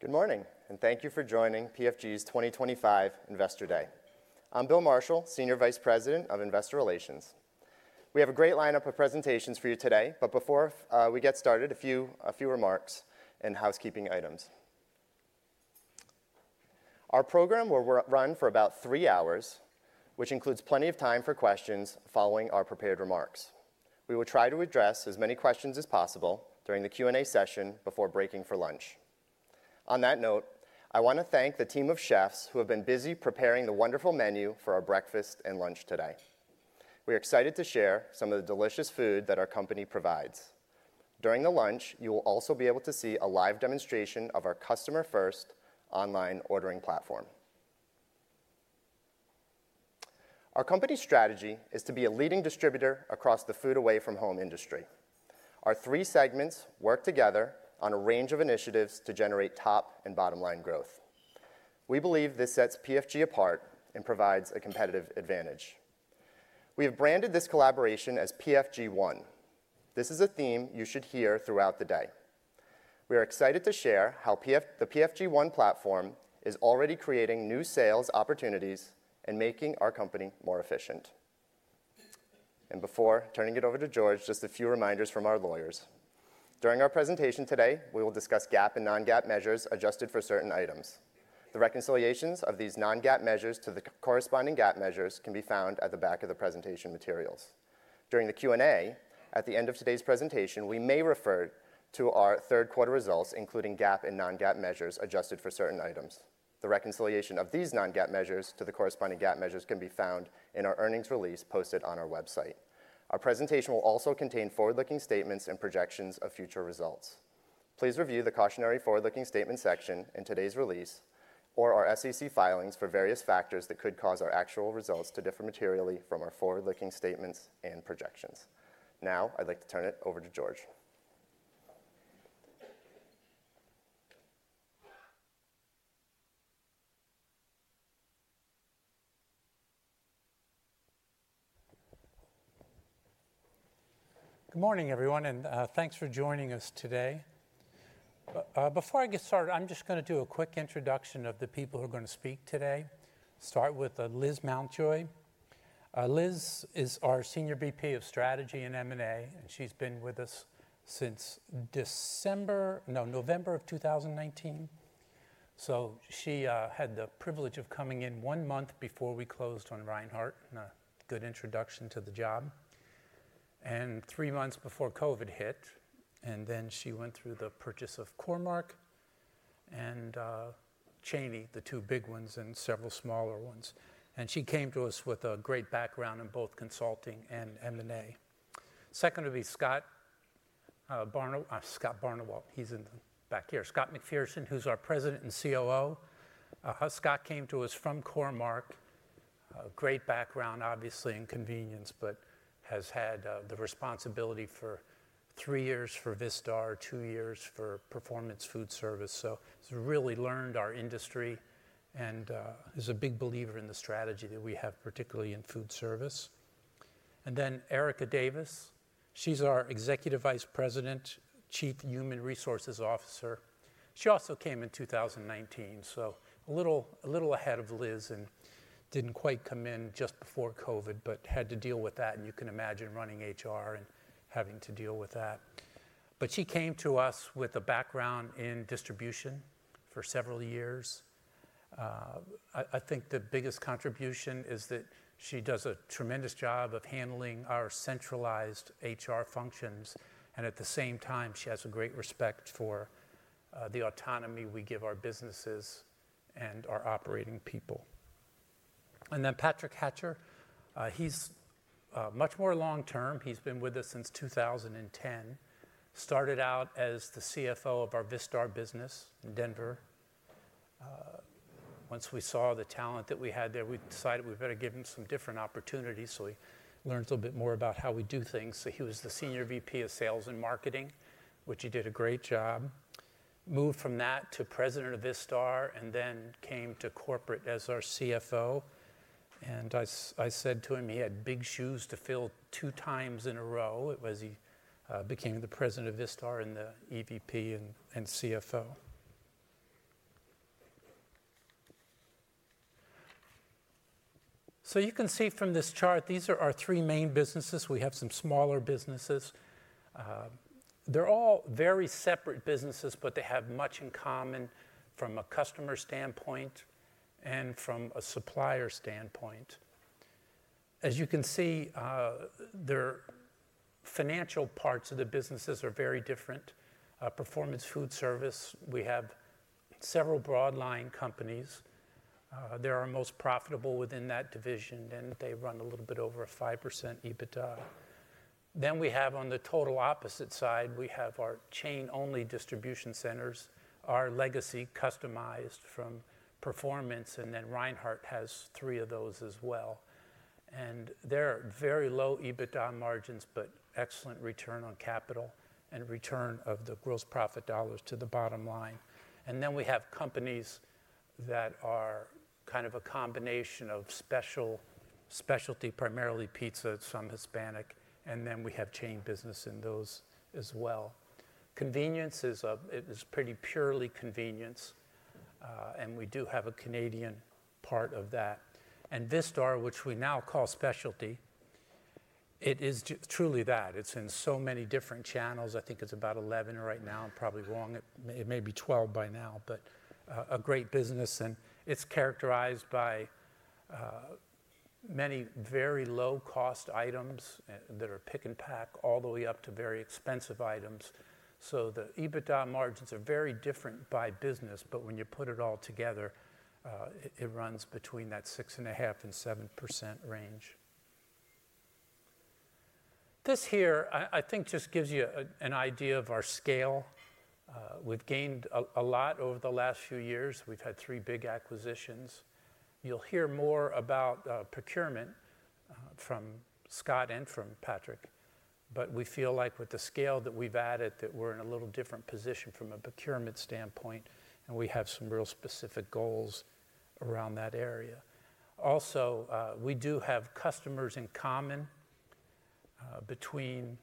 Good morning, and thank you for joining PFG's 2025 Investor Day. I'm Bill Marshall, Senior Vice President of Investor Relations. We have a great lineup of presentations for you today, but before we get started, a few remarks and housekeeping items. Our program will run for about three hours, which includes plenty of time for questions following our prepared remarks. We will try to address as many questions as possible during the Q&A session before breaking for lunch. On that note, I want to thank the team of chefs who have been busy preparing the wonderful menu for our breakfast and lunch today. We are excited to share some of the delicious food that our Company provides. During the lunch, you will also be able to see a live demonstration of our customer-first online ordering platform. Our Company's strategy is to be a leading distributor across the food-away-from-home industry. Our three segments work together on a range of initiatives to generate top and bottom line growth. We believe this sets PFG apart and provides a competitive advantage. We have branded this collaboration as PFG One. This is a theme you should hear throughout the day. We are excited to share how the PFG One platform is already creating new sales opportunities and making our Company more efficient. Before turning it over to George, just a few reminders from our lawyers. During our presentation today, we will discuss GAAP and non-GAAP measures adjusted for certain items. The reconciliations of these non-GAAP measures to the corresponding GAAP measures can be found at the back of the presentation materials. During the Q&A, at the end of today's presentation, we may refer to our third quarter results, including GAAP and non-GAAP measures adjusted for certain items. The reconciliation of these non-GAAP measures to the corresponding GAAP measures can be found in our earnings release posted on our website. Our presentation will also contain forward-looking statements and projections of future results. Please review the cautionary forward-looking statement section in today's release or our SEC filings for various factors that could cause our actual results to differ materially from our forward-looking statements and projections. Now, I'd like to turn it over to George. Good morning, everyone, and thanks for joining us today. Before I get started, I'm just going to do a quick introduction of the people who are going to speak today. Start with Liz Mountjoy. Liz is our Senior VP of Strategy and M&A, and she's been with us since December, no, November of 2019. So she had the privilege of coming in one month before we closed on Reinhart and a good introduction to the job, and three months before COVID hit. Then she went through the purchase of Core-Mark and Cheney, the two big ones, and several smaller ones. She came to us with a great background in both consulting and M&A. Second would be Scott Barnewolt. Scott Barnewolt, he's in the back here. Scott McPherson, who's our President and COO. Scott came to us from Core-Mark, great background, obviously, in convenience, but has had the responsibility for three years for Vistar, two years for Performance Foodservice. He has really learned our industry and is a big believer in the strategy that we have, particularly in Foodservice. Erica Davis, she is our Executive Vice President, Chief Human Resources Officer. She also came in 2019, so a little ahead of Liz and did not quite come in just before COVID, but had to deal with that. You can imagine running HR and having to deal with that. She came to us with a background in distribution for several years. I think the biggest contribution is that she does a tremendous job of handling our centralized HR functions. At the same time, she has a great respect for the autonomy we give our businesses and our operating people. Patrick Hatcher, he's much more long term. He's been with us since 2010, started out as the CFO of our Vistar business in Denver. Once we saw the talent that we had there, we decided we better give him some different opportunities. He learned a little bit more about how we do things. He was the Senior VP of Sales and Marketing, which he did a great job. Moved from that to President of Vistar and then came to corporate as our CFO. I said to him he had big shoes to fill two times in a row as he became the President of Vistar and the EVP and CFO. You can see from this chart, these are our three main businesses. We have some smaller businesses. They're all very separate businesses, but they have much in common from a customer standpoint and from a supplier standpoint. As you can see, their financial parts of the businesses are very different. Performance Foodservice, we have several broadline companies. They're our most profitable within that division, and they run a little bit over a 5% EBITDA. We have on the total opposite side, we have our chain-only distribution centers, our legacy customized from Performance, and Reinhart has three of those as well. They're very low EBITDA margins, but excellent return on capital and return of the gross profit dollars to the bottom line. We have companies that are kind of a combination of specialty, primarily pizza, some Hispanic, and we have chain business in those as well. Convenience is pretty purely convenience, and we do have a Canadian part of that. Vistar, which we now call specialty, it is truly that. It is in so many different channels. I think it is about 11 right now. I am probably wrong. It may be 12 by now, but a great business. It is characterized by many very low-cost items that are pick and pack all the way up to very expensive items. The EBITDA margins are very different by business, but when you put it all together, it runs between that 6.5%-7% range. This here, I think, just gives you an idea of our scale. We have gained a lot over the last few years. We have had three big acquisitions. You will hear more about procurement from Scott and from Patrick, but we feel like with the scale that we have added, we are in a little different position from a procurement standpoint, and we have some real specific goals around that area. Also, we do have customers in common between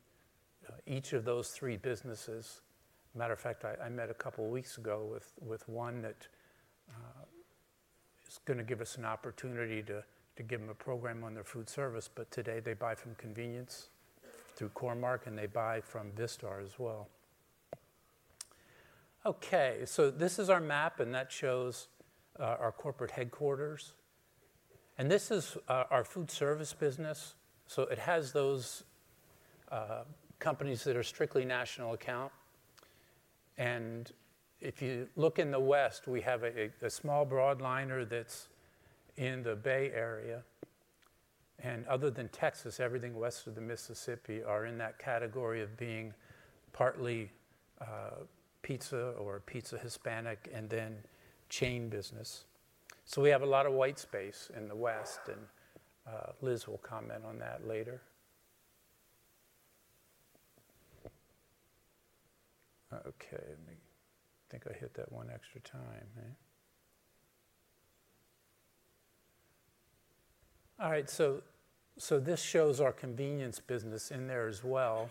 each of those three businesses. As a matter of fact, I met a couple of weeks ago with one that is going to give us an opportunity to give them a program on their foodservice, but today they buy from convenience through Core-Mark, and they buy from Vistar as well. Okay, this is our map, and that shows our corporate headquarters. This is our Foodservice business. It has those companies that are strictly national account. If you look in the West, we have a small broadliner that's in the Bay Area. Other than Texas, everything west of the Mississippi is in that category of being partly pizza or pizza Hispanic and then chain business. We have a lot of white space in the West, and Liz will comment on that later. Okay, I think I hit that one extra time. All right, this shows our Convenience business in there as well.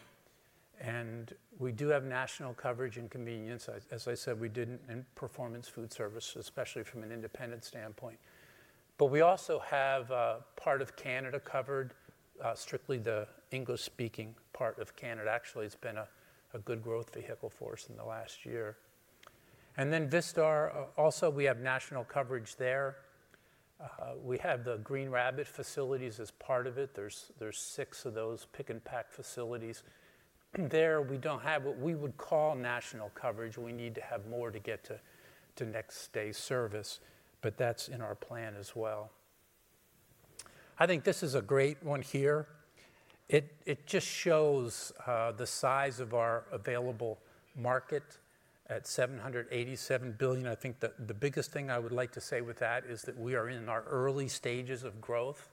We do have national coverage in convenience. As I said, we did not in Performance Foodservice, especially from an independent standpoint. We also have part of Canada covered, strictly the English-speaking part of Canada. Actually, it has been a good growth vehicle for us in the last year. Vistar, also, we have national coverage there. We have the Green Rabbit facilities as part of it. There are six of those pick and pack facilities. There, we do not have what we would call national coverage. We need to have more to get to next-day service, but that is in our plan as well. I think this is a great one here. It just shows the size of our available market at $787 billion. I think the biggest thing I would like to say with that is that we are in our early stages of growth.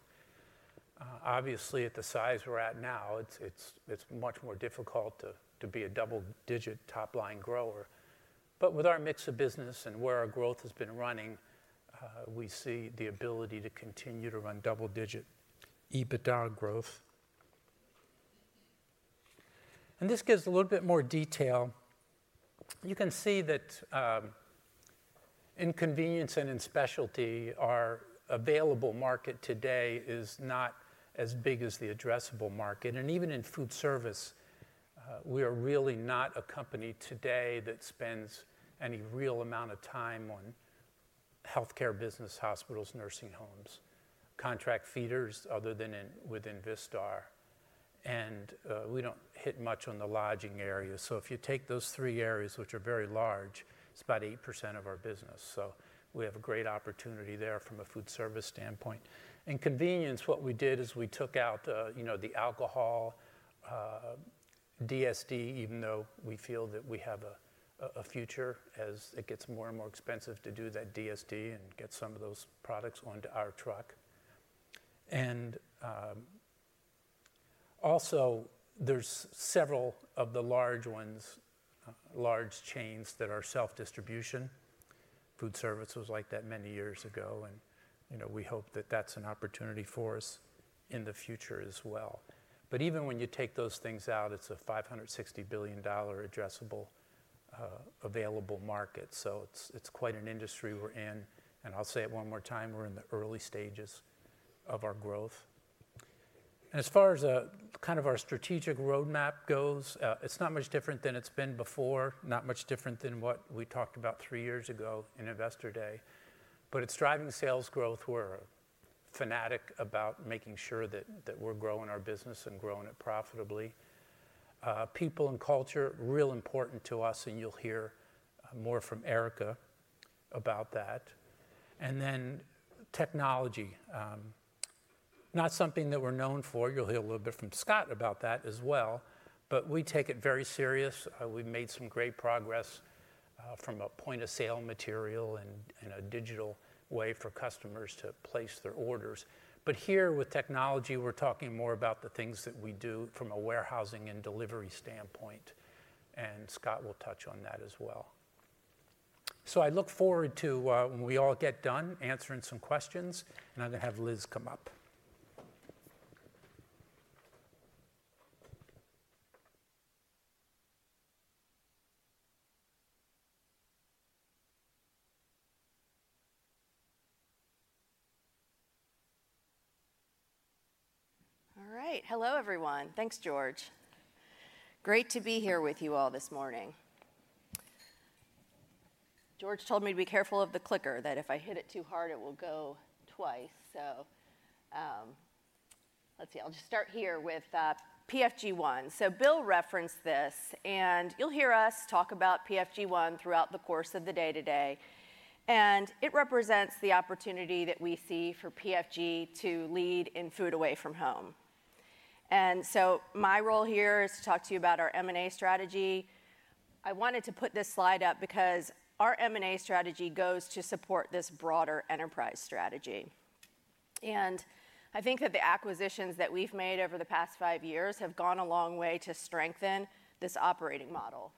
Obviously, at the size we're at now, it's much more difficult to be a double-digit top-line grower. With our mix of business and where our growth has been running, we see the ability to continue to run double-digit EBITDA growth. This gives a little bit more detail. You can see that in convenience and in specialty, our available market today is not as big as the addressable market. Even in Foodservice, we are really not a Company today that spends any real amount of time on Healthcare business, Hospitals, Nursing homes, contract feeders other than within Vistar. We do not hit much on the lodging area. If you take those three areas, which are very large, it's about 8% of our business. We have a great opportunity there from a Foodservice standpoint. In convenience, what we did is we took out the alcohol DSD, even though we feel that we have a future as it gets more and more expensive to do that DSD and get some of those products onto our truck. Also, there are several of the large ones, large chains that are self-distribution. Foodservice was like that many years ago, and we hope that is an opportunity for us in the future as well. Even when you take those things out, it is a $560 billion addressable available market. It is quite an industry we are in. I will say it one more time, we are in the early stages of our growth. As far as kind of our strategic roadmap goes, it is not much different than it has been before, not much different than what we talked about three years ago in Investor Day. It is driving sales growth. We are fanatic about making sure that we are growing our business and growing it profitably. People and culture, real important to us, and you will hear more from Erica about that. Technology, not something that we are known for. You will hear a little bit from Scott about that as well, but we take it very serious. We have made some great progress from a point of sale material and a digital way for customers to place their orders. Here with technology, we are talking more about the things that we do from a Warehousing and Delivery standpoint. Scott will touch on that as well. I look forward to, when we all get done, answering some questions, and I'm going to have Liz come up. All right, hello everyone. Thanks, George. Great to be here with you all this morning. George told me to be careful of the clicker, that if I hit it too hard, it will go twice. Let's see, I'll just start here with PFG One. Bill referenced this, and you'll hear us talk about PFG One throughout the course of the day today. It represents the opportunity that we see for PFG to lead in food-away-from-home. My role here is to talk to you about our M&A strategy. I wanted to put this slide up because our M&A strategy goes to support this broader enterprise strategy. I think that the acquisitions that we've made over the past five years have gone a long way to strengthen this operating model.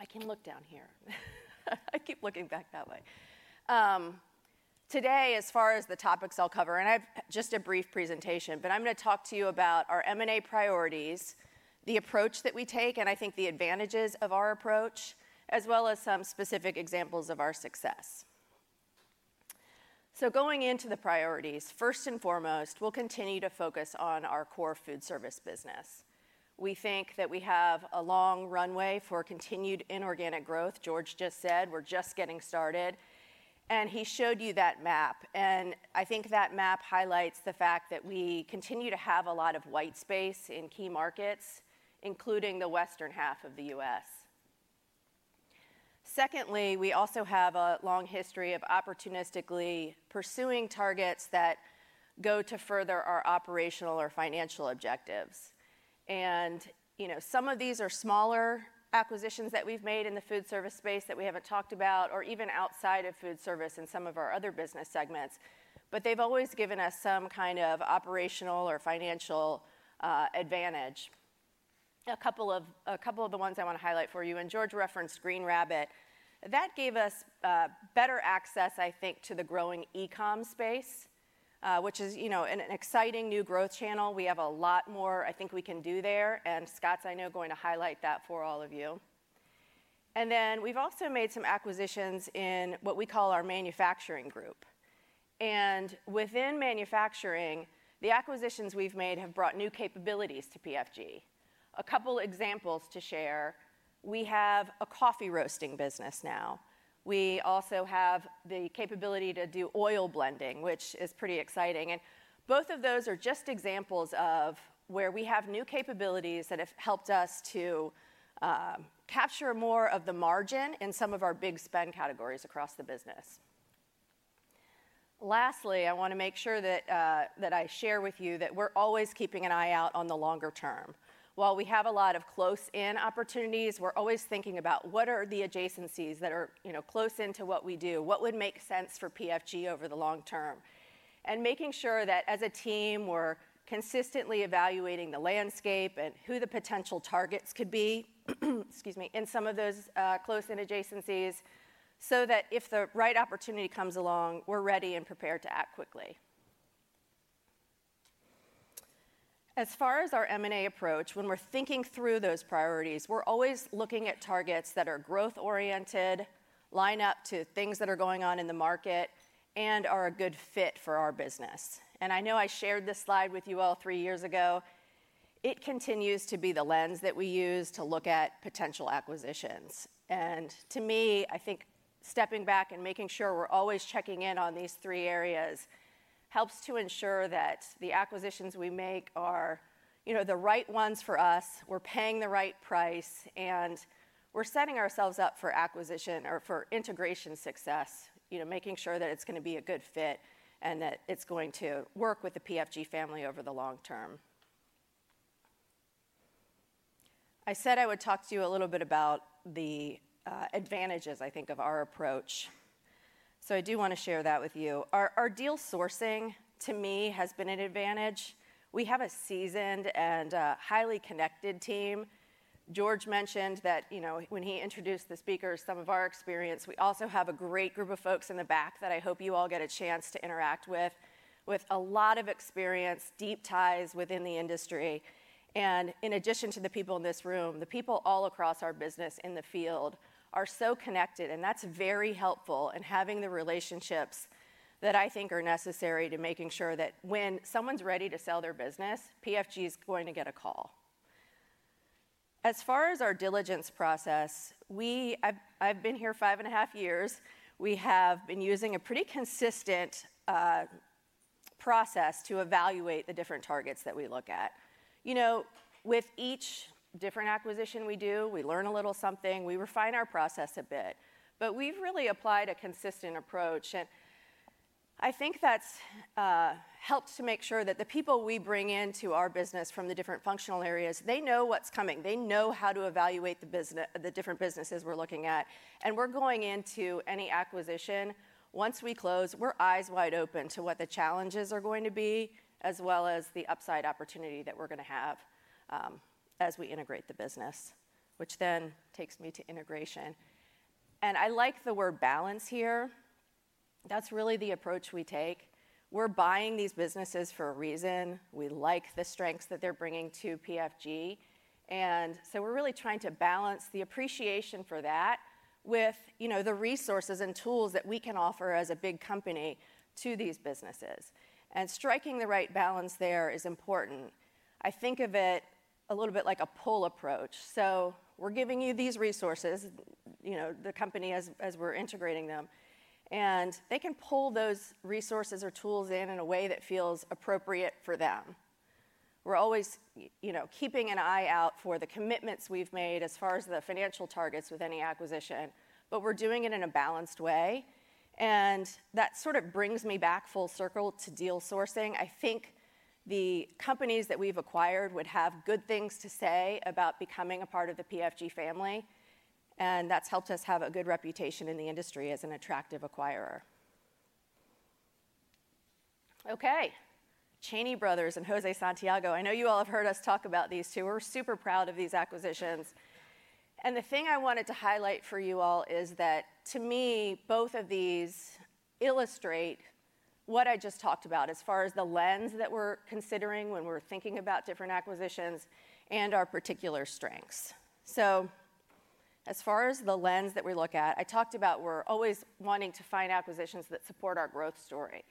I can look down here. I keep looking back that way. Today, as far as the topics I'll cover, and I have just a brief presentation, but I'm going to talk to you about our M&A priorities, the approach that we take, and I think the advantages of our approach, as well as some specific examples of our success. Going into the priorities, first and foremost, we'll continue to focus on our core Foodservice business. We think that we have a long runway for continued inorganic growth. George just said we're just getting started, and he showed you that map. I think that map highlights the fact that we continue to have a lot of white space in key markets, including the Western half of the U.S. Secondly, we also have a long history of opportunistically pursuing targets that go to further our operational or financial objectives. Some of these are smaller acquisitions that we've made in the Foodservice space that we haven't talked about, or even outside of Foodservice in some of our other business segments, but they've always given us some kind of operational or financial advantage. A couple of the ones I want to highlight for you, and George referenced Green Rabbit. That gave us better access, I think, to the growing e-com space, which is an exciting new growth channel. We have a lot more I think we can do there. Scott's, I know, going to highlight that for all of you. We've also made some acquisitions in what we call our manufacturing group. Within manufacturing, the acquisitions we've made have brought new capabilities to PFG. A couple of examples to share. We have a Coffee Roasting business now. We also have the capability to do oil blending, which is pretty exciting. Both of those are just examples of where we have new capabilities that have helped us to capture more of the margin in some of our big spend categories across the business. Lastly, I want to make sure that I share with you that we're always keeping an eye out on the longer term. While we have a lot of close-in opportunities, we're always thinking about what are the adjacencies that are close into what we do, what would make sense for PFG over the long term, and making sure that as a team, we're consistently evaluating the landscape and who the potential targets could be in some of those close-in adjacencies so that if the right opportunity comes along, we're ready and prepared to act quickly. As far as our M&A approach, when we're thinking through those priorities, we're always looking at targets that are growth-oriented, line up to things that are going on in the market and are a good fit for our business. I know I shared this slide with you all three years ago. It continues to be the lens that we use to look at potential acquisitions. To me, I think stepping back and making sure we're always checking in on these three areas helps to ensure that the acquisitions we make are the right ones for us, we're paying the right price, and we're setting ourselves up for acquisition or for integration success, making sure that it's going to be a good fit and that it's going to work with the PFG family over the long term. I said I would talk to you a little bit about the advantages, I think, of our approach. I do want to share that with you. Our deal sourcing, to me, has been an advantage. We have a seasoned and highly connected team. George mentioned that when he introduced the speakers, some of our experience, we also have a great group of folks in the back that I hope you all get a chance to interact with, with a lot of experience, deep ties within the industry. In addition to the people in this room, the people all across our business in the field are so connected, and that's very helpful in having the relationships that I think are necessary to making sure that when someone's ready to sell their business, PFG is going to get a call. As far as our diligence process, I've been here five and a half years. We have been using a pretty consistent process to evaluate the different targets that we look at. With each different acquisition we do, we learn a little something, we refine our process a bit, but we've really applied a consistent approach. I think that's helped to make sure that the people we bring into our business from the different functional areas, they know what's coming. They know how to evaluate the different businesses we're looking at. We're going into any acquisition, once we close, we're eyes wide open to what the challenges are going to be, as well as the upside opportunity that we're going to have as we integrate the business, which then takes me to integration. I like the word balance here. That's really the approach we take. We're buying these businesses for a reason. We like the strengths that they're bringing to PFG. We're really trying to balance the appreciation for that with the resources and tools that we can offer as a big Company to these businesses. Striking the right balance there is important. I think of it a little bit like a pull approach. We're giving you these resources, the Company as we're integrating them, and they can pull those resources or tools in in a way that feels appropriate for them. We're always keeping an eye out for the commitments we've made as far as the financial targets with any acquisition, but we're doing it in a balanced way. That sort of brings me back full circle to deal sourcing. I think the companies that we've acquired would have good things to say about becoming a part of the PFG family. That's helped us have a good reputation in the industry as an attractive acquirer. Cheney Brothers and Jose Santiago, I know you all have heard us talk about these two. We're super proud of these acquisitions. The thing I wanted to highlight for you all is that, to me, both of these illustrate what I just talked about as far as the lens that we're considering when we're thinking about different acquisitions and our particular strengths. As far as the lens that we look at, I talked about we're always wanting to find acquisitions that support our growth story.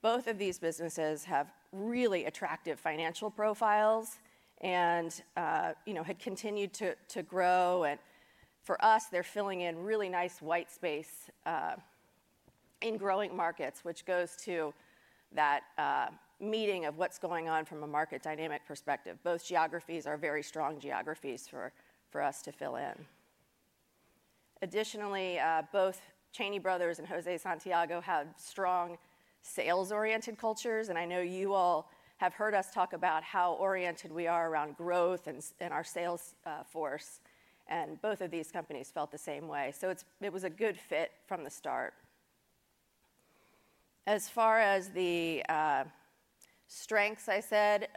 Both of these businesses have really attractive financial profiles and had continued to grow. For us, they're filling in really nice white space in growing markets, which goes to that meeting of what's going on from a market dynamic perspective. Both geographies are very strong geographies for us to fill in. Additionally, both Cheney Brothers and Jose Santiago have strong sales-oriented cultures. I know you all have heard us talk about how oriented we are around growth in our sales force. Both of these companies felt the same way. It was a good fit from the start. As far as the strengths, I said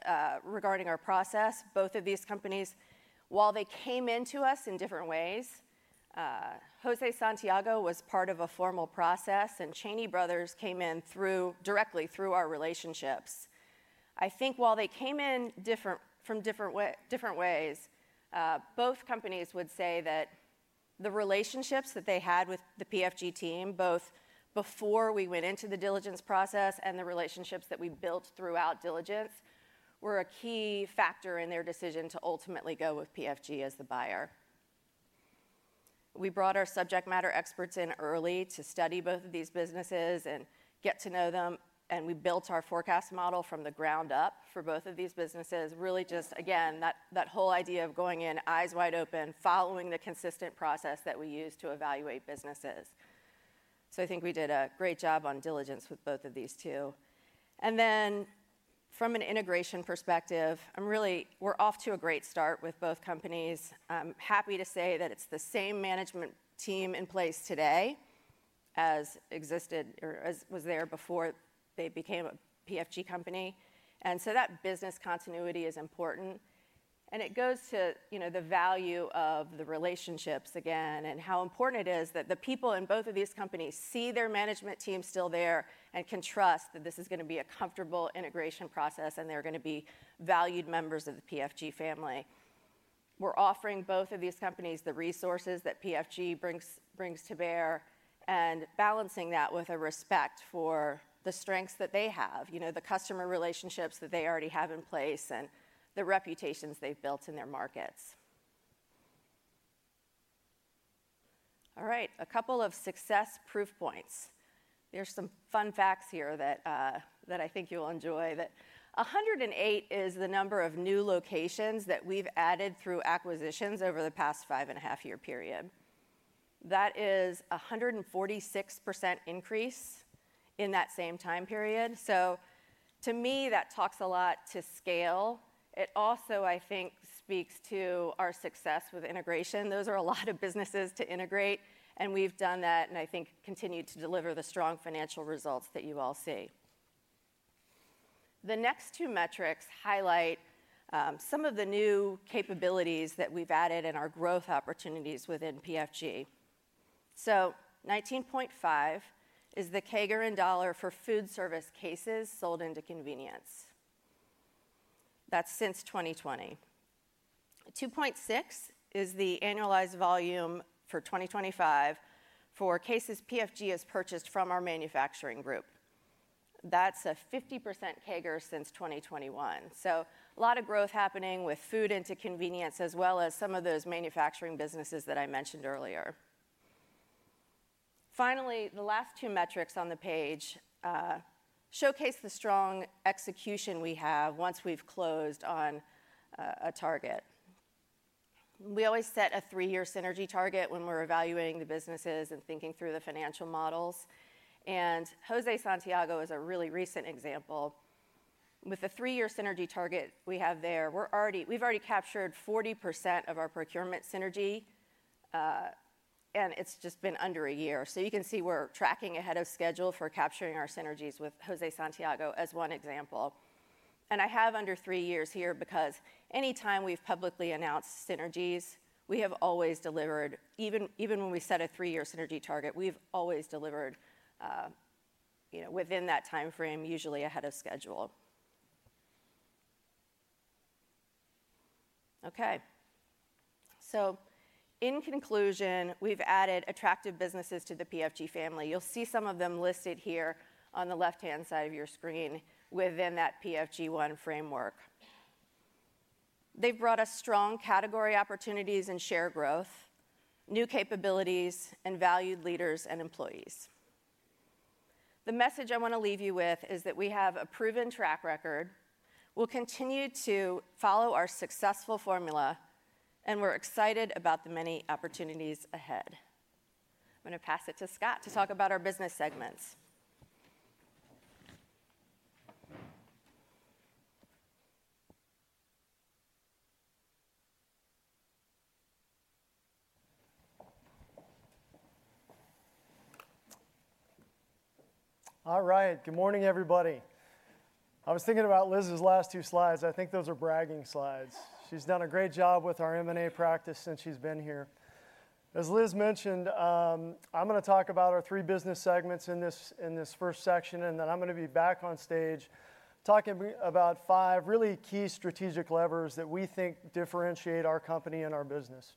regarding our process, both of these companies, while they came into us in different ways, Jose Santiago was part of a formal process, and Cheney Brothers came in directly through our relationships. I think while they came in from different ways, both companies would say that the relationships that they had with the PFG team, both before we went into the diligence process and the relationships that we built throughout diligence, were a key factor in their decision to ultimately go with PFG as the buyer. We brought our subject matter experts in early to study both of these businesses and get to know them. We built our forecast model from the ground up for both of these businesses, really just, again, that whole idea of going in eyes wide open, following the consistent process that we use to evaluate businesses. I think we did a great job on diligence with both of these two. From an integration perspective, we're off to a great start with both companies. I'm happy to say that it's the same management team in place today as existed or was there before they became a PFG Company. That business continuity is important. It goes to the value of the relationships, again, and how important it is that the people in both of these companies see their management team still there and can trust that this is going to be a comfortable integration process and they're going to be valued members of the PFG family. We're offering both of these companies the resources that PFG brings to bear and balancing that with a respect for the strengths that they have, the customer relationships that they already have in place, and the reputations they've built in their markets. All right, a couple of success proof points. There are some fun facts here that I think you'll enjoy. 108 is the number of new locations that we've added through acquisitions over the past five and a half year period. That is a 146% increase in that same time period. To me, that talks a lot to scale. It also, I think, speaks to our success with integration. Those are a lot of businesses to integrate. We've done that and I think continued to deliver the strong financial results that you all see. The next two metrics highlight some of the new capabilities that we've added in our growth opportunities within PFG. 19.5 is the CAGR in dollar for foodservice cases sold into convenience. That's since 2020. 2.6 is the annualized volume for 2025 for cases PFG has purchased from our manufacturing group. That's a 50% CAGR since 2021. A lot of growth happening with food into convenience as well as some of those manufacturing businesses that I mentioned earlier. Finally, the last two metrics on the page showcase the strong execution we have once we've closed on a target. We always set a three-year synergy target when we're evaluating the businesses and thinking through the financial models. José Santiago is a really recent example. With the three-year synergy target we have there, we've already captured 40% of our procurement synergy. It's just been under a year. You can see we're tracking ahead of schedule for capturing our synergies with José Santiago as one example. I have under three years here because anytime we've publicly announced synergies, we have always delivered. Even when we set a three-year synergy target, we've always delivered within that time frame, usually ahead of schedule. Okay. In conclusion, we've added attractive businesses to the PFG family. You'll see some of them listed here on the left-hand side of your screen within that PFG One framework. They've brought us strong category opportunities and share growth, new capabilities, and valued leaders and employees. The message I want to leave you with is that we have a proven track record. We'll continue to follow our successful formula, and we're excited about the many opportunities ahead. I'm going to pass it to Scott to talk about our Business segments. All right, good morning, everybody. I was thinking about Liz's last two slides. I think those are bragging slides. She's done a great job with our M&A practice since she's been here. As Liz mentioned, I'm going to talk about our three business segments in this first section, and then I'm going to be back on stage talking about five really key strategic levers that we think differentiate our Company and our business.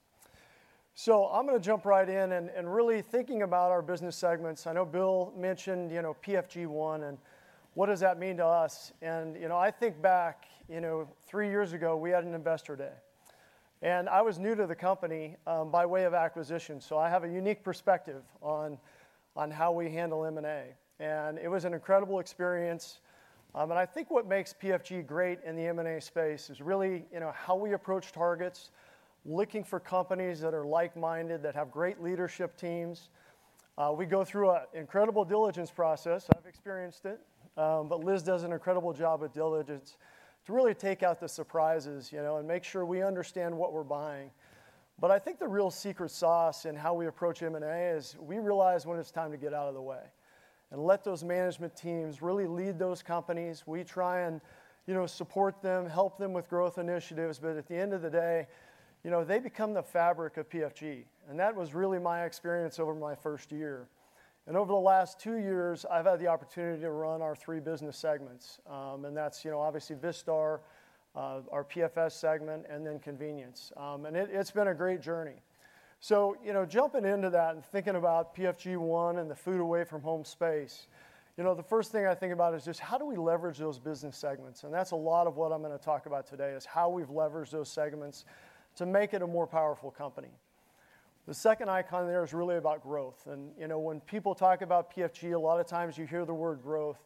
I'm going to jump right in and really thinking about our Business segments. I know Bill mentioned PFG One and what does that mean to us. I think back three years ago, we had an Investor Day. I was new to the Company by way of acquisition. I have a unique perspective on how we handle M&A. It was an incredible experience. I think what makes PFG great in the M&A space is really how we approach targets, looking for companies that are like-minded, that have great leadership teams. We go through an incredible diligence process. I've experienced it. Liz does an incredible job with diligence to really take out the surprises and make sure we understand what we're buying. I think the real secret sauce in how we approach M&A is we realize when it's time to get out of the way and let those management teams really lead those companies. We try and support them, help them with growth initiatives. At the end of the day, they become the fabric of PFG. That was really my experience over my first year. Over the last two years, I've had the opportunity to run our three business segments. That is obviously Vistar, our PFS segment, and then Convenience. It has been a great journey. Jumping into that and thinking about PFG One and the food-away-from-home space, the first thing I think about is just how do we leverage those business segments? That is a lot of what I am going to talk about today, how we have leveraged those segments to make it a more powerful Company. The second icon there is really about growth. When people talk about PFG, a lot of times you hear the word growth.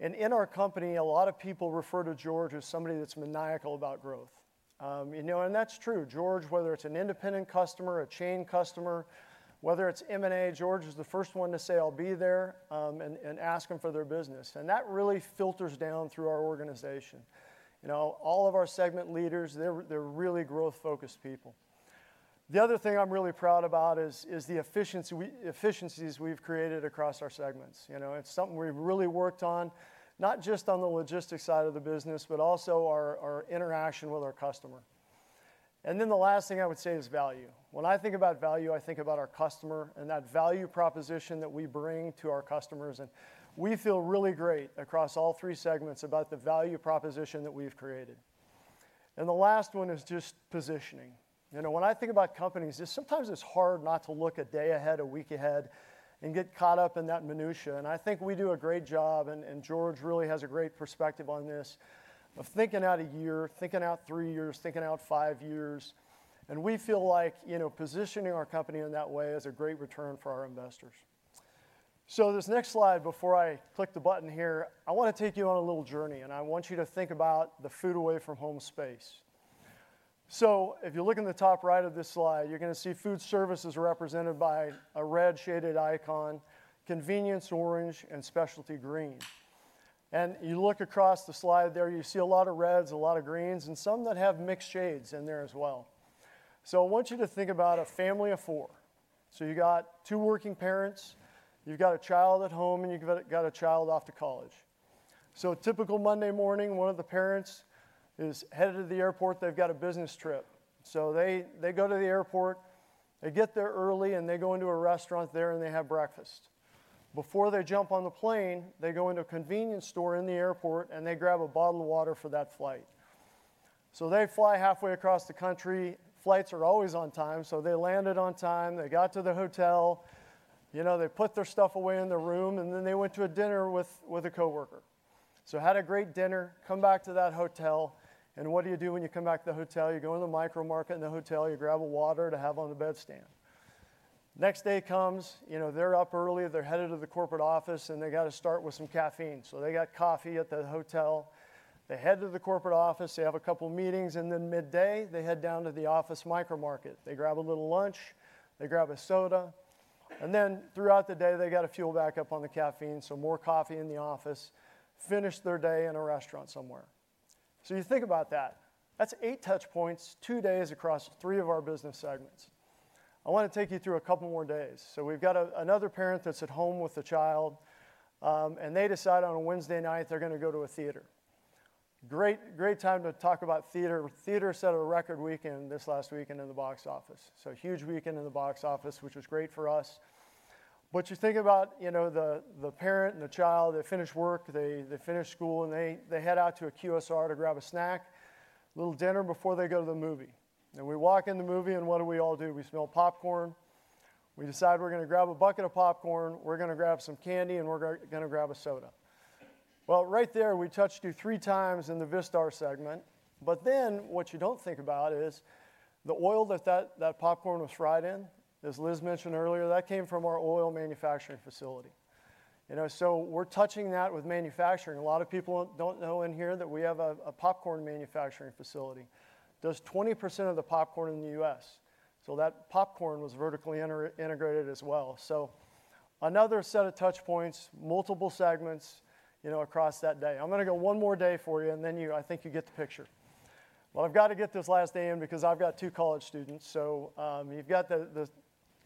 In our Company, a lot of people refer to George as somebody that is maniacal about growth. That is true. George, whether it is an independent customer, a chain customer, whether it is M&A, George is the first one to say, "I will be there," and ask them for their business. That really filters down through our organization. All of our segment leaders, they're really growth-focused people. The other thing I'm really proud about is the efficiencies we've created across our segments. It's something we've really worked on, not just on the logistics side of the business, but also our interaction with our customer. The last thing I would say is value. When I think about value, I think about our customer and that value proposition that we bring to our customers. We feel really great across all three segments about the value proposition that we've created. The last one is just positioning. When I think about companies, sometimes it's hard not to look a day ahead, a week ahead, and get caught up in that minutia. I think we do a great job, and George really has a great perspective on this, of thinking out a year, thinking out three years, thinking out five years. We feel like positioning our Company in that way is a great return for our investors. This next slide before I click the button here, I want to take you on a little journey. I want you to think about the food-away-from-home space. If you look in the top right of this slide, you're going to see Foodservice is represented by a red shaded icon, Convenience orange, and Specialty green. You look across the slide there, you see a lot of reds, a lot of greens, and some that have mixed shades in there as well. I want you to think about a family of four. You got two working parents, you've got a child at home, and you've got a child off to college. Typical Monday morning, one of the parents is headed to the airport. They've got a business trip. They go to the airport, they get there early, and they go into a restaurant there and they have breakfast. Before they jump on the plane, they go into a convenience store in the airport and they grab a bottle of water for that flight. They fly halfway across the country. Flights are always on time. They landed on time, they got to the hotel, they put their stuff away in their room, and then they went to a dinner with a coworker. Had a great dinner, come back to that hotel. What do you do when you come back to the hotel? You go into the micro market in the hotel, you grab a water to have on the bedstand. Next day comes, they're up early, they're headed to the corporate office, and they got to start with some caffeine. So they got coffee at the hotel. They head to the corporate office, they have a couple of meetings, and then midday, they head down to the office micro market. They grab a little lunch, they grab a soda. And then throughout the day, they got to fuel back up on the caffeine, so more coffee in the office, finish their day in a restaurant somewhere. You think about that. That's eight touch points, two days across three of our business segments. I want to take you through a couple more days. We have got another parent that is at home with a child, and they decide on Wednesday night they are going to go to a theater. Great time to talk about theater. Theater set a record weekend this last weekend in the box office. Huge weekend in the box office, which was great for us. You think about the parent and the child, they finish work, they finish school, and they head out to a QSR to grab a snack, little dinner before they go to the movie. We walk in the movie and what do we all do? We smell popcorn. We decide we are going to grab a bucket of popcorn, we are going to grab some candy, and we are going to grab a soda. Right there, we touched you 3x in the Vistar segment. But then what you do not think about is the oil that that popcorn was fried in, as Liz mentioned earlier, that came from our Oil Manufacturing Facility. So we are touching that with manufacturing. A lot of people do not know in here that we have a popcorn manufacturing facility. Does 20% of the popcorn in the U.S. So that popcorn was vertically integrated as well. So another set of touch points, multiple segments across that day. I am going to go one more day for you, and then I think you get the picture. I have got to get this last day in because I have got two college students. So you have got the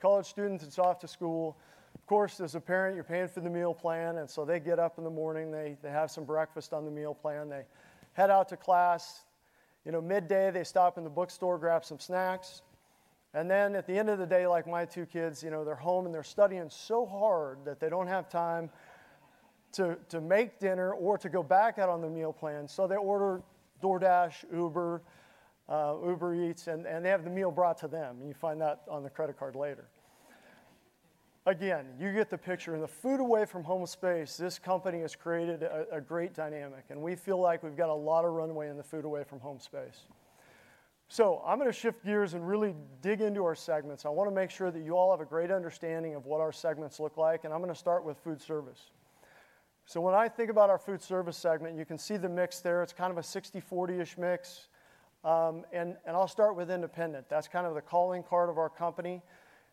college students, it is off to school. Of course, as a parent, you are paying for the meal plan. And so they get up in the morning, they have some breakfast on the meal plan, they head out to class. Midday, they stop in the bookstore, grab some snacks. At the end of the day, like my two kids, they're home and they're studying so hard that they don't have time to make dinner or to go back out on the meal plan. They order DoorDash, Uber, Uber Eats, and they have the meal brought to them. You find that on the credit card later. Again, you get the picture. In the food-away-from-home space, this company has created a great dynamic. We feel like we've got a lot of runway in the food-away-from-home space. I'm going to shift gears and really dig into our segments. I want to make sure that you all have a great understanding of what our segments look like. I'm going to start with Foodservice. When I think about our Foodservice segment, you can see the mix there. It's kind of a 60/40-ish mix. I'll start with independent. That's kind of the calling card of our Company.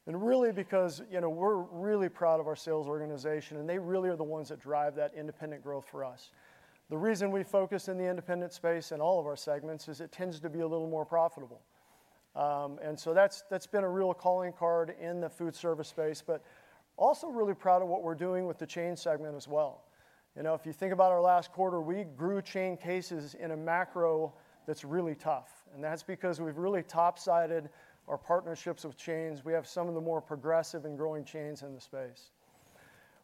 Really, because we're really proud of our sales organization, and they really are the ones that drive that independent growth for us. The reason we focus in the independent space in all of our segments is it tends to be a little more profitable. That's been a real calling card in the Foodservice space, but also really proud of what we're doing with the Chain segment as well. If you think about our last quarter, we grew chain cases in a macro that's really tough. That's because we've really top-sided our partnerships with chains. We have some of the more progressive and growing chains in the space.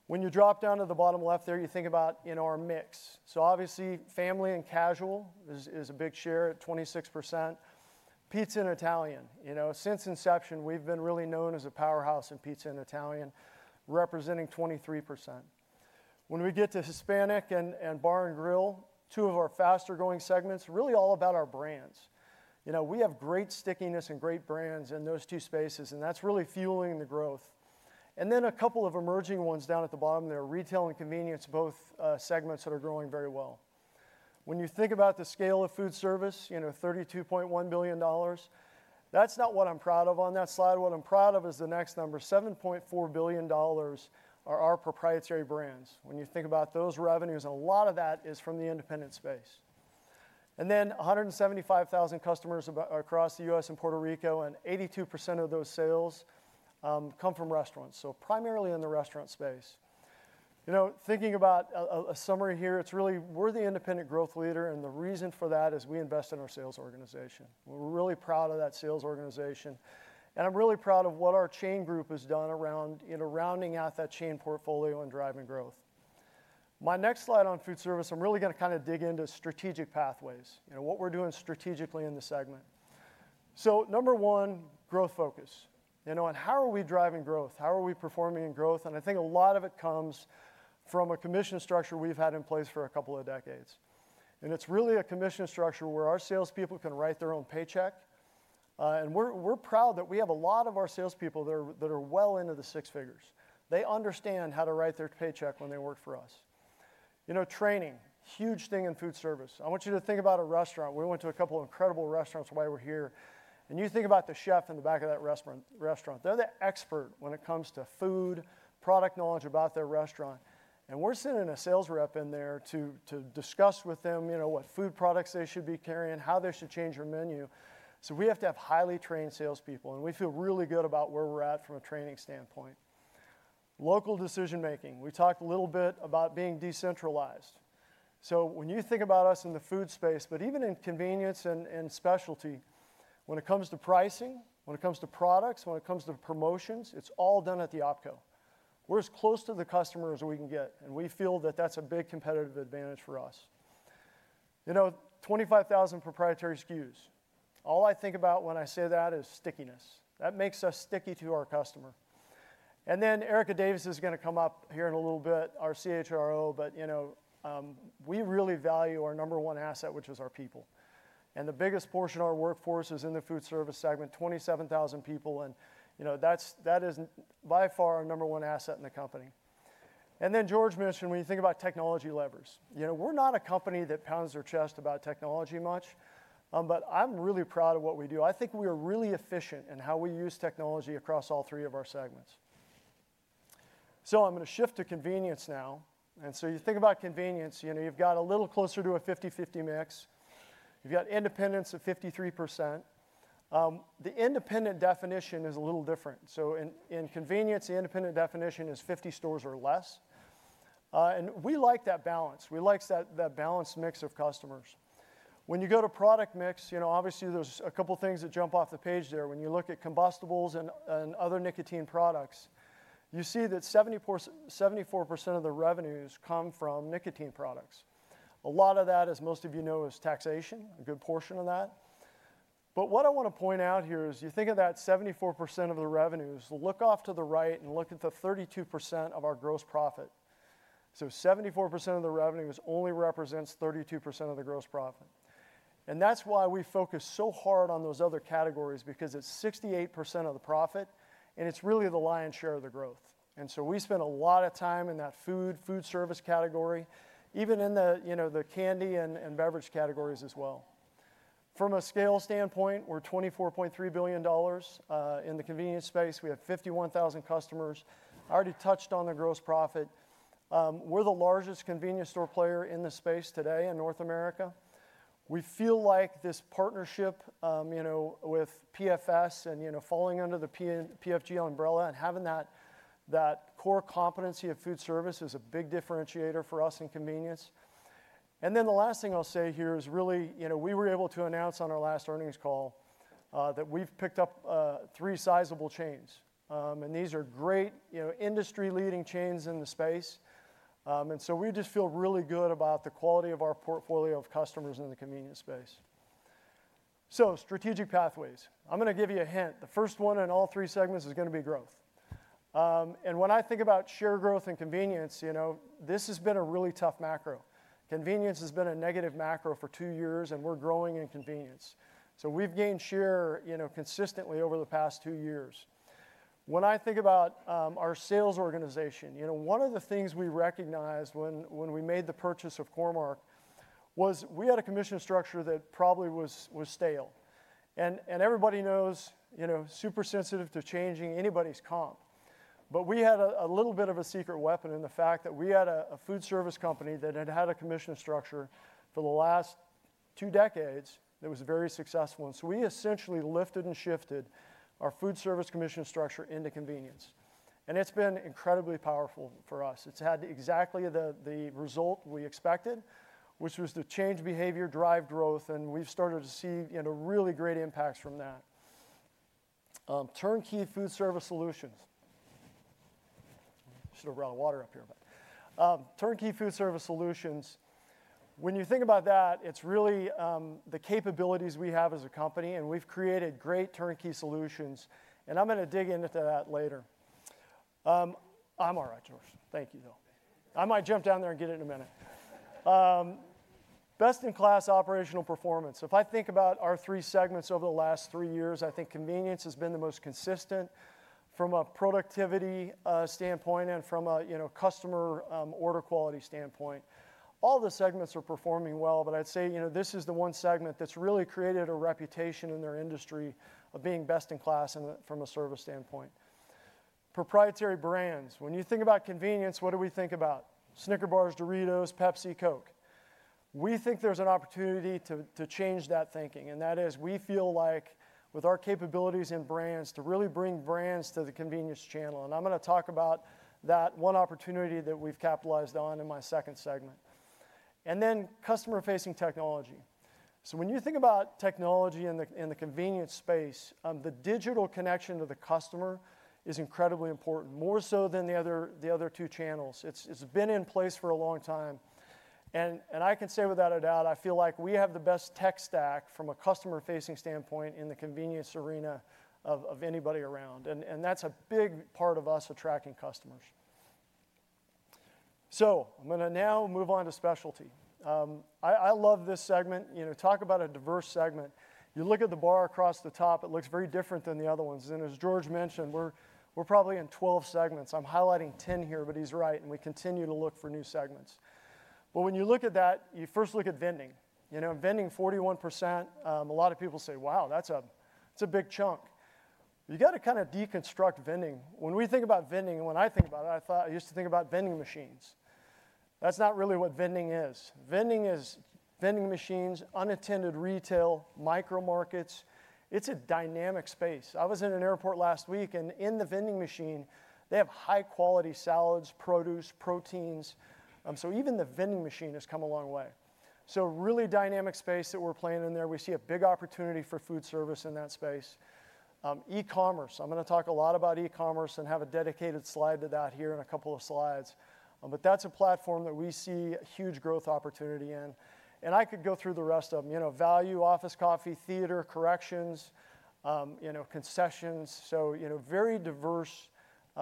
When you drop down to the bottom left there, you think about our mix. Obviously, family and casual is a big share at 26%. Pizza and Italian. Since inception, we've been really known as a powerhouse in pizza and Italian, representing 23%. When we get to Hispanic and bar and grill, two of our faster-growing segments, really all about our brands. We have great stickiness and great brands in those two spaces, and that's really fueling the growth. A couple of emerging ones down at the bottom there, retail and convenience, both segments that are growing very well. When you think about the scale of Foodservice, $32.1 billion, that's not what I'm proud of on that slide. What I'm proud of is the next number, $7.4 billion are our proprietary brands. When you think about those revenues, a lot of that is from the independent space. There are 175,000 customers across the U.S. and Puerto Rico, and 82% of those sales come from restaurants. Primarily in the Restaurant space. Thinking about a summary here, it's really we're the independent growth leader, and the reason for that is we invest in our sales organization. We're really proud of that sales organization. I'm really proud of what our chain group has done around rounding out that Chain portfolio and driving growth. My next slide on foodservice, I'm really going to kind of dig into strategic pathways, what we're doing strategically in the segment. Number one, growth focus. How are we driving growth? How are we performing in growth? I think a lot of it comes from a commission structure we've had in place for a couple of decades. It's really a commission structure where our salespeople can write their own paycheck. We are proud that we have a lot of our salespeople that are well into the six figures. They understand how to write their paycheck when they work for us. Training is a huge thing in Foodservice. I want you to think about a restaurant. We went to a couple of incredible restaurants while we were here. You think about the chef in the back of that restaurant. They are the expert when it comes to food, product knowledge about their restaurant. We are sending a sales rep in there to discuss with them what food products they should be carrying, how they should change their menu. We have to have highly trained salespeople, and we feel really good about where we are at from a training standpoint. Local decision-making. We talked a little bit about being decentralized. When you think about us in the food space, but even in convenience and specialty, when it comes to pricing, when it comes to products, when it comes to promotions, it's all done at the OpCo. We're as close to the customer as we can get. We feel that that's a big competitive advantage for us. 25,000 proprietary SKUs. All I think about when I say that is stickiness. That makes us sticky to our customer. Erica Davis is going to come up here in a little bit, our CHRO. We really value our number one asset, which is our people. The biggest portion of our workforce is in the Foodservice segment, 27,000 people. That is by far our number one asset in the Company. George mentioned, when you think about technology levers, we're not a company that pounds their chest about technology much. I'm really proud of what we do. I think we are really efficient in how we use technology across all three of our segments. I'm going to shift to Convenience now. You think about Convenience, you've got a little closer to a 50/50 mix. You've got independents at 53%. The independent definition is a little different. In Convenience, the independent definition is 50 stores or less. We like that balance. We like that balanced mix of customers. When you go to product mix, obviously there's a couple of things that jump off the page there. When you look at combustibles and other nicotine products, you see that 74% of the revenues come from nicotine products. A lot of that, as most of you know, is taxation, a good portion of that. What I want to point out here is you think of that 74% of the revenues, look off to the right and look at the 32% of our gross profit. 74% of the revenues only represents 32% of the gross profit. That is why we focus so hard on those other categories because it is 68% of the profit, and it is really the lion's share of the growth. We spend a lot of time in that Food, Foodservice category, even in the Candy and Beverage categories as well. From a scale standpoint, we are $24.3 billion in the Convenience space. We have 51,000 customers. I already touched on the gross profit. We are the largest Convenience store player in the space today in North America. We feel like this partnership with PFS and falling under the PFG umbrella and having that core competency of Foodservice is a big differentiator for us in Convenience. The last thing I'll say here is really we were able to announce on our last earnings call that we've picked up three sizable chains. These are great industry-leading chains in the space. We just feel really good about the quality of our portfolio of customers in the Convenience space. Strategic pathways. I'm going to give you a hint. The first one in all three segments is going to be growth. When I think about share growth in Convenience, this has been a really tough macro. Convenience has been a negative macro for two years, and we're growing in Convenience. We've gained share consistently over the past two years. When I think about our sales organization, one of the things we recognized when we made the purchase of Core-Mark was we had a commission structure that probably was stale. Everybody knows super sensitive to changing anybody's comp. We had a little bit of a secret weapon in the fact that we had a Foodservice Company that had had a commission structure for the last two decades that was very successful. We essentially lifted and shifted our Foodservice commission structure into Convenience. It's been incredibly powerful for us. It's had exactly the result we expected, which was to change behavior, drive growth, and we've started to see really great impacts from that. Turnkey Foodservice solutions. Should have brought water up here. Turnkey Foodservice solutions. When you think about that, it's really the capabilities we have as a Company, and we've created great turnkey solutions. I'm going to dig into that later. I'm all right, George. Thank you, though. I might jump down there and get it in a minute. Best in class operational performance. If I think about our three segments over the last three years, I think Convenience has been the most consistent from a productivity standpoint and from a customer order quality standpoint. All the segments are performing well, but I'd say this is the one segment that's really created a reputation in their industry of being best in class from a service standpoint. Proprietary brands. When you think about convenience, what do we think about? Snickers bars, Doritos, Pepsi, Coke. We think there's an opportunity to change that thinking. That is, we feel like with our capabilities and brands, to really bring brands to the Convenience channel. I am going to talk about that one opportunity that we have capitalized on in my second segment. Then customer-facing technology. When you think about technology in the Convenience space, the digital connection to the customer is incredibly important, more so than the other two channels. It has been in place for a long time. I can say without a doubt, I feel like we have the best tech stack from a customer-facing standpoint in the Convenience arena of anybody around. That is a big part of us attracting customers. I am going to now move on to Specialty. I love this segment. Talk about a diverse segment. You look at the bar across the top, it looks very different than the other ones. As George mentioned, we're probably in 12 segments. I'm highlighting 10 here, but he's right, and we continue to look for new segments. When you look at that, you first look at Vending. Vending 41%. A lot of people say, "Wow, that's a big chunk." You got to kind of deconstruct vending. When we think about vending, when I think about it, I used to think about vending machines. That's not really what vending is. Vending is vending machines, unattended retail, micro markets. It's a dynamic space. I was in an airport last week, and in the vending machine, they have high-quality salads, produce, proteins. Even the vending machine has come a long way. Really dynamic space that we're playing in there. We see a big opportunity for foodservice in that space. E-commerce. I'm going to talk a lot about e-commerce and have a dedicated slide to that here in a couple of slides. But that's a platform that we see a huge growth opportunity in. I could go through the rest of them. Value, office coffee, theater, corrections, concessions. Very diverse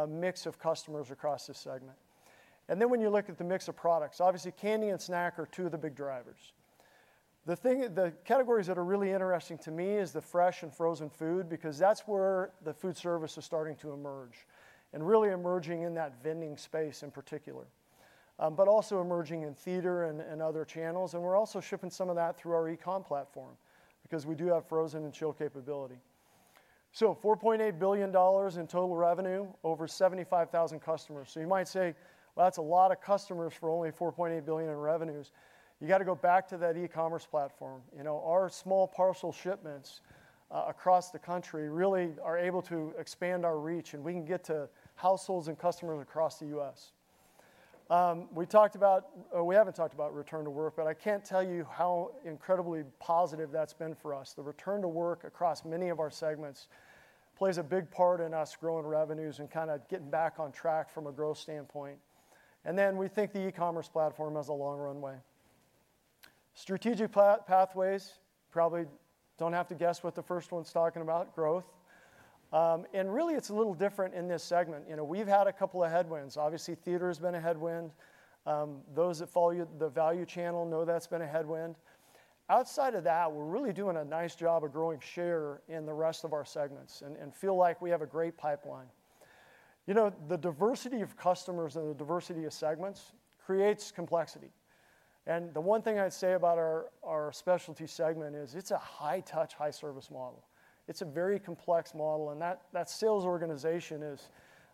mix of customers across this segment. When you look at the mix of products, obviously candy and snack are two of the big drivers. The categories that are really interesting to me is the fresh and frozen food because that's where the Foodservice is starting to emerge and really emerging in that Vending space in particular, but also emerging in theater and other channels. We're also shipping some of that through our e-comm platform because we do have frozen and chill capability. $4.8 billion in total revenue over 75,000 customers. You might say, "That's a lot of customers for only $4.8 billion in revenues." You got to go back to that e-commerce platform. Our small parcel shipments across the country really are able to expand our reach, and we can get to households and customers across the U.S. We have not talked about return to work, but I cannot tell you how incredibly positive that has been for us. The return to work across many of our segments plays a big part in us growing revenues and kind of getting back on track from a growth standpoint. We think the e-commerce platform has a long runway. Strategic pathways. Probably do not have to guess what the first one is talking about, growth. It is a little different in this segment. We have had a couple of headwinds. Obviously, theater has been a headwind. Those that follow the value channel know that's been a headwind. Outside of that, we're really doing a nice job of growing share in the rest of our segments and feel like we have a great pipeline. The diversity of customers and the diversity of segments creates complexity. The one thing I'd say about our Specialty segment is it's a high-touch, high-service model. It's a very complex model. That sales organization,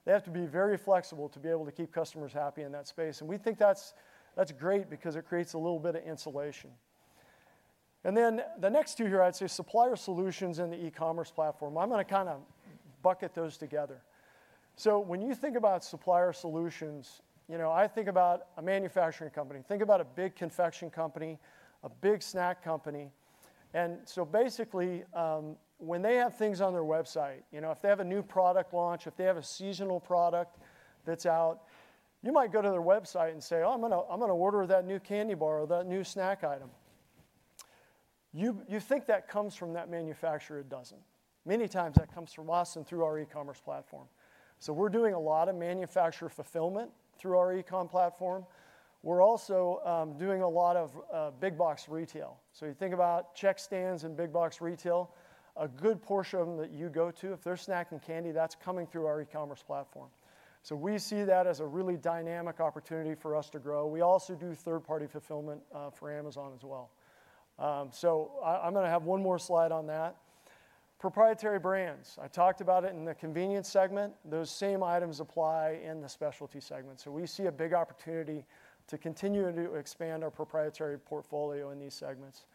they have to be very flexible to be able to keep customers happy in that space. We think that's great because it creates a little bit of insulation. The next two here, I'd say supplier solutions and the e-commerce platform. I'm going to kind of bucket those together. When you think about supplier solutions, I think about a manufacturing company. Think about a big confection company, a big snack company. Basically, when they have things on their website, if they have a new product launch, if they have a seasonal product that's out, you might go to their website and say, "Oh, I'm going to order that new candy bar or that new snack item." You think that comes from that manufacturer? It doesn't. Many times that comes from us and through our e-commerce platform. We're doing a lot of manufacturer fulfillment through our e-comm platform. We're also doing a lot of big box retail. You think about check stands and big box retail, a good portion of them that you go to, if they're snacking candy, that's coming through our e-commerce platform. We see that as a really dynamic opportunity for us to grow. We also do third-party fulfillment for Amazon as well. I'm going to have one more slide on that. Proprietary brands. I talked about it in the Convenience segment. Those same items apply in the Specialty segment. We see a big opportunity to continue to expand our proprietary portfolio in these segments.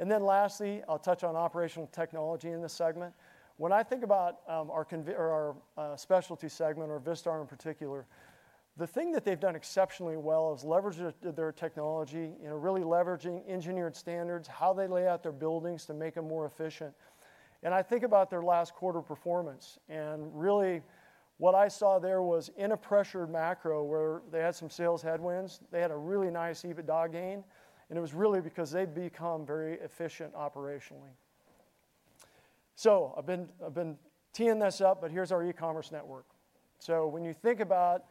Lastly, I'll touch on operational technology in this segment. When I think about our Specialty segment, or Vistar in particular, the thing that they've done exceptionally well is leverage their technology, really leveraging engineered standards, how they lay out their buildings to make them more efficient. I think about their last quarter performance. What I saw there was in a pressured macro where they had some sales headwinds, they had a really nice EBITDA gain. It was really because they'd become very efficient operationally. I've been teeing this up, but here's our e-commerce network. When you think about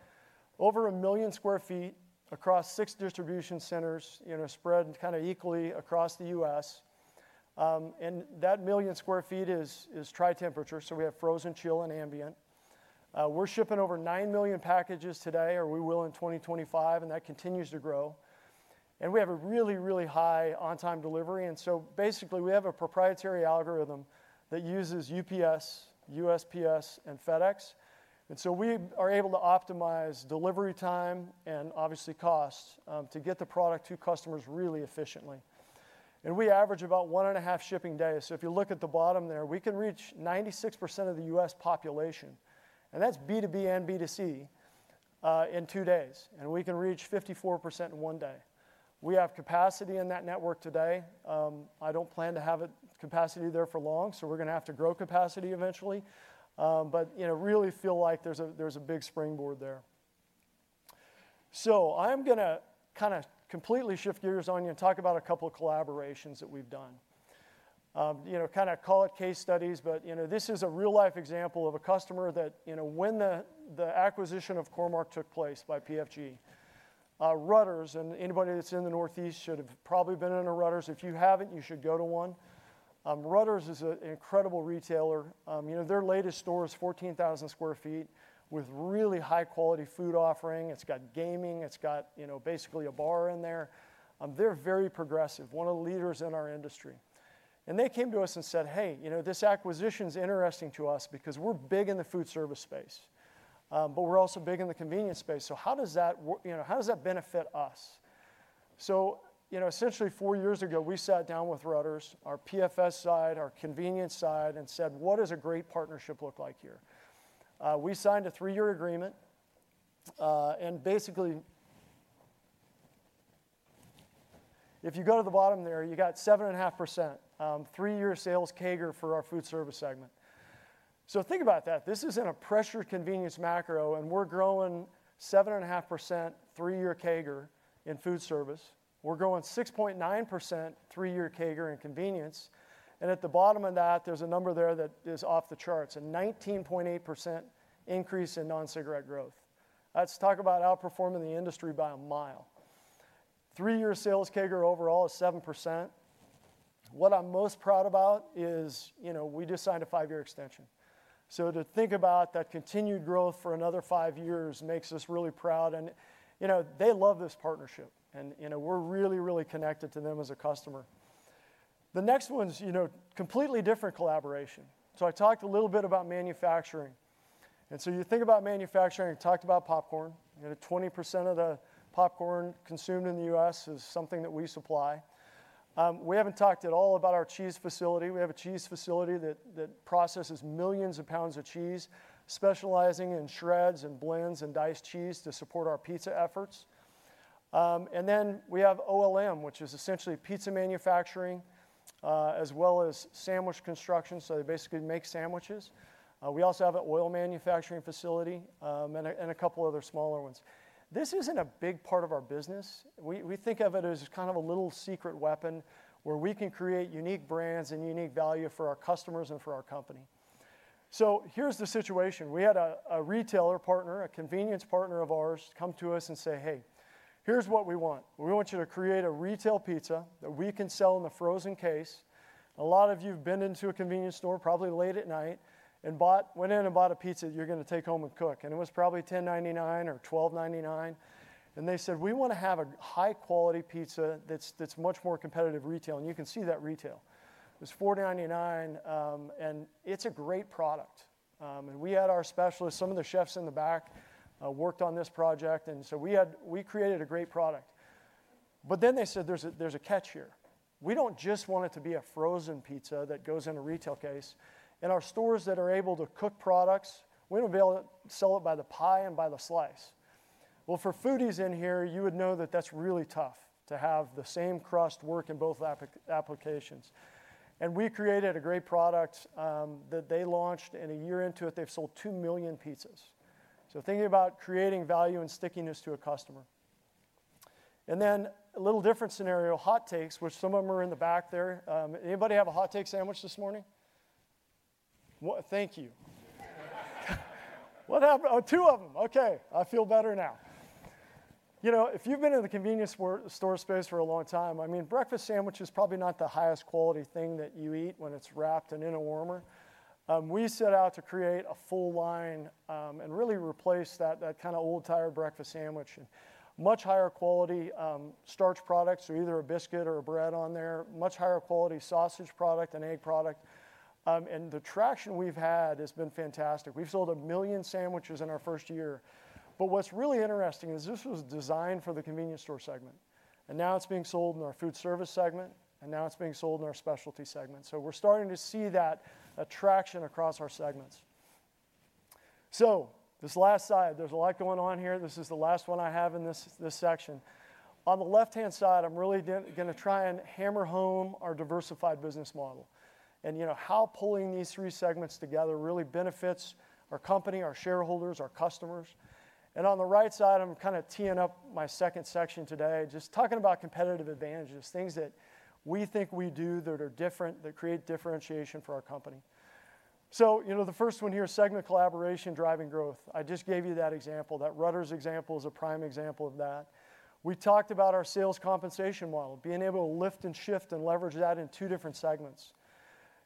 over a million sq ft across six distribution centers spread kind of equally across the U.S., and that million sq ft is tri-temperature. We have frozen, chill, and ambient. We're shipping over 9 million packages today, or we will in 2025, and that continues to grow. We have a really, really high on-time delivery. Basically, we have a proprietary algorithm that uses UPS, USPS, and FedEx. We are able to optimize delivery time and obviously cost to get the product to customers really efficiently. We average about one and a half shipping days. If you look at the bottom there, we can reach 96% of the U.S. population, and that's B2B and B2C, in two days. We can reach 54% in one day. We have capacity in that network today. I don't plan to have capacity there for long, so we're going to have to grow capacity eventually. I really feel like there's a big springboard there. I'm going to kind of completely shift gears on you and talk about a couple of collaborations that we've done. Kind of call it case studies, but this is a real-life example of a customer that when the acquisition of Core-Mark took place by PFG, Rutter's, and anybody that's in the Northeast should have probably been in a Rutter's. If you haven't, you should go to one. Rutter's is an incredible retailer. Their latest store is 14,000 sq ft with really high-quality food offering. It's got gaming. It's got basically a bar in there. They're very progressive, one of the leaders in our industry. They came to us and said, "Hey, this acquisition is interesting to us because we're big in the Foodservice space, but we're also big in the Convenience space. How does that benefit us?" Essentially, four years ago, we sat down with Rutter's, our PFS side, our Convenience side, and said, "What does a great partnership look like here?" We signed a three-year agreement. If you go to the bottom there, you have 7.5% three-year sales CAGR for our Foodservice segment. Think about that. This is in a pressured Convenience macro, and we're growing 7.5% three-year CAGR in Foodservice. We're growing 6.9% three-year CAGR in Convenience. At the bottom of that, there's a number there that is off the charts, a 19.8% increase in non-cigarette growth. That is outperforming the industry by a mile. Three-year sales CAGR overall is 7%. What I'm most proud about is we just signed a five-year extension. To think about that continued growth for another five years makes us really proud. They love this partnership, and we're really, really connected to them as a customer. The next one's a completely different collaboration. I talked a little bit about manufacturing. You think about manufacturing, talked about popcorn. 20% of the popcorn consumed in the U.S. is something that we supply. We haven't talked at all about our Cheese Facility. We have a Cheese Facility that processes millions of pounds of cheese, specializing in shreds and blends and diced cheese to support our pizza efforts. We have OLM, which is essentially Pizza Manufacturing, as well as Sandwich Construction. They basically make sandwiches. We also have an Oil Manufacturing Facility and a couple of other smaller ones. This isn't a big part of our business. We think of it as kind of a little secret weapon where we can create unique brands and unique value for our customers and for our Company. Here is the situation. We had a retailer partner, a Convenience partner of ours, come to us and say, "Hey, here is what we want. We want you to create a retail pizza that we can sell in the frozen case." A lot of you have been into a convenience store probably late at night and went in and bought a pizza you are going to take home and cook. It was probably $10.99 or $12.99. They said, "We want to have a high-quality pizza that is much more competitive retail." You can see that retail. It was $4.99, and it is a great product. We had our specialists, some of the chefs in the back, worked on this project. We created a great product. They said, "There's a catch here. We do not just want it to be a frozen pizza that goes in a retail case. In our stores that are able to cook products, we do not sell it by the pie and by the slice." For foodies in here, you would know that that is really tough to have the same crust work in both applications. We created a great product that they launched, and a year into it, they have sold 2 million pizzas. Thinking about creating value and stickiness to a customer. A little different scenario, hot takes, which some of them are in the back there. Anybody have a hot take sandwich this morning? Thank you. Two of them. Okay. I feel better now. If you've been in the convenience store space for a long time, I mean, breakfast sandwich is probably not the highest quality thing that you eat when it's wrapped and in a warmer. We set out to create a full line and really replace that kind of old-tire breakfast sandwich, much higher quality starch products, so either a biscuit or a bread on there, much higher quality sausage product, an egg product. The traction we've had has been fantastic. We've sold 1 million sandwiches in our first year. What's really interesting is this was designed for the Convenience store segment. Now it's being sold in our Foodservice segment, and now it's being sold in our Specialty segment. We're starting to see that attraction across our segments. This last side, there's a lot going on here. This is the last one I have in this section. On the left-hand side, I'm really going to try and hammer home our diversified business model and how pulling these three segments together really benefits our Company, our shareholders, our customers. On the right side, I'm kind of teeing up my second section today, just talking about competitive advantages, things that we think we do that are different, that create differentiation for our Company. The first one here, segment collaboration, driving growth. I just gave you that example. That Rutter's example is a prime example of that. We talked about our sales compensation model, being able to lift and shift and leverage that in two different segments.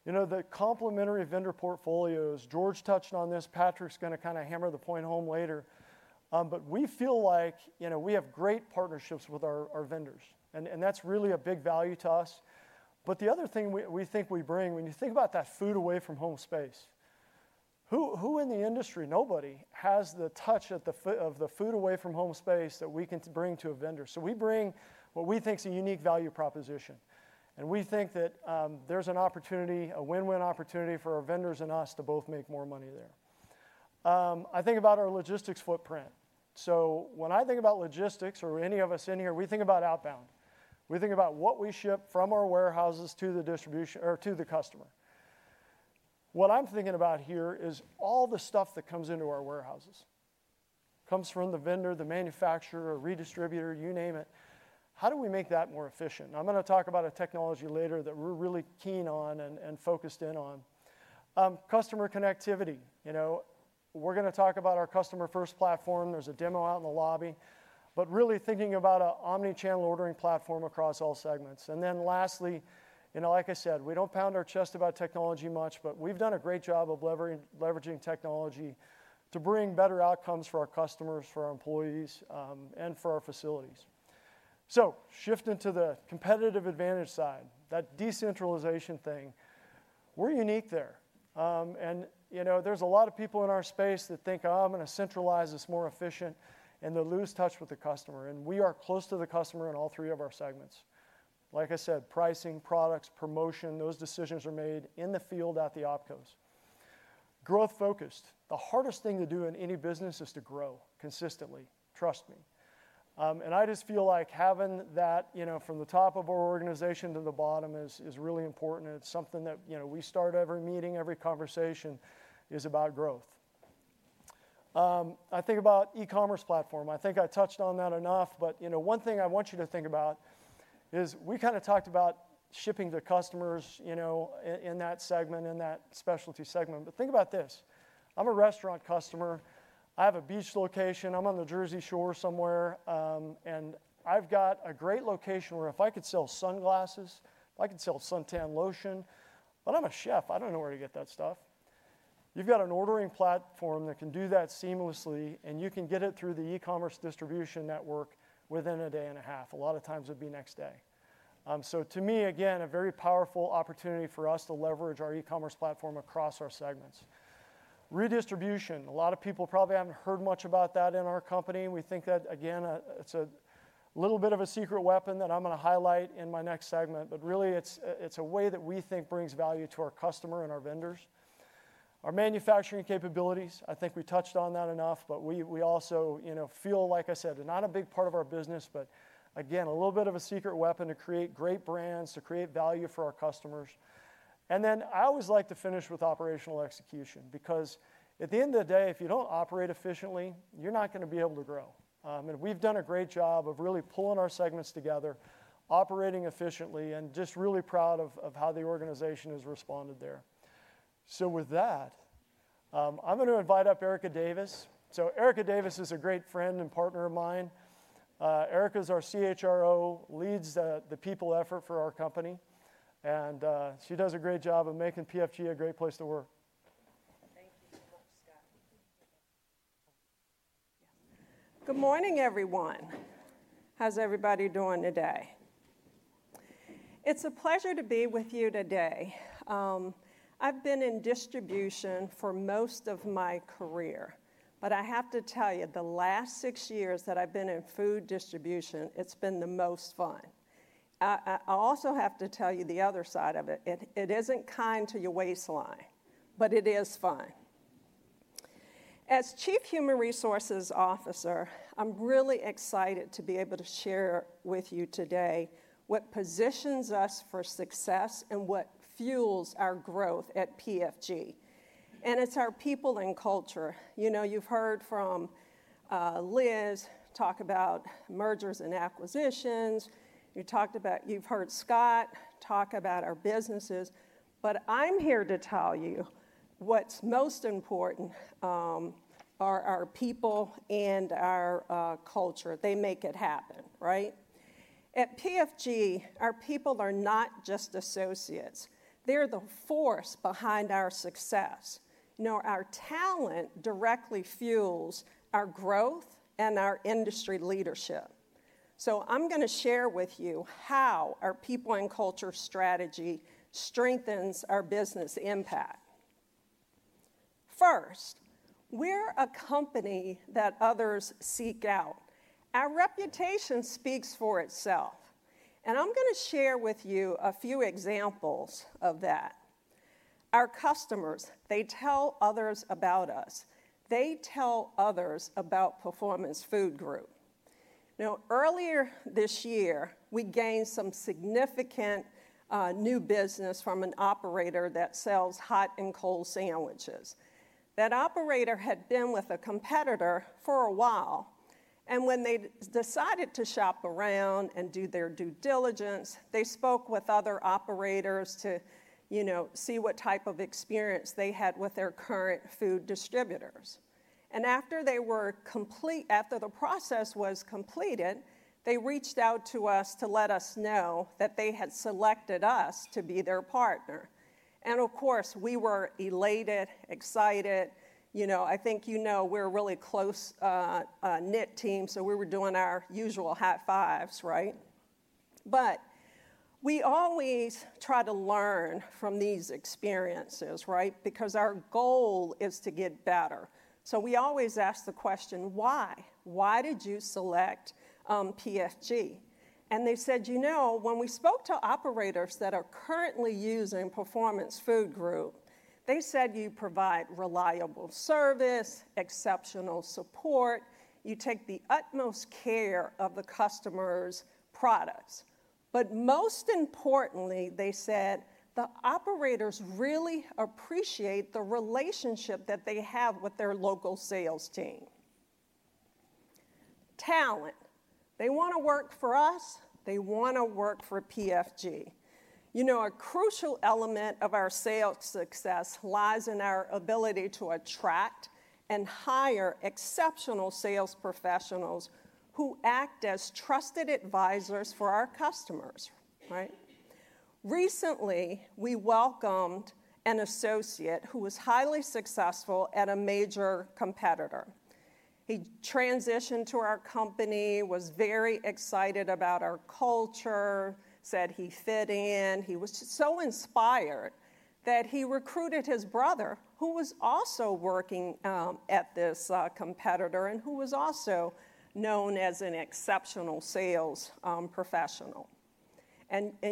The complementary vendor portfolios, George touched on this. Patrick's going to kind of hammer the point home later. We feel like we have great partnerships with our vendors, and that's really a big value to us. The other thing we think we bring, when you think about that food-away-from-home space, who in the industry, nobody, has the touch of the food-away-from-home space that we can bring to a vendor? We bring what we think is a unique value proposition. We think that there's an opportunity, a win-win opportunity for our vendors and us to both make more money there. I think about our logistics footprint. When I think about logistics or any of us in here, we think about outbound. We think about what we ship from our warehouses to the distribution or to the customer. What I'm thinking about here is all the stuff that comes into our warehouses, comes from the vendor, the manufacturer, redistributor, you name it. How do we make that more efficient? I'm going to talk about a technology later that we're really keen on and focused in on. Customer connectivity. We're going to talk about our customer-first platform. There's a demo out in the lobby. Really thinking about an omnichannel ordering platform across all segments. Lastly, like I said, we don't pound our chest about technology much, but we've done a great job of leveraging technology to bring better outcomes for our customers, for our employees, and for our facilities. Shifting to the competitive advantage side, that decentralization thing, we're unique there. There are a lot of people in our space that think, "Oh, I'm going to centralize this more efficient," and they lose touch with the customer. We are close to the customer in all three of our segments. Like I said, pricing, products, promotion, those decisions are made in the field at the OpCos. Growth-focused. The hardest thing to do in any business is to grow consistently, trust me. I just feel like having that from the top of our organization to the bottom is really important. It's something that we start every meeting, every conversation is about growth. I think about e-commerce platform. I think I touched on that enough, but one thing I want you to think about is we kind of talked about shipping to customers in that segment, in that Specialty segment. Think about this. I'm a restaurant customer. I have a beach location. I'm on the Jersey Shore somewhere. I've got a great location where if I could sell sunglasses, if I could sell suntan lotion, but I'm a chef. I don't know where to get that stuff. You've got an ordering platform that can do that seamlessly, and you can get it through the e-commerce distribution network within a day and a half. A lot of times, it'd be next day. To me, again, a very powerful opportunity for us to leverage our e-commerce platform across our segments. Redistribution. A lot of people probably haven't heard much about that in our Company. We think that, again, it's a little bit of a secret weapon that I'm going to highlight in my next segment. It is really a way that we think brings value to our customer and our vendors. Our manufacturing capabilities, I think we touched on that enough, but we also feel, like I said, not a big part of our business, but again, a little bit of a secret weapon to create great brands, to create value for our customers. I always like to finish with operational execution because at the end of the day, if you do not operate efficiently, you are not going to be able to grow. We have done a great job of really pulling our segments together, operating efficiently, and just really proud of how the organization has responded there. With that, I am going to invite up Erica Davis. Erica Davis is a great friend and partner of mine. Erica is our CHRO, leads the people effort for our Company. She does a great job of making PFG a great place to work. Thank you. Yes. Good morning, everyone. How's everybody doing today? It's a pleasure to be with you today. I've been in distribution for most of my career, but I have to tell you, the last six years that I've been in food distribution, it's been the most fun. I also have to tell you the other side of it. It isn't kind to your waistline, but it is fun. As Chief Human Resources Officer, I'm really excited to be able to share with you today what positions us for success and what fuels our growth at PFG. And it's our people and culture. You've heard from Liz talk about mergers and acquisitions. You've heard Scott talk about our businesses. I'm here to tell you what's most important are our people and our culture. They make it happen, right? At PFG, our people are not just associates. They're the force behind our success. Our talent directly fuels our growth and our industry leadership. I'm going to share with you how our people and culture strategy strengthens our business impact. First, we're a Company that others seek out. Our reputation speaks for itself. I'm going to share with you a few examples of that. Our customers, they tell others about us. They tell others about Performance Food Group. Earlier this year, we gained some significant new business from an operator that sells hot and cold sandwiches. That operator had been with a competitor for a while. When they decided to shop around and do their due diligence, they spoke with other operators to see what type of experience they had with their current food distributors. After the process was completed, they reached out to us to let us know that they had selected us to be their partner. Of course, we were elated, excited. I think you know we're a really close-knit team, so we were doing our usual high fives, right? We always try to learn from these experiences because our goal is to get better. We always ask the question, "Why? Why did you select PFG?" They said, "When we spoke to operators that are currently using Performance Food Group, they said you provide reliable service, exceptional support. You take the utmost care of the customer's products." Most importantly, they said, "The operators really appreciate the relationship that they have with their local sales team." Talent. They want to work for us. They want to work for PFG. A crucial element of our sales success lies in our ability to attract and hire exceptional sales professionals who act as trusted advisors for our customers. Recently, we welcomed an associate who was highly successful at a major competitor. He transitioned to our company, was very excited about our culture, said he fit in. He was so inspired that he recruited his brother, who was also working at this competitor and who was also known as an exceptional sales professional.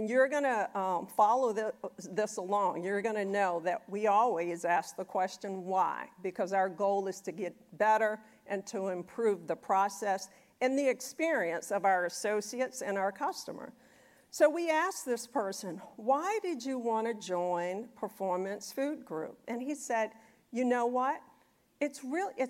You're going to follow this along. You're going to know that we always ask the question, "Why?" because our goal is to get better and to improve the process and the experience of our associates and our customer. We asked this person, "Why did you want to join Performance Food Group?" and he said, "You know what? It's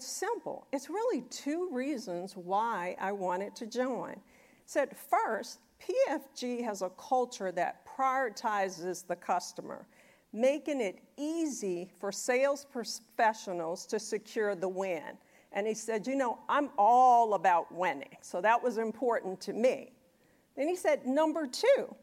simple. It's really two reasons why I wanted to join." He said, "First, PFG has a culture that prioritizes the customer, making it easy for sales professionals to secure the win." He said, "You know I'm all about winning, so that was important to me." He said, "Number two,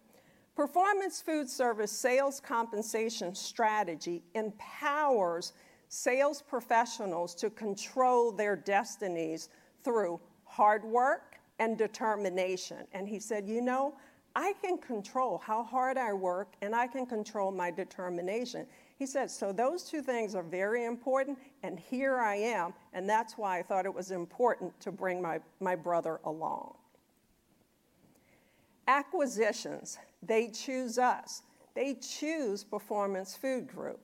Performance Food Service sales compensation strategy empowers sales professionals to control their destinies through hard work and determination." He said, "You know I can control how hard I work, and I can control my determination." He said, "Those two things are very important, and here I am, and that's why I thought it was important to bring my brother along." Acquisitions. They choose us. They choose Performance Food Group.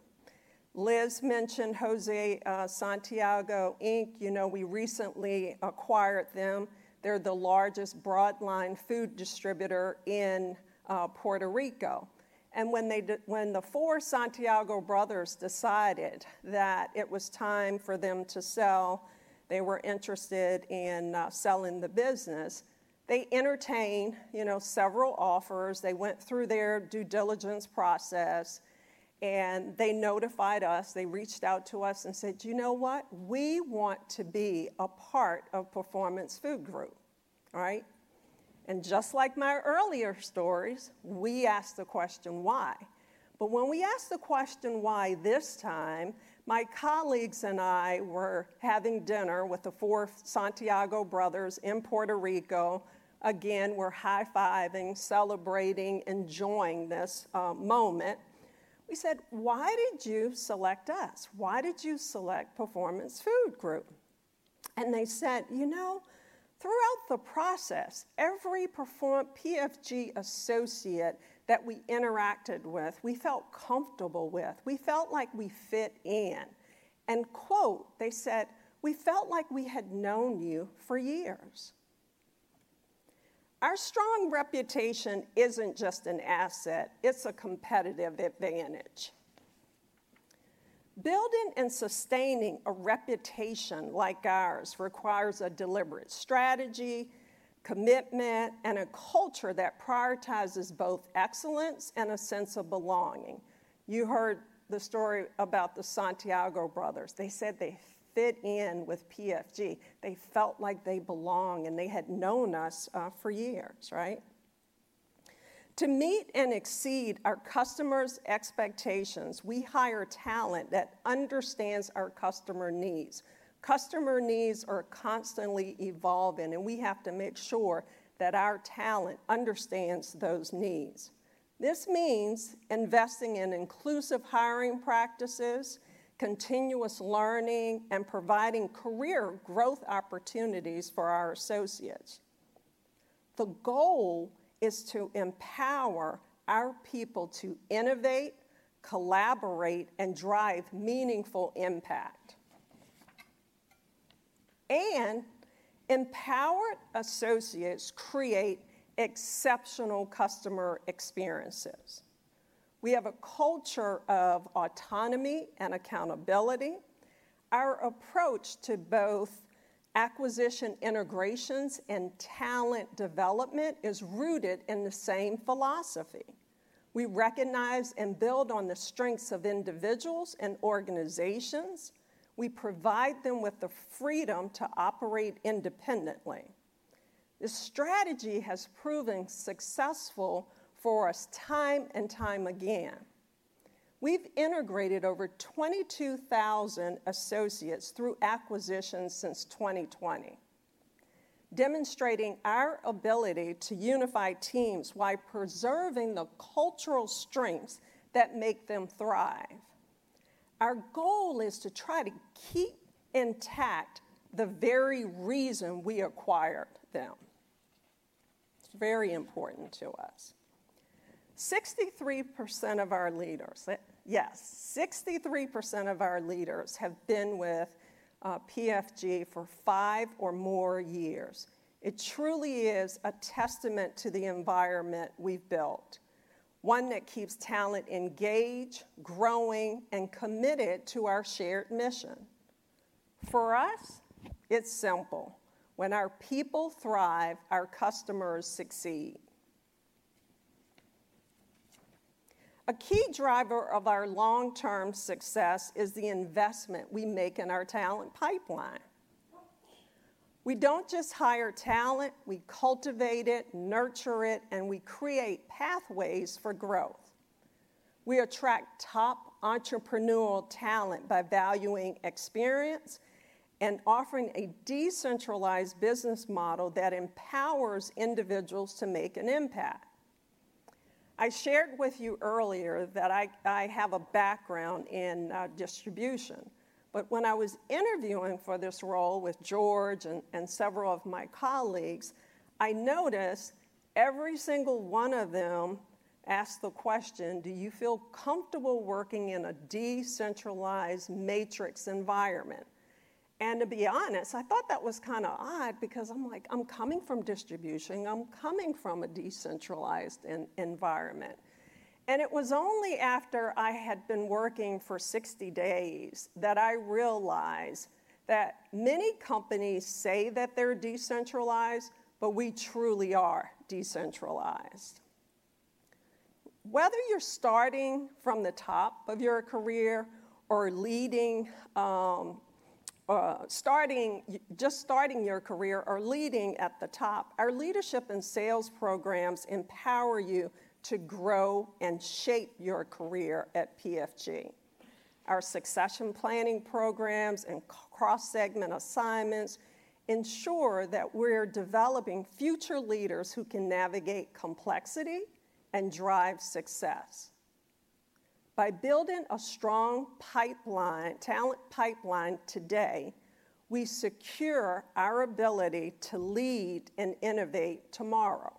Liz mentioned José Santiago Inc. We recently acquired them. They're the largest broadline food distributor in Puerto Rico. When the four Santiago brothers decided that it was time for them to sell, they were interested in selling the business. They entertained several offers. They went through their due diligence process, and they notified us. They reached out to us and said, "You know what? We want to be a part of Performance Food Group." Just like my earlier stories, we asked the question, "Why?" When we asked the question, "Why this time?" my colleagues and I were having dinner with the four Santiago brothers in Puerto Rico. Again, we're high-fiving, celebrating, enjoying this moment. We said, "Why did you select us? Why did you select Performance Food Group?" They said, "You know throughout the process, every PFG associate that we interacted with, we felt comfortable with. We felt like we fit in. They said, "We felt like we had known you for years." Our strong reputation is not just an asset. It is a competitive advantage. Building and sustaining a reputation like ours requires a deliberate strategy, commitment, and a culture that prioritizes both excellence and a sense of belonging. You heard the story about the Santiago brothers. They said they fit in with PFG. They felt like they belong, and they had known us for years, right? To meet and exceed our customers' expectations, we hire talent that understands our customer needs. Customer needs are constantly evolving, and we have to make sure that our talent understands those needs. This means investing in inclusive hiring practices, continuous learning, and providing career growth opportunities for our associates. The goal is to empower our people to innovate, collaborate, and drive meaningful impact. Empowered associates create exceptional customer experiences. We have a culture of autonomy and accountability. Our approach to both acquisition integrations and talent development is rooted in the same philosophy. We recognize and build on the strengths of individuals and organizations. We provide them with the freedom to operate independently. The strategy has proven successful for us time and time again. We have integrated over 22,000 associates through acquisitions since 2020, demonstrating our ability to unify teams while preserving the cultural strengths that make them thrive. Our goal is to try to keep intact the very reason we acquired them. It is very important to us. 63% of our leaders, yes, 63% of our leaders have been with PFG for five or more years. It truly is a testament to the environment we have built, one that keeps talent engaged, growing, and committed to our shared mission. For us, it is simple. When our people thrive, our customers succeed. A key driver of our long-term success is the investment we make in our talent pipeline. We do not just hire talent. We cultivate it, nurture it, and we create pathways for growth. We attract top entrepreneurial talent by valuing experience and offering a decentralized business model that empowers individuals to make an impact. I shared with you earlier that I have a background in distribution. When I was interviewing for this role with George and several of my colleagues, I noticed every single one of them asked the question, "Do you feel comfortable working in a decentralized matrix environment?" To be honest, I thought that was kind of odd because I am like, "I am coming from distribution. I'm coming from a decentralized environment. It was only after I had been working for 60 days that I realized that many companies say that they're decentralized, but we truly are decentralized. Whether you're starting from the top of your career or just starting your career or leading at the top, our leadership and sales programs empower you to grow and shape your career at PFG. Our succession planning programs and cross-segment assignments ensure that we're developing future leaders who can navigate complexity and drive success. By building a strong talent pipeline today, we secure our ability to lead and innovate tomorrow.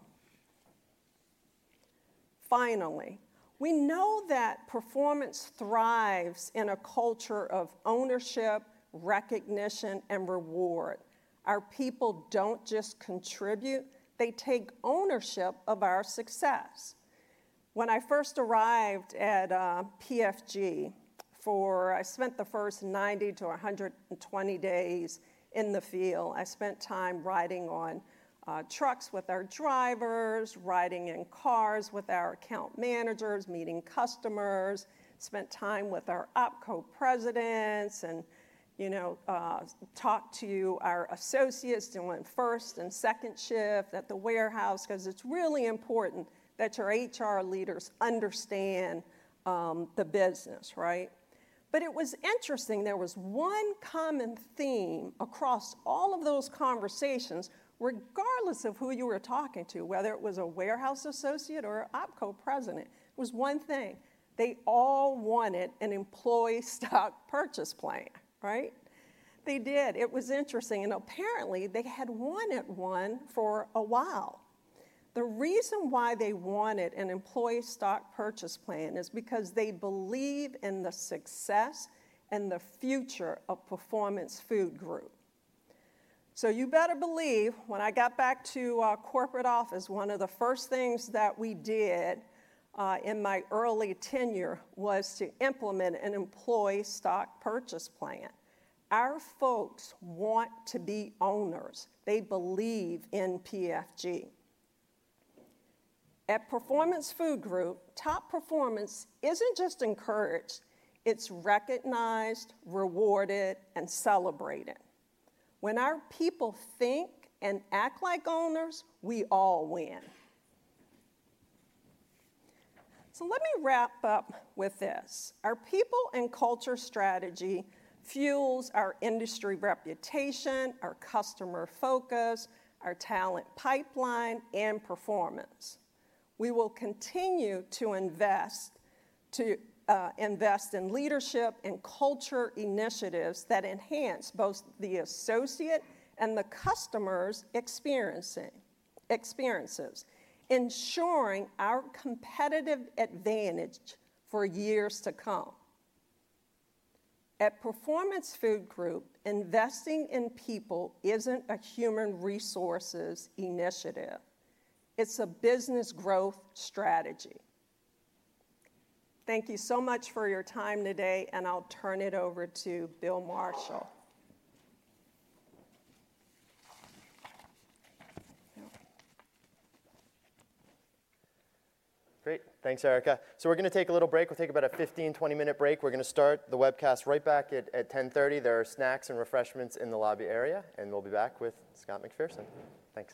Finally, we know that performance thrives in a culture of ownership, recognition, and reward. Our people don't just contribute. They take ownership of our success. When I first arrived at PFG, I spent the first 90-120 days in the field. I spent time riding on trucks with our drivers, riding in cars with our account managers, meeting customers, spent time with our OpCo Presidents, and talked to our associates doing first and second shift at the warehouse because it's really important that your HR leaders understand the business, right? It was interesting. There was one common theme across all of those conversations, regardless of who you were talking to, whether it was a warehouse associate or an OpCo President. It was one thing. They all wanted an employee stock purchase plan, right? They did. It was interesting. Apparently, they had wanted one for a while. The reason why they wanted an employee stock purchase plan is because they believe in the success and the future of Performance Food Group. You better believe, when I got back to corporate office, one of the first things that we did in my early tenure was to implement an employee stock purchase plan. Our folks want to be owners. They believe in PFG. At Performance Food Group, top performance isn't just encouraged. It's recognized, rewarded, and celebrated. When our people think and act like owners, we all win. Let me wrap up with this. Our people and culture strategy fuels our industry reputation, our customer focus, our talent pipeline, and performance. We will continue to invest in leadership and culture initiatives that enhance both the associate and the customer's experiences, ensuring our competitive advantage for years to come. At Performance Food Group, investing in people isn't a human resources initiative. It's a business growth strategy. Thank you so much for your time today, and I'll turn it over to Bill Marshall. Great. Thanks, Erica. We're going to take a little break. We'll take about a 15-20 minute break. We're going to start the webcast right back at 10:30. There are snacks and refreshments in the lobby area, and we'll be back with Scott McPherson. Thanks.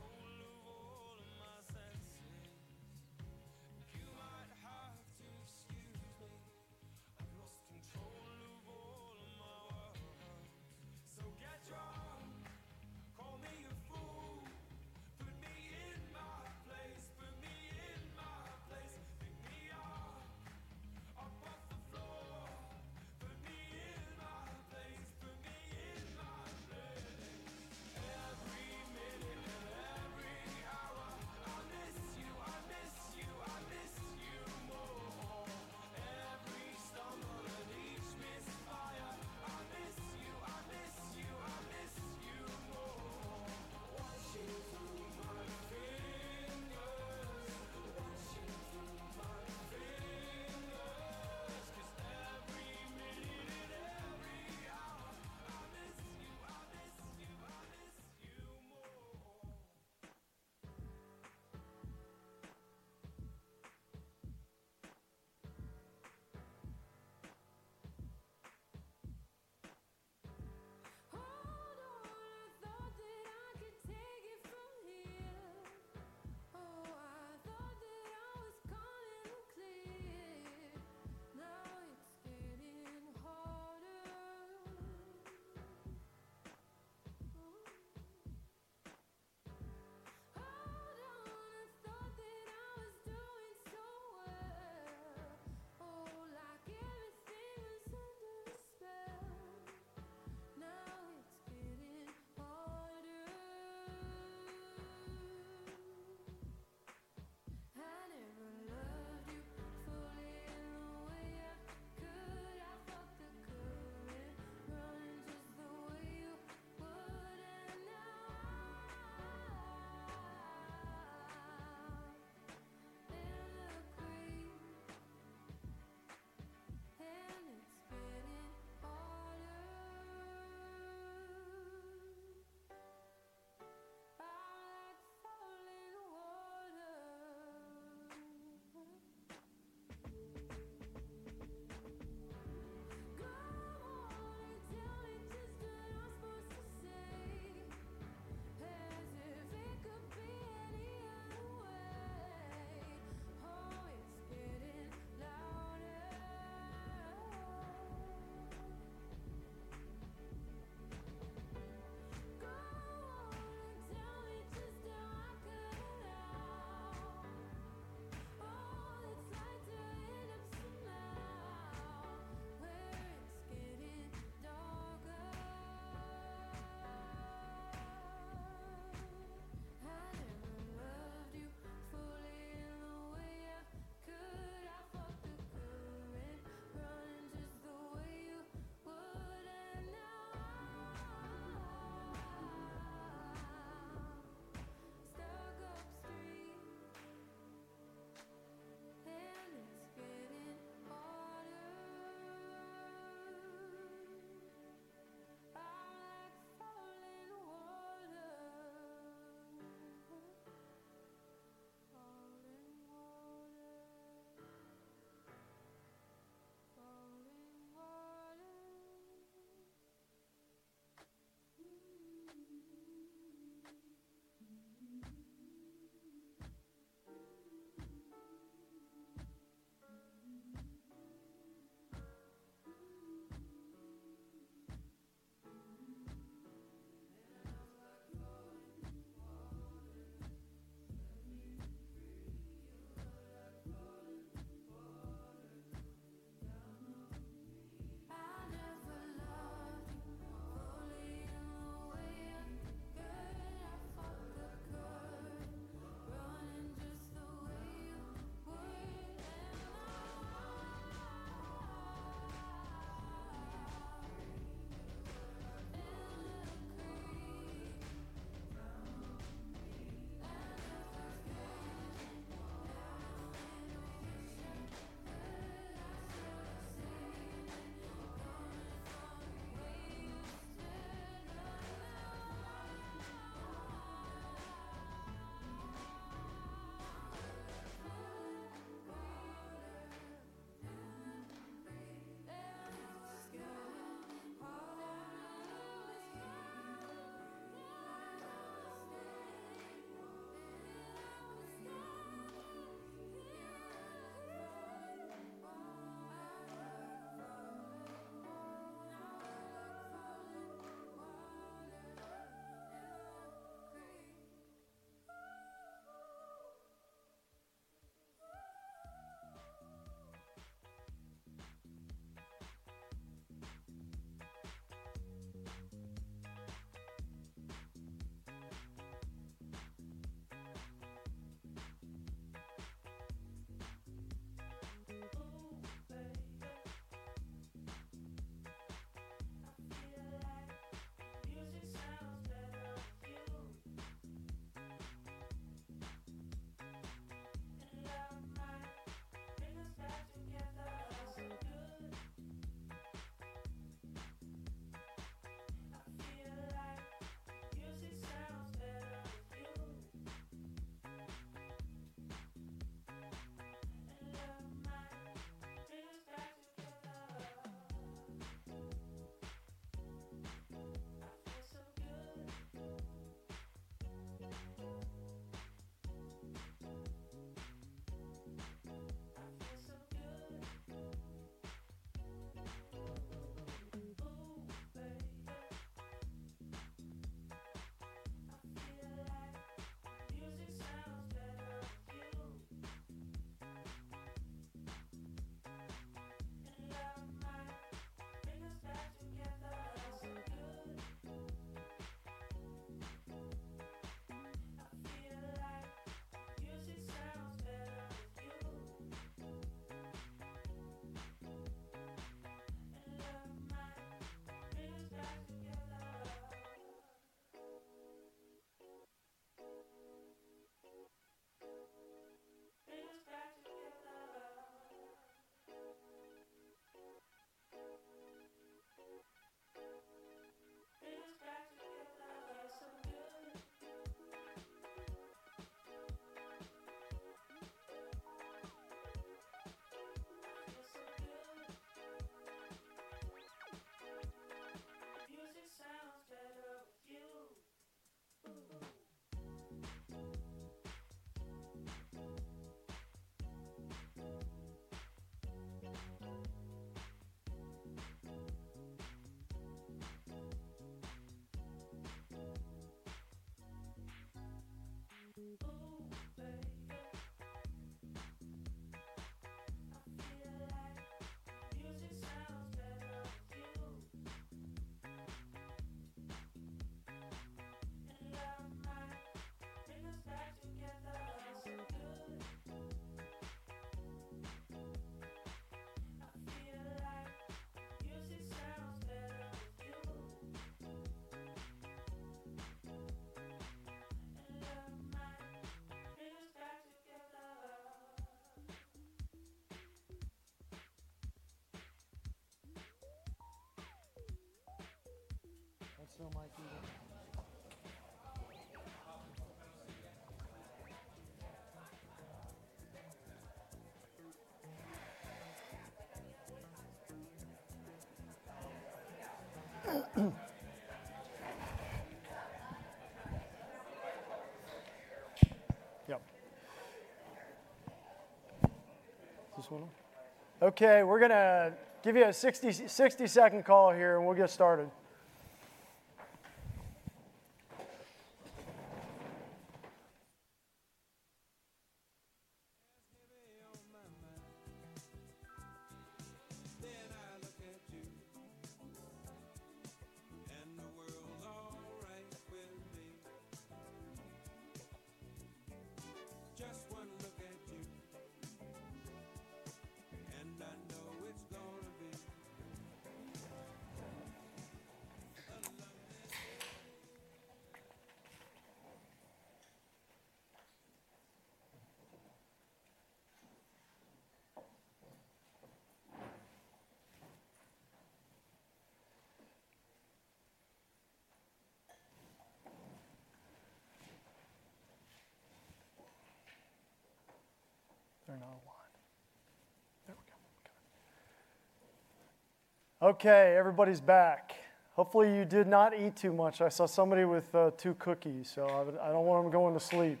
There's heavy on my mind. Then I look at you, and the world's all right with me. Just one look at you, and I know it's gonna be just a lovely day. There are not a lot. There we go. Okay, everybody's back. Hopefully, you did not eat too much. I saw somebody with two cookies, so I do not want them going to sleep.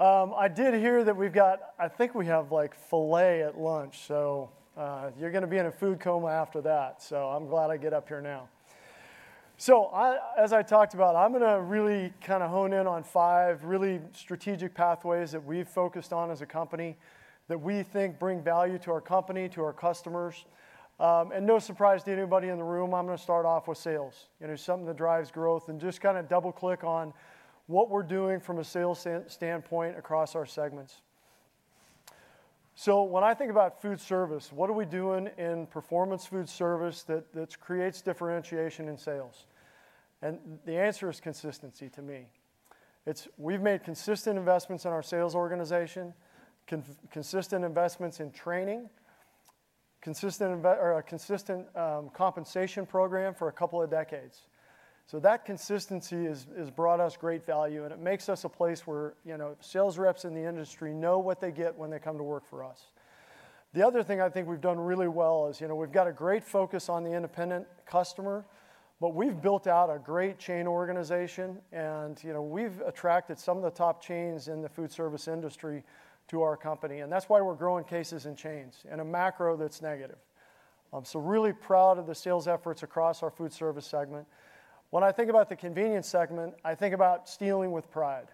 I did hear that we have got, I think we have like filet at lunch, so you are going to be in a food coma after that. I am glad I get up here now. As I talked about, I am going to really kind of hone in on five really strategic pathways that we have focused on as a Company that we think bring value to our Company, to our customers. No surprise to anybody in the room, I am going to start off with sales, something that drives growth and just kind of double-click on what we are doing from a sales standpoint across our segments. When I think about Foodservice, what are we doing in Performance Foodservice that creates differentiation in sales? The answer is consistency to me. We've made consistent investments in our sales organization, consistent investments in training, consistent compensation program for a couple of decades. That consistency has brought us great value, and it makes us a place where sales reps in the industry know what they get when they come to work for us. The other thing I think we've done really well is we've got a great focus on the independent customer, but we've built out a great chain organization, and we've attracted some of the top chains in the Foodservice Industry to our Company. That is why we're growing cases and chains in a macro that's negative. Really proud of the sales efforts across our Foodservice segment. When I think about the Convenience segment, I think about stealing with pride.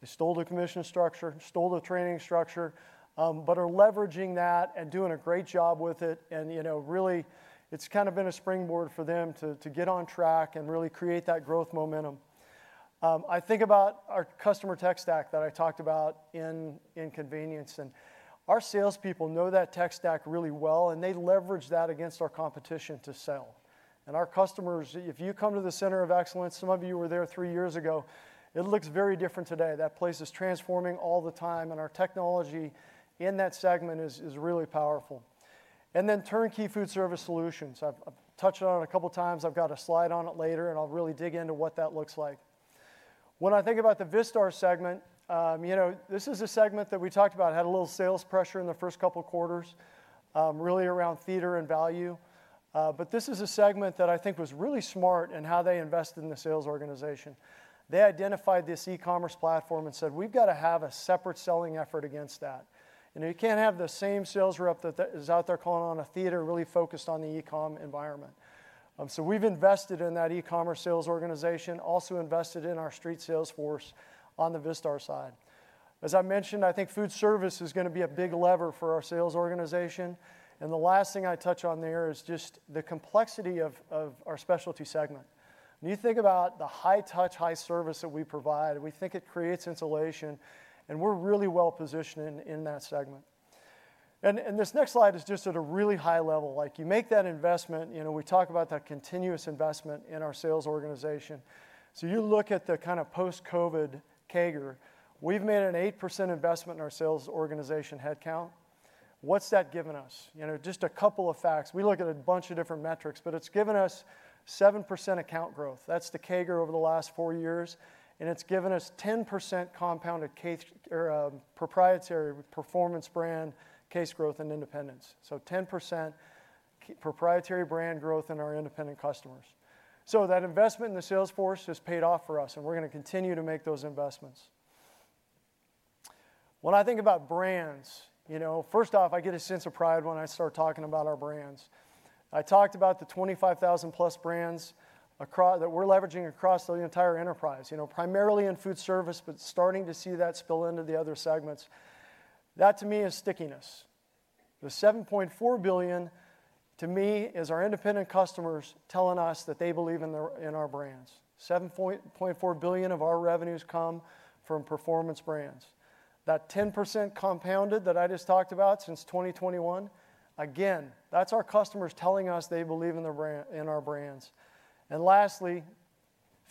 They stole the commission structure, stole the training structure, but are leveraging that and doing a great job with it. Really, it's kind of been a springboard for them to get on track and really create that growth momentum. I think about our customer tech stack that I talked about in Convenience. Our salespeople know that tech stack really well, and they leverage that against our competition to sell. Our customers, if you come to the Center of Excellence, some of you were there three years ago, it looks very different today. That place is transforming all the time, and our technology in that segment is really powerful. Then turnkey Foodservice solutions. I've touched on it a couple of times. I've got a slide on it later, and I'll really dig into what that looks like. When I think about the Vistar segment, this is a segment that we talked about, had a little sales pressure in the first couple of quarters, really around theater and value. This is a segment that I think was really smart in how they invested in the sales organization. They identified this e-commerce platform and said, "We've got to have a separate selling effort against that." You can't have the same sales rep that is out there calling on a theater really focused on the e-com environment. We have invested in that e-commerce sales organization, also invested in our street sales force on the Vistar side. As I mentioned, I think Foodservice is going to be a big lever for our sales organization. The last thing I touch on there is just the complexity of our Specialty segment. When you think about the high touch, high service that we provide, we think it creates insulation, and we're really well positioned in that segment. This next slide is just at a really high level. You make that investment, we talk about that continuous investment in our sales organization. You look at the kind of post-COVID CAGR. We've made an 8% investment in our sales organization headcount. What's that given us? Just a couple of facts. We look at a bunch of different metrics, but it's given us 7% account growth. That's the CAGR over the last four years. It's given us 10% compounded proprietary performance brand, case growth, and independence. 10% proprietary brand growth in our independent customers. That investment in the sales force has paid off for us, and we're going to continue to make those investments. When I think about brands, first off, I get a sense of pride when I start talking about our brands. I talked about the 25,000+ brands that we're leveraging across the entire enterprise, primarily in Foodservice, but starting to see that spill into the other segments. That, to me, is stickiness. The $7.4 billion, to me, is our independent customers telling us that they believe in our brands. $7.4 billion of our revenues come from performance brands. That 10% compounded that I just talked about since 2021, again, that's our customers telling us they believe in our brands. Lastly,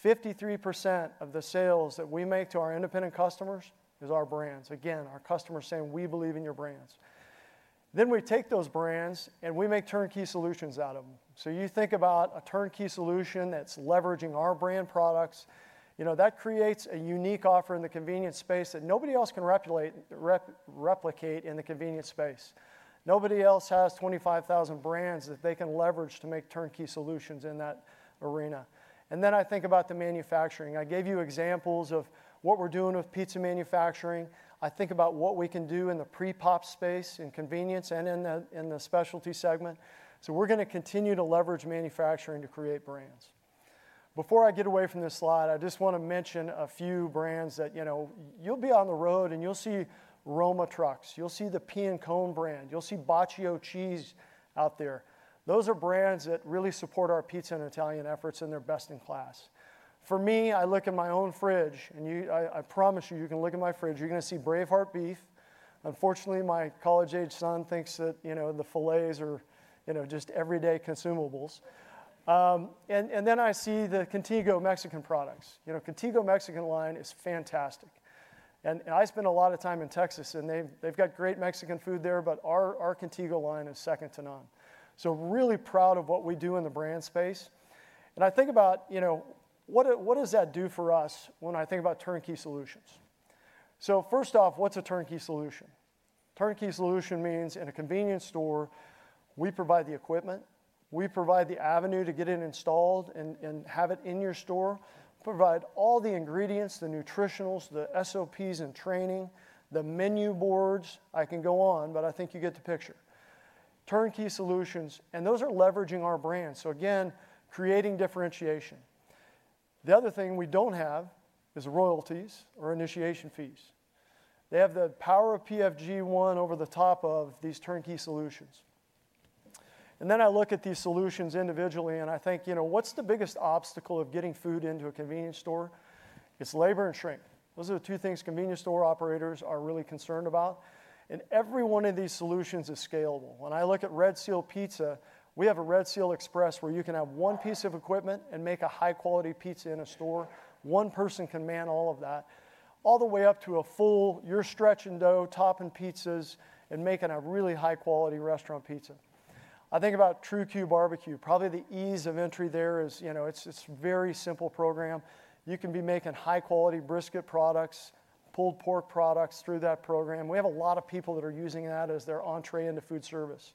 53% of the sales that we make to our independent customers is our brands. Again, our customers saying, "We believe in your brands." We take those brands, and we make turnkey solutions out of them. You think about a turnkey solution that's leveraging our brand products. That creates a unique offer in the Convenience space that nobody else can replicate in the Convenience space. Nobody else has 25,000 brands that they can leverage to make turnkey solutions in that arena. I think about the Manufacturing. I gave you examples of what we're doing with Pizza Manufacturing. I think about what we can do in the pre-pop space in Convenience and in the Specialty segment. We're going to continue to leverage Manufacturing to create brands. Before I get away from this slide, I just want to mention a few brands that you'll be on the road, and you'll see Roma trucks. You'll see the Piancone brand. You'll see Bacio Cheese out there. Those are brands that really support our Pizza and Italian efforts, and they're best in class. For me, I look at my own fridge, and I promise you, you can look at my fridge. You're going to see Braveheart Beef. Unfortunately, my college-age son thinks that the filets are just everyday consumables. Then I see the Contigo Mexican products. Contigo Mexican line is fantastic. I spend a lot of time in Texas, and they've got great Mexican food there, but our Contigo line is second to none. Really proud of what we do in the brand space. I think about what does that do for us when I think about turnkey solutions. First off, what's a turnkey solution? Turnkey solution means in Convenience store, we provide the equipment, we provide the avenue to get it installed and have it in your store, provide all the ingredients, the nutritionals, the SOPs and training, the menu boards. I can go on, but I think you get the picture. Turnkey solutions, and those are leveraging our brand. Again, creating differentiation. The other thing we do not have is royalties or initiation fees. They have the power of PFG one over the top of these turnkey solutions. I look at these solutions individually, and I think, what's the biggest obstacle of getting food into a Convenience store? It's labor and shrink. Those are the two things Convenience store operators are really concerned about. Every one of these solutions is scalable. When I look at Red Seal Pizza, we have a Red Seal Express where you can have one piece of equipment and make a high-quality pizza in a store. One person can man all of that, all the way up to a full, you're stretching dough, topping pizzas, and making a really high-quality restaurant pizza. I think about True-Q Barbeque. Probably the ease of entry there is it's a very simple program. You can be making high-quality brisket products, pulled pork products through that program. We have a lot of people that are using that as their entree into Foodservice.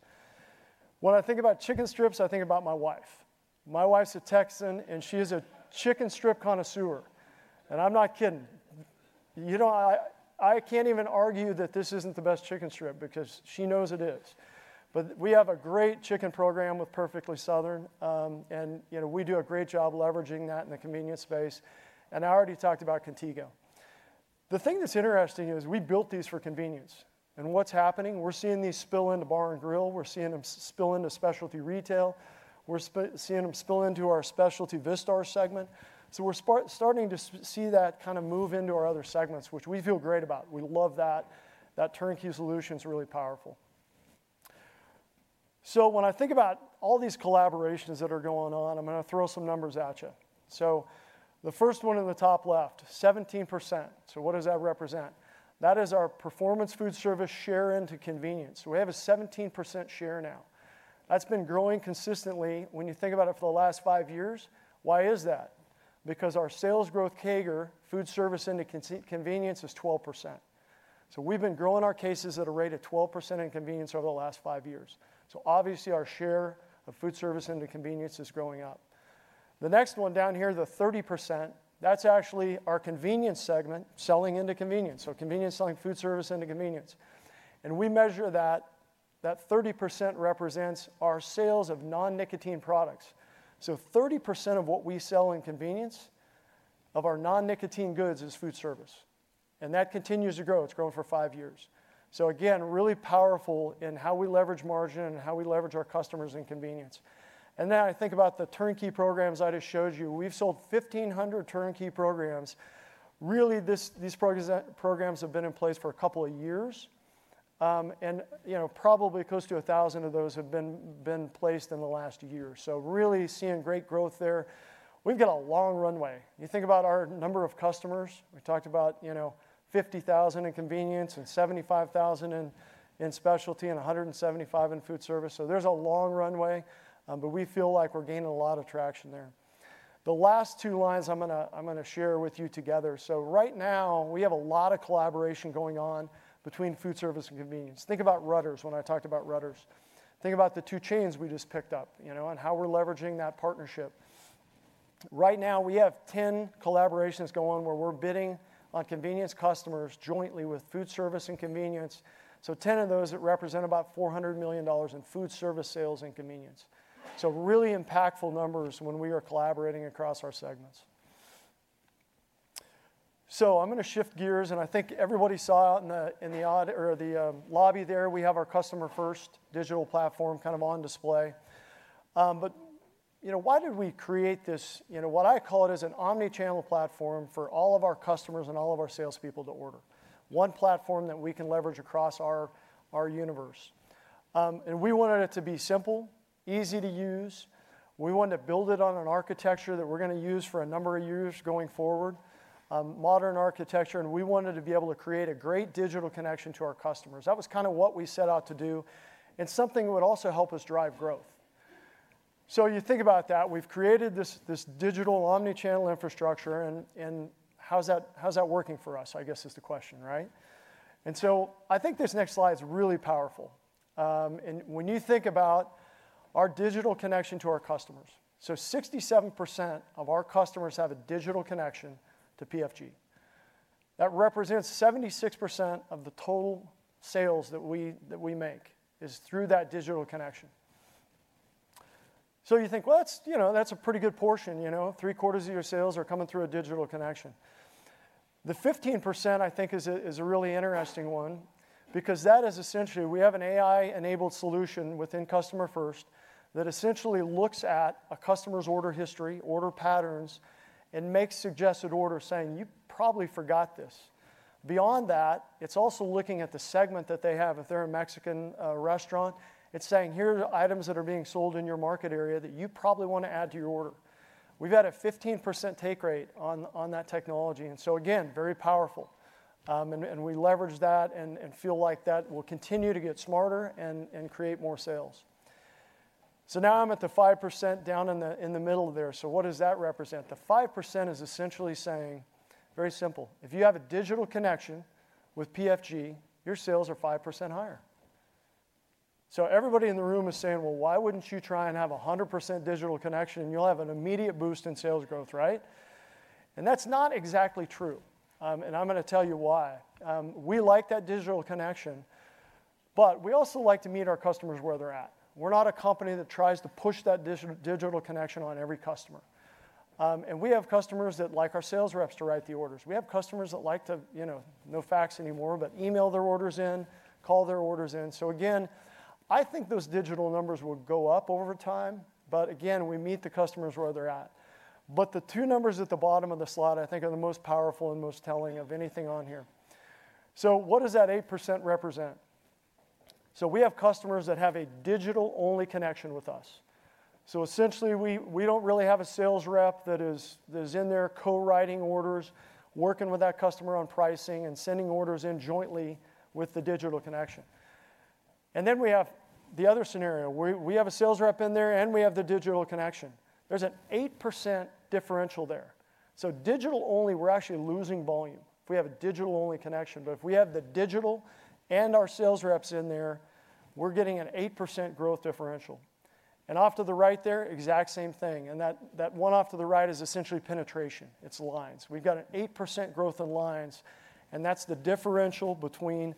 When I think about chicken strips, I think about my wife. My wife's a Texan, and she is a chicken strip connoisseur. And I'm not kidding. I can't even argue that this isn't the best chicken strip because she knows it is. We have a great chicken program with Perfectly Southern, and we do a great job leveraging that in the convenience space. I already talked about Contigo. The thing that's interesting is we built these for convenience. What's happening? We're seeing these spill into Bar and Grill. We're seeing them spill into Specialty retail. We're seeing them spill into our Specialty Vistar segment. So we're starting to see that kind of move into our other segments, which we feel great about. We love that. That turnkey solution is really powerful. So when I think about all these collaborations that are going on, I'm going to throw some numbers at you. So the first one in the top left, 17%. So what does that represent? That is our Performance Foodservice share into Convenience. So we have a 17% share now. That's been growing consistently. When you think about it for the last five years, why is that? Because our sales growth CAGR, foodservice into Convenience, is 12%. So we've been growing our cases at a rate of 12% in Convenience over the last five years. So obviously, our share of Foodservice into Convenience is growing up. The next one down here, the 30%, that's actually our Convenience segment selling into Convenience. Convenience selling Foodservice into Convenience. We measure that 30% represents our sales of non-nicotine products. 30% of what we sell in Convenience of our non-nicotine goods is Foodservice. That continues to grow. It's grown for five years. Really powerful in how we leverage margin and how we leverage our customers in Convenience. I think about the turnkey programs I just showed you. We've sold 1,500 turnkey programs. These programs have been in place for a couple of years. Probably close to 1,000 of those have been placed in the last year. Really seeing great growth there. We've got a long runway. You think about our number of customers. We talked about 50,000 in Convenience and 75,000 in Specialty and 175 in Foodservice. There is a long runway, but we feel like we are gaining a lot of traction there. The last two lines I am going to share with you together. Right now, we have a lot of collaboration going on between Foodservice and Convenience. Think about Rutter's when I talked about Rutter's. Think about the two chains we just picked up and how we are leveraging that partnership. Right now, we have 10 collaborations going where we are bidding on Convenience customers jointly with Foodservice and Convenience. Ten of those represent about $400 million in Foodservice sales and Convenience. Really impactful numbers when we are collaborating across our segments. I am going to shift gears, and I think everybody saw in the lobby there, we have our customer-first digital platform kind of on display. Why did we create this? What I call it is an omnichannel platform for all of our customers and all of our salespeople to order. One platform that we can leverage across our universe. We wanted it to be simple, easy to use. We wanted to build it on an architecture that we are going to use for a number of years going forward, modern architecture. We wanted to be able to create a great digital connection to our customers. That was kind of what we set out to do and something that would also help us drive growth. You think about that. We have created this digital omnichannel infrastructure, and how is that working for us, I guess, is the question, right? I think this next slide is really powerful. When you think about our digital connection to our customers, 67% of our customers have a digital connection to PFG. That represents 76% of the total sales that we make is through that digital connection. You think, that is a pretty good portion. Three quarters of your sales are coming through a digital connection. The 15%, I think, is a really interesting one because that is essentially we have an AI-enabled solution within Customer First that essentially looks at a customer's order history, order patterns, and makes suggested orders saying, "You probably forgot this." Beyond that, it is also looking at the segment that they have. If they are a Mexican restaurant, it is saying, "Here are items that are being sold in your market area that you probably want to add to your order." We have had a 15% take rate on that technology. Again, very powerful. We leverage that and feel like that will continue to get smarter and create more sales. Now, I am at the 5% down in the middle there. What does that represent? The 5% is essentially saying, very simple, if you have a digital connection with PFG, your sales are 5% higher. Everybody in the room is saying, "Why would you not try and have 100% digital connection, and you will have an immediate boost in sales growth, right?" That is not exactly true. I am going to tell you why. We like that digital connection, but we also like to meet our customers where they are at. We are not a Company that tries to push that digital connection on every customer. We have customers that like our sales reps to write the orders. We have customers that like to, no fax anymore, but email their orders in, call their orders in. I think those digital numbers will go up over time, but we meet the customers where they're at. The two numbers at the bottom of the slot, I think, are the most powerful and most telling of anything on here. What does that 8% represent? We have customers that have a digital-only connection with us. Essentially, we do not really have a sales rep that is in there co-writing orders, working with that customer on pricing, and sending orders in jointly with the digital connection. Then we have the other scenario. We have a sales rep in there, and we have the digital connection. There is an 8% differential there. Digital-only, we are actually losing volume if we have a digital-only connection. If we have the digital and our sales reps in there, we're getting an 8% growth differential. Off to the right there, exact same thing. That one off to the right is essentially penetration. It's lines. We've got an 8% growth in lines, and that's the differential between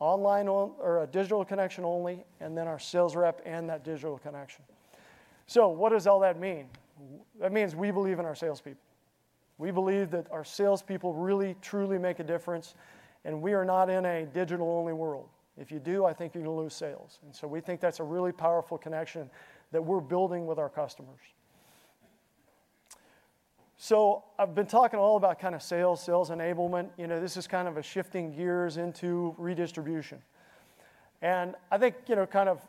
online or a digital connection only and then our sales rep and that digital connection. What does all that mean? That means we believe in our salespeople. We believe that our salespeople really, truly make a difference, and we are not in a digital-only world. If you do, I think you're going to lose sales. We think that's a really powerful connection that we're building with our customers. I've been talking all about kind of sales, sales enablement. This is kind of shifting gears into redistribution. I think kind of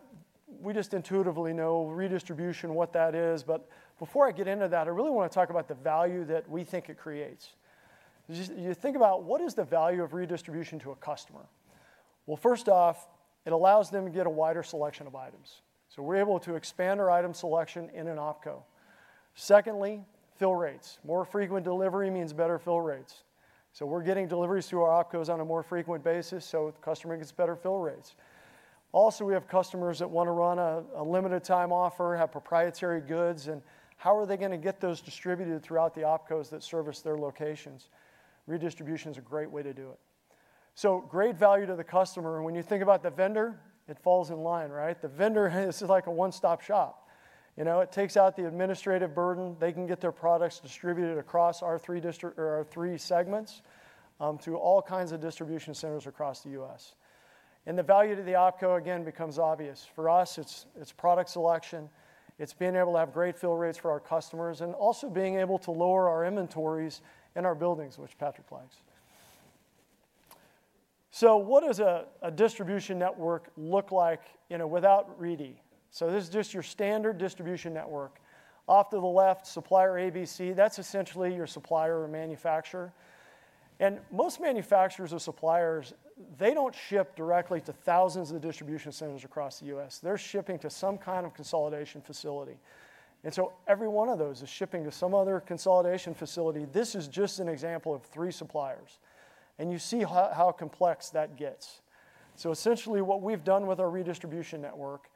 we just intuitively know redistribution, what that is. Before I get into that, I really want to talk about the value that we think it creates. You think about what is the value of redistribution to a customer? First off, it allows them to get a wider selection of items. We are able to expand our item selection in an OpCo. Secondly, fill rates. More frequent delivery means better fill rates. We are getting deliveries through our OpCos on a more frequent basis, so customer gets better fill rates. Also, we have customers that want to run a limited-time offer, have proprietary goods, and how are they going to get those distributed throughout the OpCos that service their locations? Redistribution is a great way to do it. Great value to the customer. When you think about the vendor, it falls in line, right? The vendor is like a one-stop shop. It takes out the administrative burden. They can get their products distributed across our three segments through all kinds of distribution centers across the U.S. The value to the OpCo, again, becomes obvious. For us, it is product selection. It is being able to have great fill rates for our customers and also being able to lower our inventories in our buildings, which Patrick likes. What does a distribution network look like without Reedy? This is just your standard distribution network. Off to the left, supplier ABC. That is essentially your supplier or manufacturer. Most manufacturers or suppliers do not ship directly to thousands of distribution centers across the U.S. They are shipping to some kind of consolidation facility. Every one of those is shipping to some other consolidation facility. This is just an example of three suppliers. You see how complex that gets. Essentially, what we have done with our redistribution network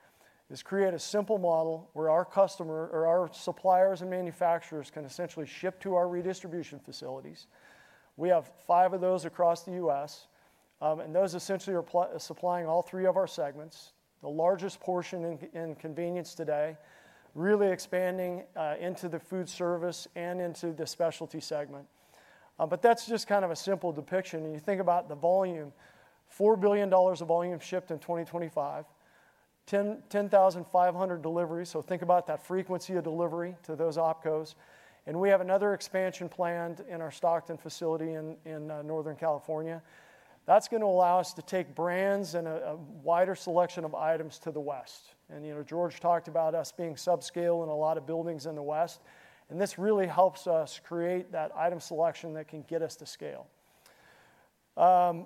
is create a simple model where our suppliers and manufacturers can essentially ship to our redistribution facilities. We have five of those across the U.S., and those essentially are supplying all three of our segments, the largest portion in Convenience today, really expanding into the Foodservice and into the Specialty segment. That is just kind of a simple depiction. You think about the volume, $4 billion of volume shipped in 2025, 10,500 deliveries. Think about that frequency of delivery to those OpCos. We have another expansion planned in our Stockton facility in Northern California. That's going to allow us to take brands and a wider selection of items to the West. George talked about us being subscale in a lot of buildings in the West. This really helps us create that item selection that can get us to scale. I've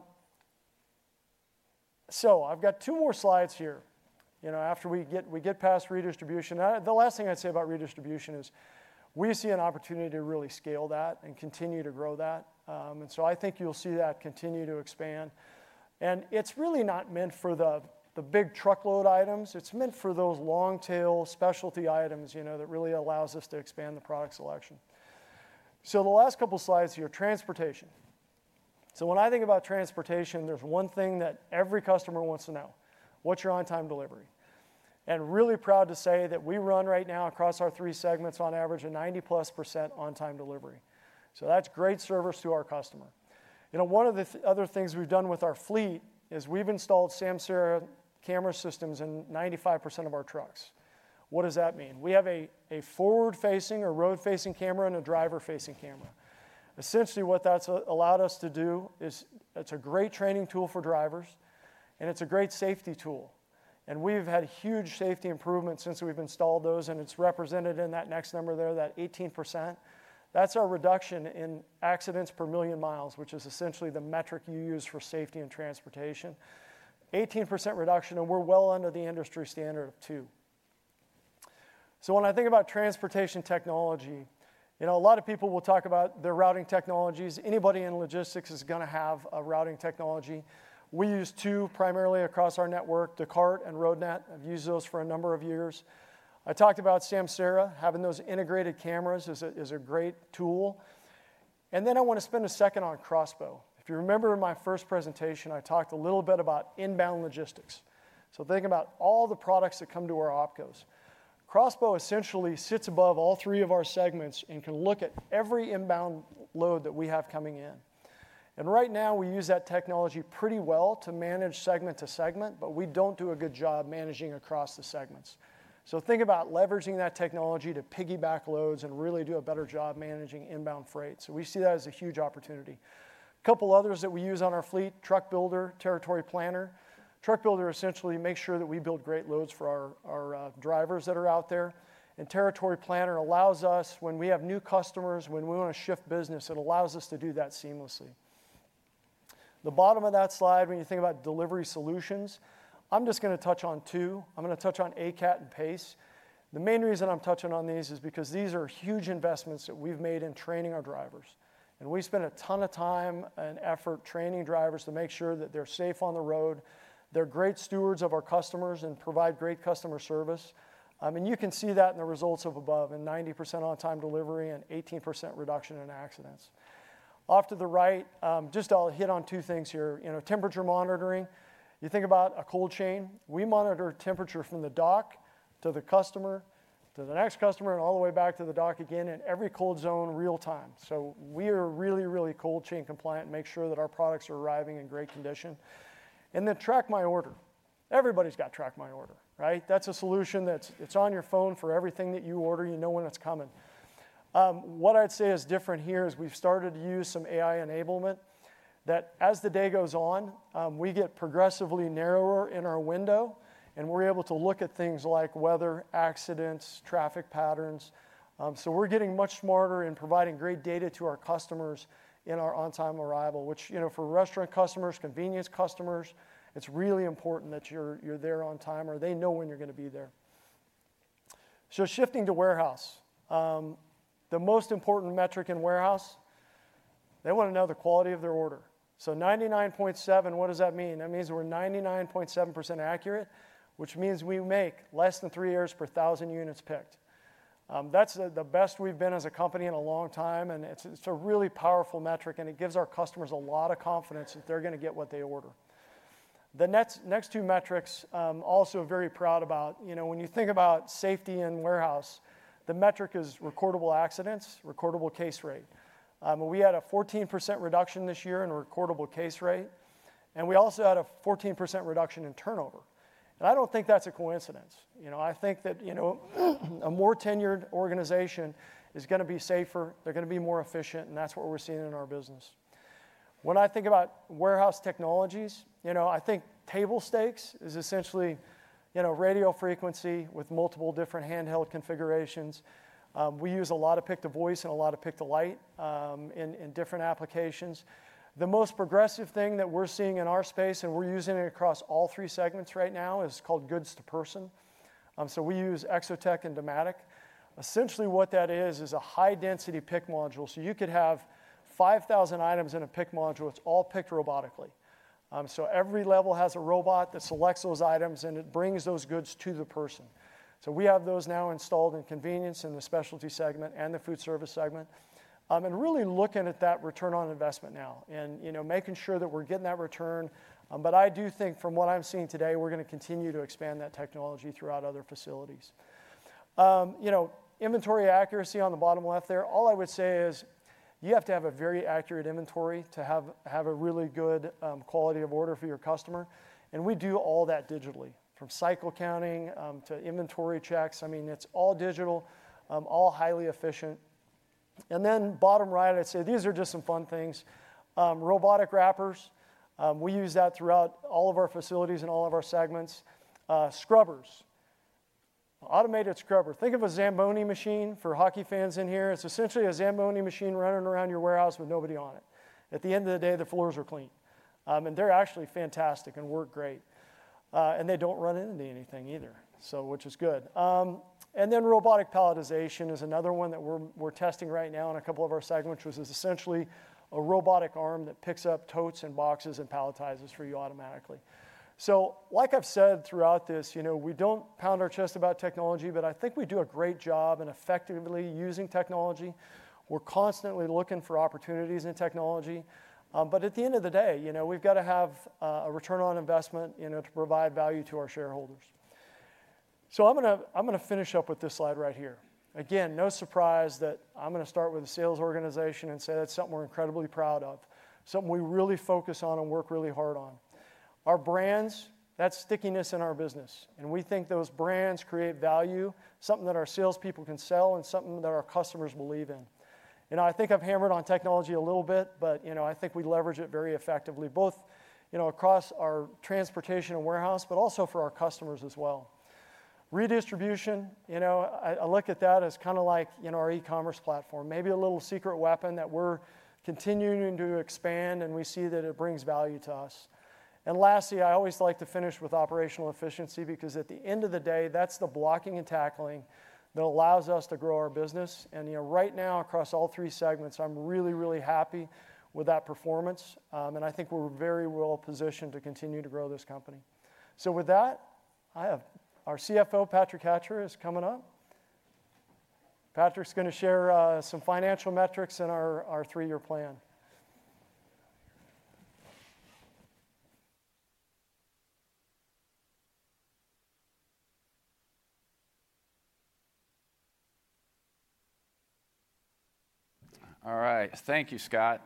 got two more slides here. After we get past redistribution, the last thing I'd say about redistribution is we see an opportunity to really scale that and continue to grow that. I think you'll see that continue to expand. It's really not meant for the big truckload items. It's meant for those long-tail specialty items that really allow us to expand the product selection. The last couple of slides here, transportation. When I think about transportation, there's one thing that every customer wants to know: what's your on-time delivery? Really proud to say that we run right now across our three segments on average a 90%+ on-time delivery. That is great service to our customer. One of the other things we have done with our fleet is we have installed Samsara camera systems in 95% of our trucks. What does that mean? We have a forward-facing or road-facing camera and a driver-facing camera. Essentially, what that has allowed us to do is it is a great training tool for drivers, and it is a great safety tool. We have had huge safety improvements since we have installed those, and it is represented in that next number there, that 18%. That is our reduction in accidents per million miles, which is essentially the metric you use for safety and transportation: 18% reduction, and we are well under the industry standard of two. When I think about transportation technology, a lot of people will talk about their routing technologies. Anybody in logistics is going to have a routing technology. We use two primarily across our network: Descartes and Roadnet. I've used those for a number of years. I talked about Samsara having those integrated cameras is a great tool. I want to spend a second on Crossbow. If you remember my first presentation, I talked a little bit about inbound logistics. Think about all the products that come to our OpCos. Crossbow essentially sits above all three of our segments and can look at every inbound load that we have coming in. Right now, we use that technology pretty well to manage segment to segment, but we do not do a good job managing across the segments. Think about leveraging that technology to piggyback loads and really do a better job managing inbound freight. We see that as a huge opportunity. A couple of others that we use on our fleet: Truck Builder, Territory Planner. Truck Builder essentially makes sure that we build great loads for our drivers that are out there. Territory Planner allows us, when we have new customers, when we want to shift business, it allows us to do that seamlessly. The bottom of that slide, when you think about delivery solutions, I'm just going to touch on two. I'm going to touch on ACAT and PACE. The main reason I'm touching on these is because these are huge investments that we've made in training our drivers. We spend a ton of time and effort training drivers to make sure that they're safe on the road. They're great stewards of our customers and provide great customer service. You can see that in the results above: 90% on-time delivery and 18% reduction in accidents. Off to the right, I'll hit on two things here: temperature monitoring. You think about a cold chain. We monitor temperature from the dock to the customer, to the next customer, and all the way back to the dock again in every cold zone real-time. We are really, really cold chain compliant and make sure that our products are arriving in great condition. Then Track My Order. Everybody's got Track My Order, right? That's a solution that's on your phone for everything that you order. You know when it's coming. What I'd say is different here is we've started to use some AI enablement that, as the day goes on, we get progressively narrower in our window, and we're able to look at things like weather, accidents, traffic patterns. We're getting much smarter in providing great data to our customers in our on-time arrival, which for Restaurant customers, Convenience customers, it's really important that you're there on time or they know when you're going to be there. Shifting to Warehouse. The most important metric in Warehouse, they want to know the quality of their order. So 99.7, what does that mean? That means we're 99.7% accurate, which means we make less than three errors per 1,000 units picked. That's the best we've been as a Company in a long time, and it's a really powerful metric, and it gives our customers a lot of confidence that they're going to get what they order. The next two metrics, also very proud about, when you think about safety in Warehouse, the metric is recordable accidents, recordable case rate. We had a 14% reduction this year in recordable case rate, and we also had a 14% reduction in turnover. I don't think that's a coincidence. I think that a more tenured organization is going to be safer. They're going to be more efficient, and that's what we're seeing in our business. When I think about Warehouse technologies, I think table stakes is essentially radio frequency with multiple different handheld configurations. We use a lot of pick-to-voice and a lot of pick-to-light in different applications. The most progressive thing that we're seeing in our space, and we're using it across all three segments right now, is called Goods-to-Person. We use Exotech and Dematic. Essentially, what that is, is a high-density pick module. You could have 5,000 items in a pick module. It's all picked robotically. Every level has a robot that selects those items, and it brings those goods to the person. We have those now installed in Convenience, in the Specialty segment, and the Foodservice segment, and really looking at that return on investment now and making sure that we're getting that return. I do think from what I'm seeing today, we're going to continue to expand that technology throughout other facilities. Inventory accuracy on the bottom left there, all I would say is you have to have a very accurate inventory to have a really good quality of order for your customer. We do all that digitally, from cycle counting to inventory checks. I mean, it's all digital, all highly efficient. On the bottom right, I'd say these are just some fun things. Robotic wrappers, we use that throughout all of our facilities and all of our segments. Scrubbers, automated scrubber. Think of a Zamboni machine for hockey fans in here. It's essentially a Zamboni machine running around your warehouse with nobody on it. At the end of the day, the floors are clean, and they're actually fantastic and work great. They don't run into anything either, which is good. Robotic palletization is another one that we're testing right now in a couple of our segments, which is essentially a robotic arm that picks up totes and boxes and palletizes for you automatically. Like I've said throughout this, we don't pound our chest about technology, but I think we do a great job in effectively using technology. We're constantly looking for opportunities in technology. At the end of the day, we've got to have a return on investment to provide value to our shareholders. I'm going to finish up with this slide right here. Again, no surprise that I'm going to start with a sales organization and say that's something we're incredibly proud of, something we really focus on and work really hard on. Our brands, that's stickiness in our business. We think those brands create value, something that our salespeople can sell and something that our customers believe in. I think I've hammered on technology a little bit, but I think we leverage it very effectively both across our Transportation and Warehouse, but also for our customers as well. Redistribution, I look at that as kind of like our e-commerce platform, maybe a little secret weapon that we're continuing to expand, and we see that it brings value to us. Lastly, I always like to finish with operational efficiency because at the end of the day, that's the blocking and tackling that allows us to grow our business. Right now, across all three segments, I'm really, really happy with that performance. I think we're very well positioned to continue to grow this Company. With that, our CFO, Patrick Hatcher, is coming up. Patrick's going to share some financial metrics in our three-year plan. All right. Thank you, Scott.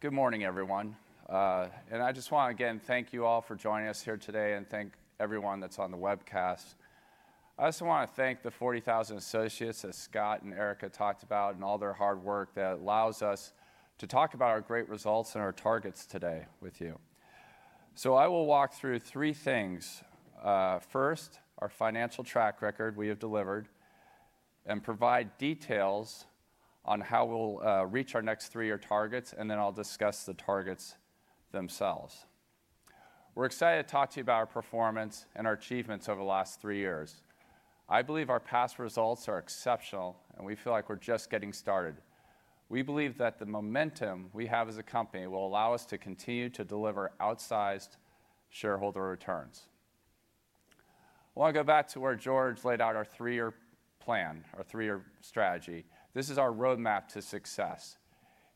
Good morning, everyone. I just want to, again, thank you all for joining us here today and thank everyone that's on the webcast. I also want to thank the 40,000 associates that Scott and Erica talked about and all their hard work that allows us to talk about our great results and our targets today with you. I will walk through three things. First, our financial track record we have delivered and provide details on how we'll reach our next three-year targets, and then I'll discuss the targets themselves. We're excited to talk to you about our performance and our achievements over the last three years. I believe our past results are exceptional, and we feel like we're just getting started. We believe that the momentum we have as a company will allow us to continue to deliver outsized shareholder returns. I want to go back to where George laid out our three-year plan, our three-year strategy. This is our roadmap to success.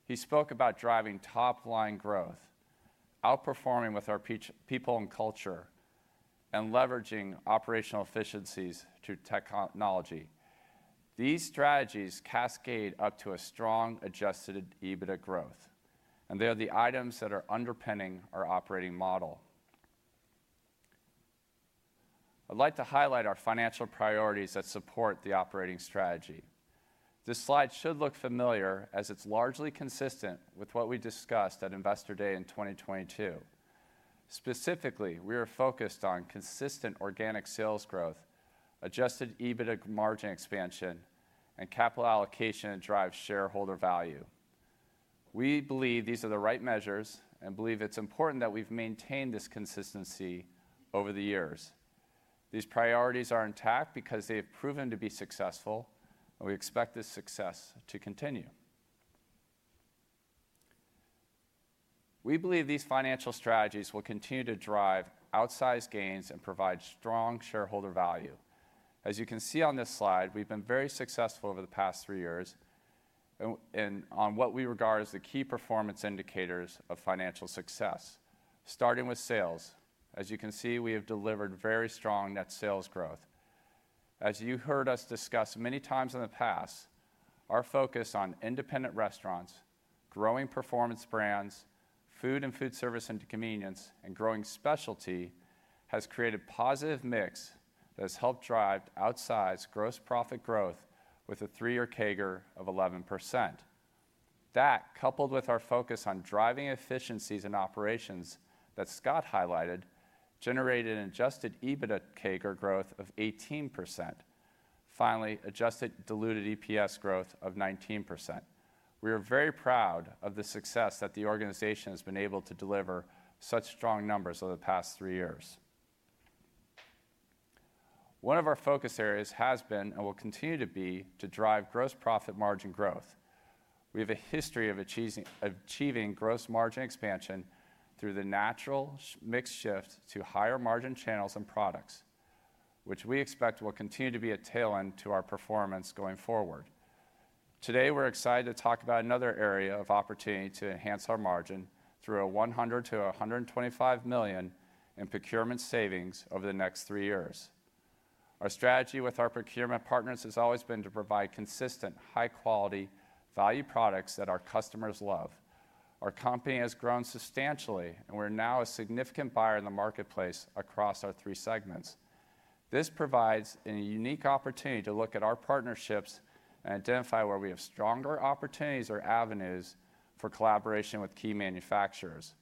He spoke about driving top-line growth, outperforming with our people and culture, and leveraging operational efficiencies to technology. These strategies cascade up to a strong adjusted EBITDA growth, and they are the items that are underpinning our operating model. I'd like to highlight our financial priorities that support the operating strategy. This slide should look familiar as it's largely consistent with what we discussed at Investor Day in 2022. Specifically, we are focused on consistent organic sales growth, adjusted EBITDA margin expansion, and capital allocation that drives shareholder value. We believe these are the right measures and believe it's important that we've maintained this consistency over the years. These priorities are intact because they have proven to be successful, and we expect this success to continue. We believe these financial strategies will continue to drive outsized gains and provide strong shareholder value. As you can see on this slide, we've been very successful over the past three years on what we regard as the key performance indicators of financial success, starting with sales. As you can see, we have delivered very strong net sales growth. As you heard us discuss many times in the past, our focus on Independent Restaurants, growing Performance brands, Food and Foodservice and Convenience, and growing Specialty has created a positive mix that has helped drive outsized gross profit growth with a three-year CAGR of 11%. That, coupled with our focus on driving efficiencies and operations that Scott highlighted, generated an adjusted EBITDA CAGR growth of 18%, finally, adjusted diluted EPS growth of 19%. We are very proud of the success that the organization has been able to deliver such strong numbers over the past three years. One of our focus areas has been and will continue to be to drive gross profit margin growth. We have a history of achieving gross margin expansion through the natural mix shift to higher margin channels and products, which we expect will continue to be a tail end to our performance going forward. Today, we're excited to talk about another area of opportunity to enhance our margin through a $100 million-$125 million in procurement savings over the next three years. Our strategy with our procurement partners has always been to provide consistent, high-quality, value products that our customers love. Our Company has grown substantially, and we're now a significant buyer in the marketplace across our three segments. This provides a unique opportunity to look at our partnerships and identify where we have stronger opportunities or avenues for collaboration with key manufacturers.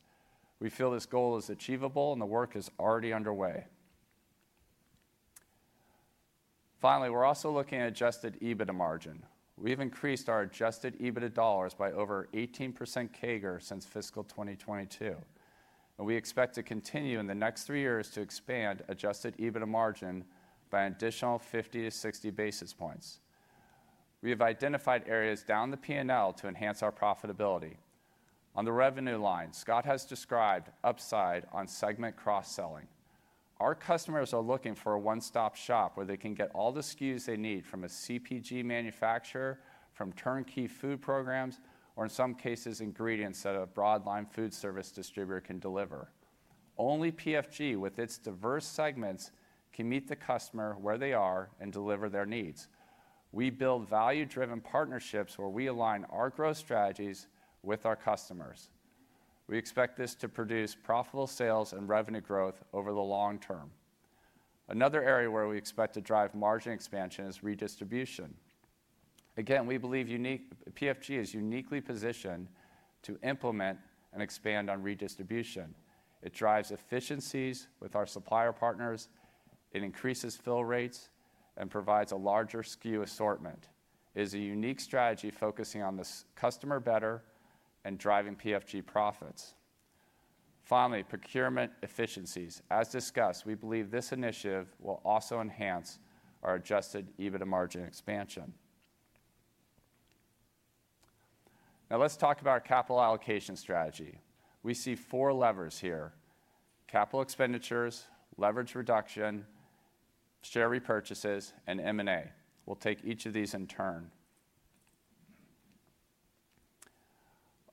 We feel this goal is achievable, and the work is already underway. Finally, we're also looking at adjusted EBITDA margin. We've increased our adjusted EBITDA dollars by over 18% CAGR since fiscal 2022. We expect to continue in the next three years to expand adjusted EBITDA margin by an additional 50-60 basis points. We have identified areas down the P&L to enhance our profitability. On the revenue line, Scott has described upside on segment cross-selling. Our customers are looking for a one-stop shop where they can get all the SKUs they need from a CPG manufacturer, from turnkey food programs, or in some cases, ingredients that a broadline Foodservice distributor can deliver. Only PFG, with its diverse segments, can meet the customer where they are and deliver their needs. We build value-driven partnerships where we align our growth strategies with our customers. We expect this to produce profitable sales and revenue growth over the long term. Another area where we expect to drive margin expansion is redistribution. Again, we believe PFG is uniquely positioned to implement and expand on redistribution. It drives efficiencies with our supplier partners. It increases fill rates and provides a larger SKU assortment. It is a unique strategy focusing on the customer better and driving PFG profits. Finally, procurement efficiencies. As discussed, we believe this initiative will also enhance our adjusted EBITDA margin expansion. Now, let's talk about our capital allocation strategy. We see four levers here: capital expenditures, leverage reduction, share repurchases, and M&A. We'll take each of these in turn.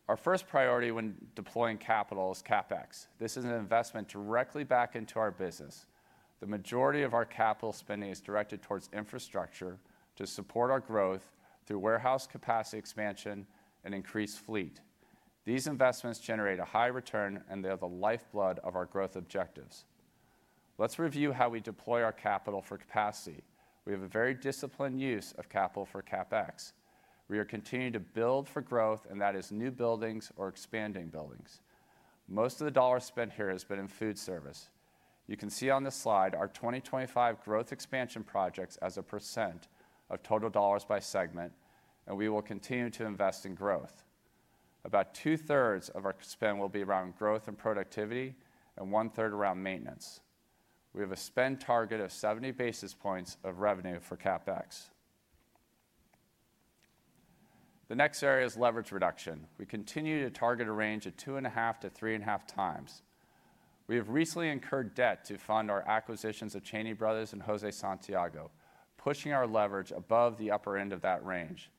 Our first priority when deploying capital is CapEx. This is an investment directly back into our business. The majority of our capital spending is directed towards infrastructure to support our growth through warehouse capacity expansion and increased fleet. These investments generate a high return, and they are the lifeblood of our growth objectives. Let's review how we deploy our capital for capacity. We have a very disciplined use of capital for CapEx. We are continuing to build for growth, and that is new buildings or expanding buildings. Most of the dollars spent here have been in Foodservice. You can see on the slide our 2025 growth expansion projects as a % of total dollars by segment, and we will continue to invest in growth. About 2/3 of our spend will be around growth and productivity, and 1/3 around maintenance. We have a spend target of 70 basis points of revenue for CapEx. The next area is leverage reduction. We continue to target a range of 2.5x-3.5x. We have recently incurred debt to fund our acquisitions of Cheney Brothers and José Santiago, pushing our leverage above the upper end of that range.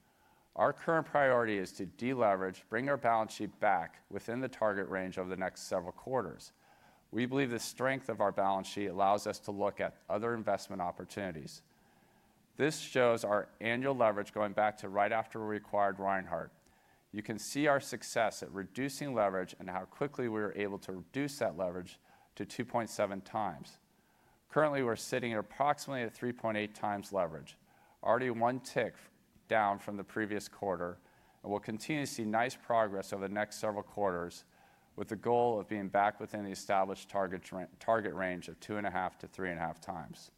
Our current priority is to deleverage, bring our balance sheet back within the target range over the next several quarters. We believe the strength of our balance sheet allows us to look at other investment opportunities. This shows our annual leverage going back to right after we acquired Reinhart. You can see our success at reducing leverage and how quickly we were able to reduce that leverage to 2.7x. Currently, we're sitting at approximately a 3.8x leverage, already one tick down from the previous quarter, and we'll continue to see nice progress over the next several quarters with the goal of being back within the established target range of 2.5x-3.5x.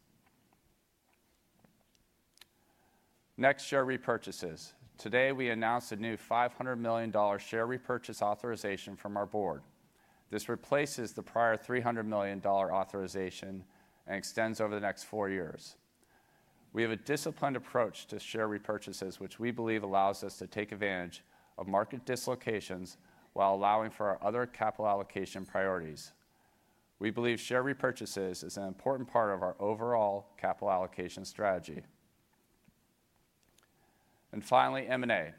Next, share repurchases. Today, we announced a new $500 million share repurchase authorization from our board. This replaces the prior $300 million authorization and extends over the next four years. We have a disciplined approach to share repurchases, which we believe allows us to take advantage of market dislocations while allowing for our other capital allocation priorities. We believe share repurchases is an important part of our overall capital allocation strategy. Finally, M&A.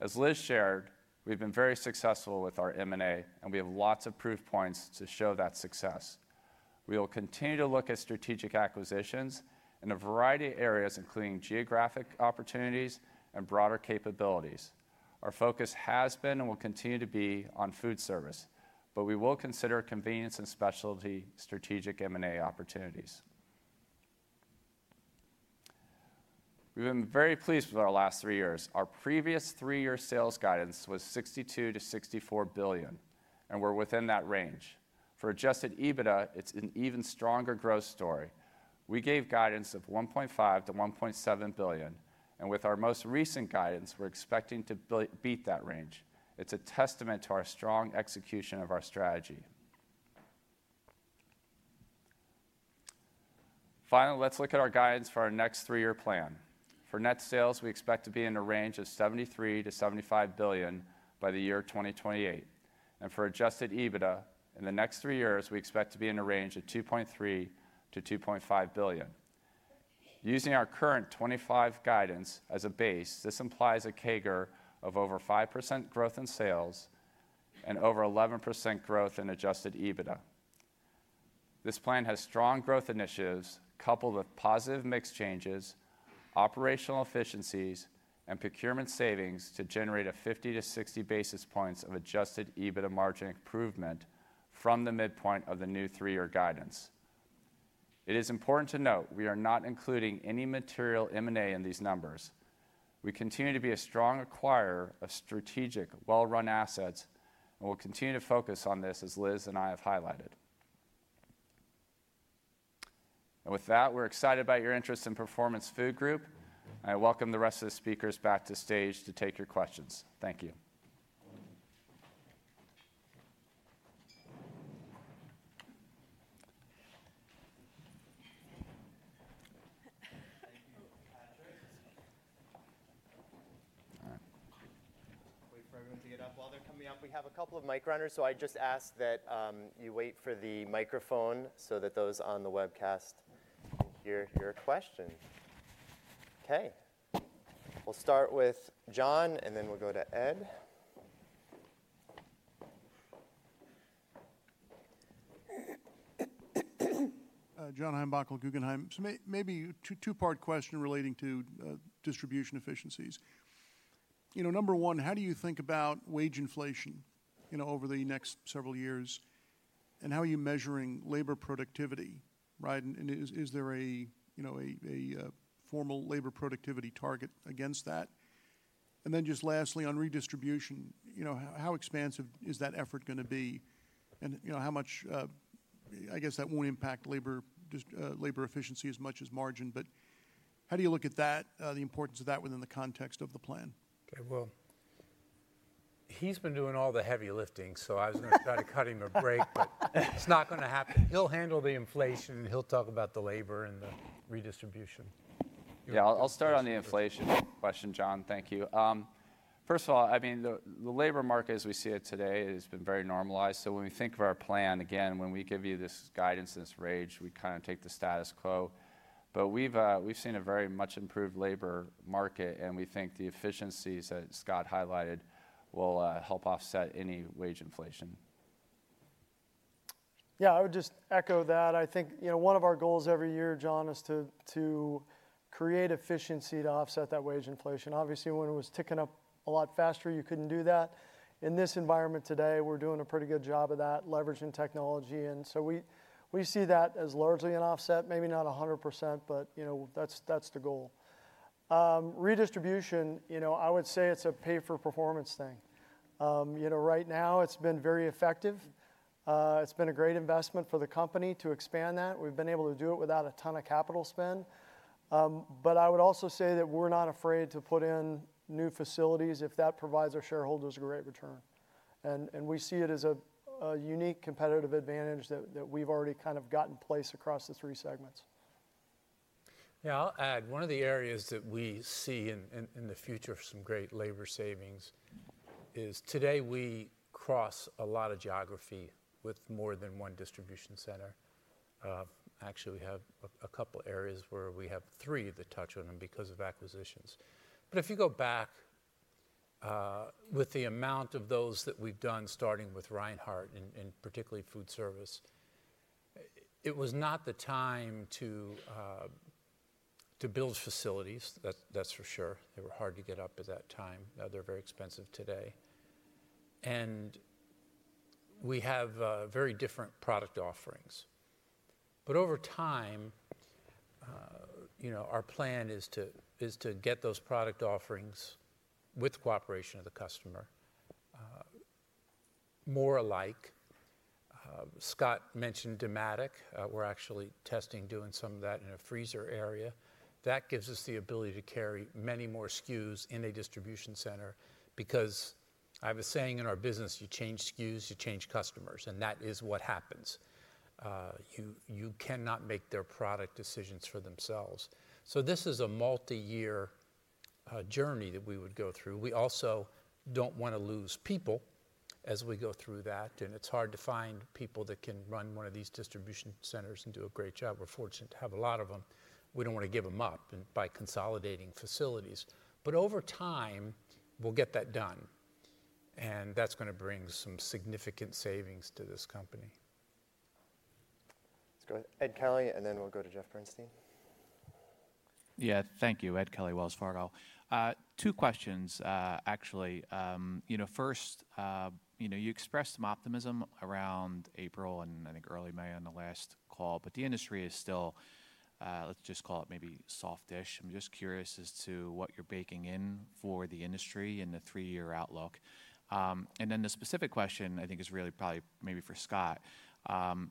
As Liz shared, we've been very successful with our M&A, and we have lots of proof points to show that success. We will continue to look at strategic acquisitions in a variety of areas, including geographic opportunities and broader capabilities. Our focus has been and will continue to be on Foodservice, but we will consider Convenience and Specialty strategic M&A opportunities. We've been very pleased with our last three years. Our previous three-year sales guidance was $62 billion-$64 billion, and we're within that range. For adjusted EBITDA, it's an even stronger growth story. We gave guidance of $1.5 billion-$1.7 billion, and with our most recent guidance, we're expecting to beat that range. It's a testament to our strong execution of our strategy. Finally, let's look at our guidance for our next three-year plan. For net sales, we expect to be in a range of $73 billion-$75 billion by the year 2028. For adjusted EBITDA, in the next three years, we expect to be in a range of $2.3 billion-$2.5 billion. Using our current 2025 guidance as a base, this implies a CAGR of over 5% growth in sales and over 11% growth in adjusted EBITDA. This plan has strong growth initiatives coupled with positive mix changes, operational efficiencies, and procurement savings to generate a 50-60 basis points of adjusted EBITDA margin improvement from the midpoint of the new three-year guidance. It is important to note we are not including any material M&A in these numbers. We continue to be a strong acquirer of strategic, well-run assets, and we'll continue to focus on this as Liz and I have highlighted. We are excited about your interest in Performance Food Group, and I welcome the rest of the speakers back to stage to take your questions. Thank you. Wait for everyone to get up. While they're coming up, we have a couple of mic runners, so I just ask that you wait for the microphone so that those on the webcast can hear your question. Okay. We'll start with John, and then we'll go to Ed. John Heinbockel, Guggenheim. Maybe a two-part question relating to distribution efficiencies. Number one, how do you think about wage inflation over the next several years, and how are you measuring labor productivity? Is there a formal labor productivity target against that? Lastly, on redistribution, how expansive is that effort going to be? How much, I guess that will not impact labor efficiency as much as margin, but how do you look at that, the importance of that within the context of the plan? Okay. He's been doing all the heavy lifting, so I was going to try to cut him a break, but it's not going to happen. He'll handle the inflation, and he'll talk about the labor and the redistribution. Yeah. I'll start on the inflation question, John. Thank you. First of all, I mean, the labor market, as we see it today, has been very normalized. So when we think of our plan, again, when we give you this guidance and this range, we kind of take the status quo. We've seen a very much improved labor market, and we think the efficiencies that Scott highlighted will help offset any wage inflation. Yeah. I would just echo that. I think one of our goals every year, John, is to create efficiency to offset that wage inflation. Obviously, when it was ticking up a lot faster, you couldn't do that. In this environment today, we're doing a pretty good job of that, leveraging technology. We see that as largely an offset, maybe not 100%, but that's the goal. Redistribution, I would say it's a pay-for-performance thing. Right now, it's been very effective. It's been a great investment for the Company to expand that. We've been able to do it without a ton of capital spend. I would also say that we're not afraid to put in new facilities if that provides our shareholders a great return. We see it as a unique competitive advantage that we've already kind of got in place across the three segments. Yeah. I'll add one of the areas that we see in the future for some great labor savings is today we cross a lot of geography with more than one distribution center. Actually, we have a couple of areas where we have three that touch on them because of acquisitions. If you go back with the amount of those that we've done, starting with Reinhart and particularly Foodservice, it was not the time to build facilities, that's for sure. They were hard to get up at that time. Now they're very expensive today. We have very different product offerings. Over time, our plan is to get those product offerings, with cooperation of the customer, more alike. Scott mentioned Dematic. We're actually testing doing some of that in a freezer area. That gives us the ability to carry many more SKUs in a distribution center because, as I was saying, in our business, you change SKUs, you change customers, and that is what happens. You cannot make their product decisions for themselves. This is a multi-year journey that we would go through. We also do not want to lose people as we go through that. It is hard to find people that can run one of these distribution centers and do a great job. We are fortunate to have a lot of them. We do not want to give them up by consolidating facilities. Over time, we will get that done. That is going to bring some significant savings to this company. Ed Kelly, and then we will go to Jeff Bernstein. Yeah. Thank you. Ed Kelly, Wells Fargo. Two questions, actually. First, you expressed some optimism around April and I think early May on the last call, but the industry is still, let us just call it maybe soft-ish. I am just curious as to what you are baking in for the industry in the three-year outlook. Then the specific question, I think, is really probably maybe for Scott.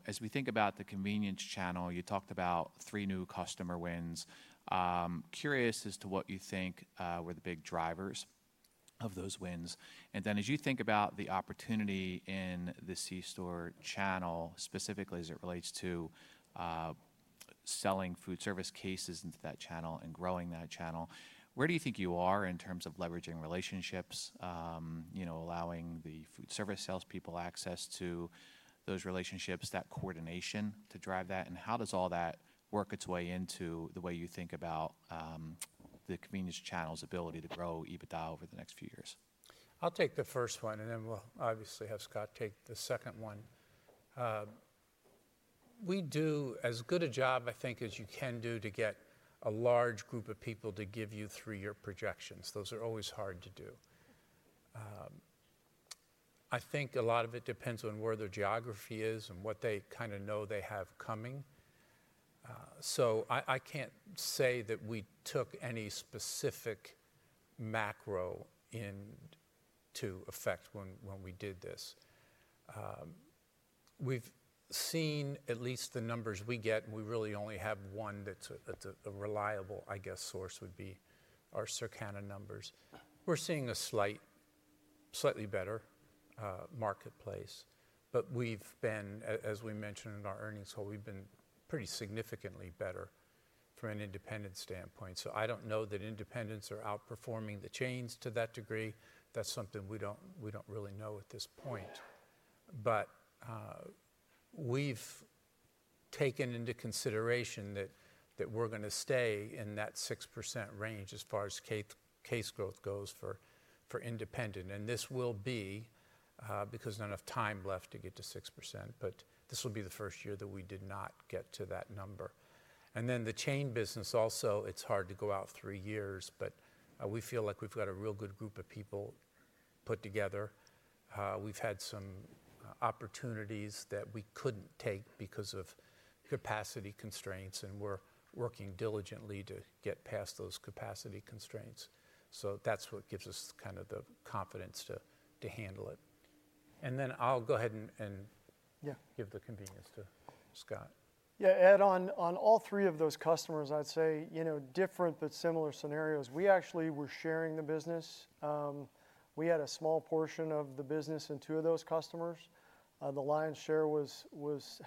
As we think about the Convenience channel, you talked about three new customer wins. Curious as to what you think were the big drivers of those wins. Then as you think about the opportunity in the C-Store channel, specifically as it relates to selling Foodservice cases into that channel and growing that channel, where do you think you are in terms of leveraging relationships, allowing the Foodservice salespeople access to those relationships, that coordination to drive that? How does all that work its way into the way you think about the Convenience channel's ability to grow EBITDA over the next few years? I'll take the first one, and then we'll obviously have Scott take the second one. We do as good a job, I think, as you can do to get a large group of people to give you three-year projections. Those are always hard to do. I think a lot of it depends on where their geography is and what they kind of know they have coming. I can't say that we took any specific macro into effect when we did this. We've seen at least the numbers we get, and we really only have one that's a reliable, I guess, source would be our Circana numbers. We're seeing a slightly better marketplace, but we've been, as we mentioned in our earnings call, we've been pretty significantly better from an independence standpoint. I don't know that independents are outperforming the chains to that degree. That's something we don't really know at this point. We have taken into consideration that we are going to stay in that 6% range as far as case growth goes for independent. This will be because there is not enough time left to get to 6%, but this will be the first year that we did not get to that number. The Chain business also, it is hard to go out three years, but we feel like we have got a real good group of people put together. We have had some opportunities that we could not take because of capacity constraints, and we are working diligently to get past those capacity constraints. That is what gives us kind of the confidence to handle it. I will go ahead and give the Convenience to Scott. Yeah. Ed, on all three of those customers, I would say different but similar scenarios. We actually were sharing the business. We had a small portion of the business in two of those customers. The lion's share was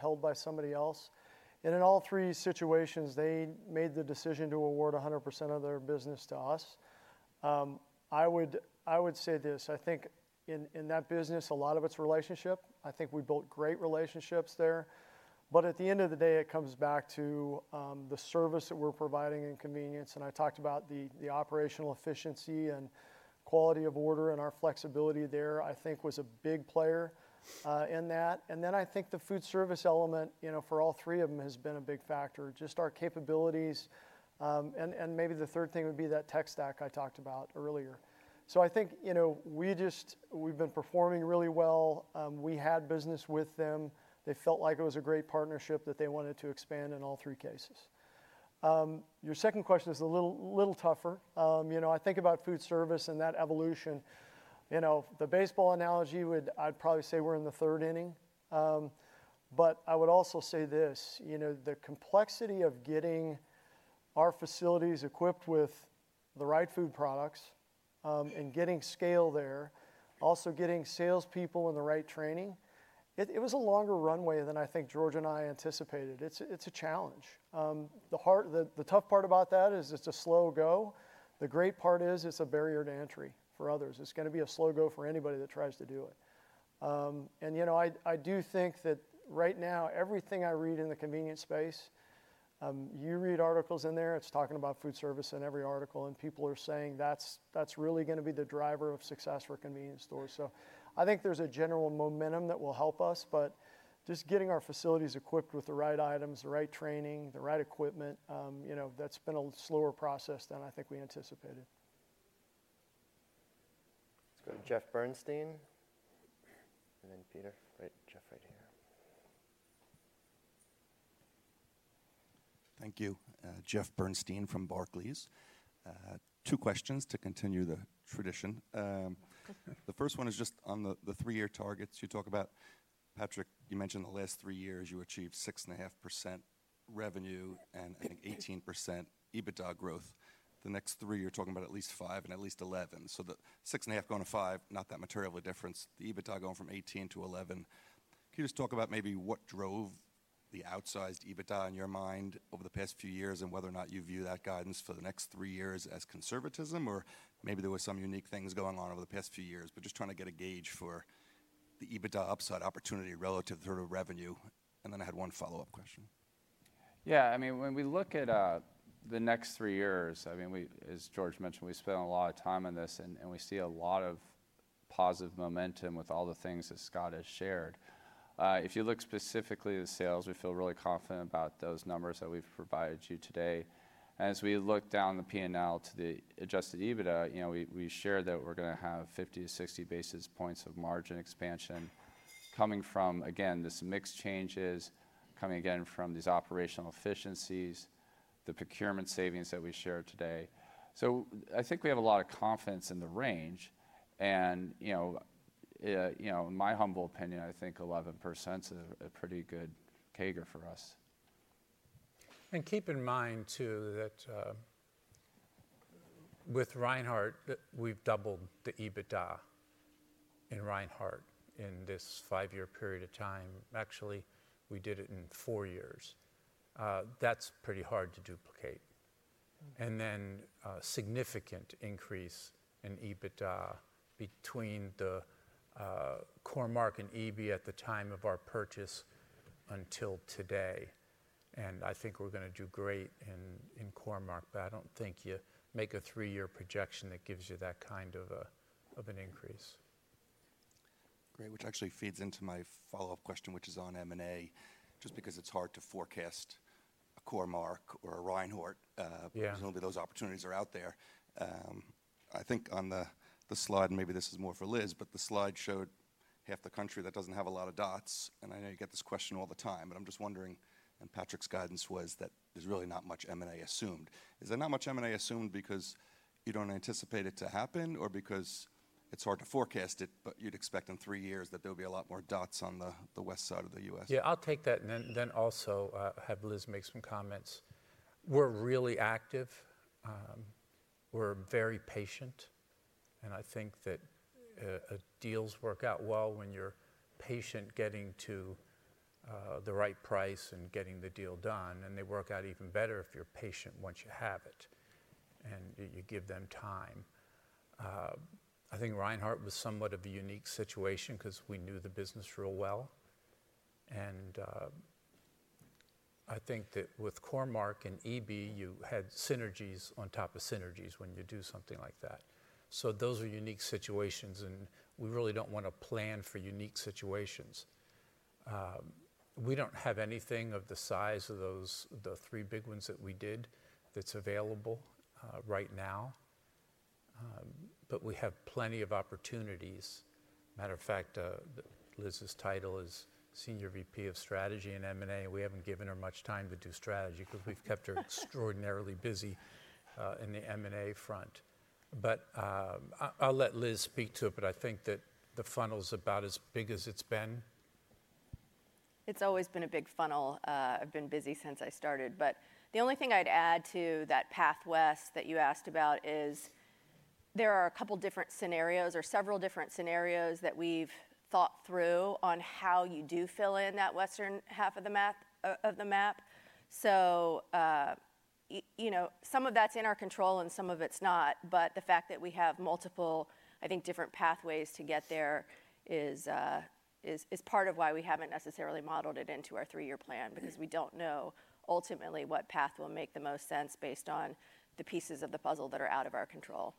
held by somebody else. In all three situations, they made the decision to award 100% of their business to us. I would say this. I think in that business, a lot of it's relationship. I think we built great relationships there. At the end of the day, it comes back to the service that we're providing and Convenience. I talked about the operational efficiency and quality of order and our flexibility there, I think, was a big player in that. I think the Foodservice element for all three of them has been a big factor, just our capabilities. Maybe the third thing would be that tech stack I talked about earlier. I think we've been performing really well. We had business with them. They felt like it was a great partnership that they wanted to expand in all three cases. Your second question is a little tougher. I think about Foodservice and that evolution. The baseball analogy, I'd probably say we're in the third inning. I would also say this. The complexity of getting our facilities equipped with the right food products and getting scale there, also getting salespeople in the right training, it was a longer runway than I think George and I anticipated. It's a challenge. The tough part about that is it's a slow go. The great part is it's a barrier to entry for others. It's going to be a slow go for anybody that tries to do it. I do think that right now, everything I read in the Convenience space, you read articles in there, it's talking about Foodservice in every article, and people are saying that's really going to be the driver of success for Convenience stores. I think there's a general momentum that will help us. Just getting our facilities equipped with the right items, the right training, the right equipment, that's been a slower process than I think we anticipated. Let's go to Jeff Bernstein. And then Peter. Jeff right here. Thank you. Jeff Bernstein from Barclays. Two questions to continue the tradition. The first one is just on the three-year targets. You talk about, Patrick, you mentioned the last three years you achieved 6.5% revenue and I think 18% EBITDA growth. The next three you're talking about at least 5% and at least 11%. The 6.5 going to 5, not that material of a difference. The EBITDA going from 18 to 11. Can you just talk about maybe what drove the outsized EBITDA in your mind over the past few years and whether or not you view that guidance for the next three years as conservatism, or maybe there were some unique things going on over the past few years, just trying to get a gauge for the EBITDA upside opportunity relative to revenue. I had one follow-up question. Yeah. I mean, when we look at the next three years, as George mentioned, we spent a lot of time on this, and we see a lot of positive momentum with all the things that Scott has shared. If you look specifically at sales, we feel really confident about those numbers that we've provided you today. As we look down the P&L to the adjusted EBITDA, we share that we're going to have 50-60 basis points of margin expansion coming from, again, this mixed changes coming again from these operational efficiencies, the procurement savings that we shared today. I think we have a lot of confidence in the range. In my humble opinion, I think 11% is a pretty good CAGR for us. Keep in mind too that with Reinhart, we've doubled the EBITDA in Reinhart in this five-year period of time. Actually, we did it in four years. That's pretty hard to duplicate. Then a significant increase in EBITDA between the Core-Mark and EBIT at the time of our purchase until today. I think we're going to do great in Core-Mark, but I don't think you make a three-year projection that gives you that kind of an increase. Great. Which actually feeds into my follow-up question, which is on M&A, just because it's hard to forecast a Core-Mark or a Reinhart as long as those opportunities are out there. I think on the slide, and maybe this is more for Liz, but the slide showed half the country that doesn't have a lot of dots. I know you get this question all the time, but I'm just wondering, and Patrick's guidance was that there's really not much M&A assumed. Is there not much M&A assumed because you do not anticipate it to happen or because it is hard to forecast it, but you would expect in three years that there will be a lot more dots on the west side of the U.S.? Yeah. I will take that and then also have Liz make some comments. We are really active. We are very patient. I think that deals work out well when you are patient getting to the right price and getting the deal done. They work out even better if you are patient once you have it and you give them time. I think Reinhart was somewhat of a unique situation because we knew the business real well. I think that with Core-Mark and EB, you had synergies on top of synergies when you do something like that. Those are unique situations, and we really do not want to plan for unique situations. We don't have anything of the size of the three big ones that we did that's available right now, but we have plenty of opportunities. Matter of fact, Liz's title is Senior VP of Strategy in M&A. We haven't given her much time to do strategy because we've kept her extraordinarily busy in the M&A front. I'll let Liz speak to it, but I think that the funnel's about as big as it's been. It's always been a big funnel. I've been busy since I started. The only thing I'd add to that path west that you asked about is there are a couple of different scenarios or several different scenarios that we've thought through on how you do fill in that western half of the map. Some of that's in our control and some of it's not. The fact that we have multiple, I think, different pathways to get there is part of why we have not necessarily modeled it into our three-year plan because we do not know ultimately what path will make the most sense based on the pieces of the puzzle that are out of our control.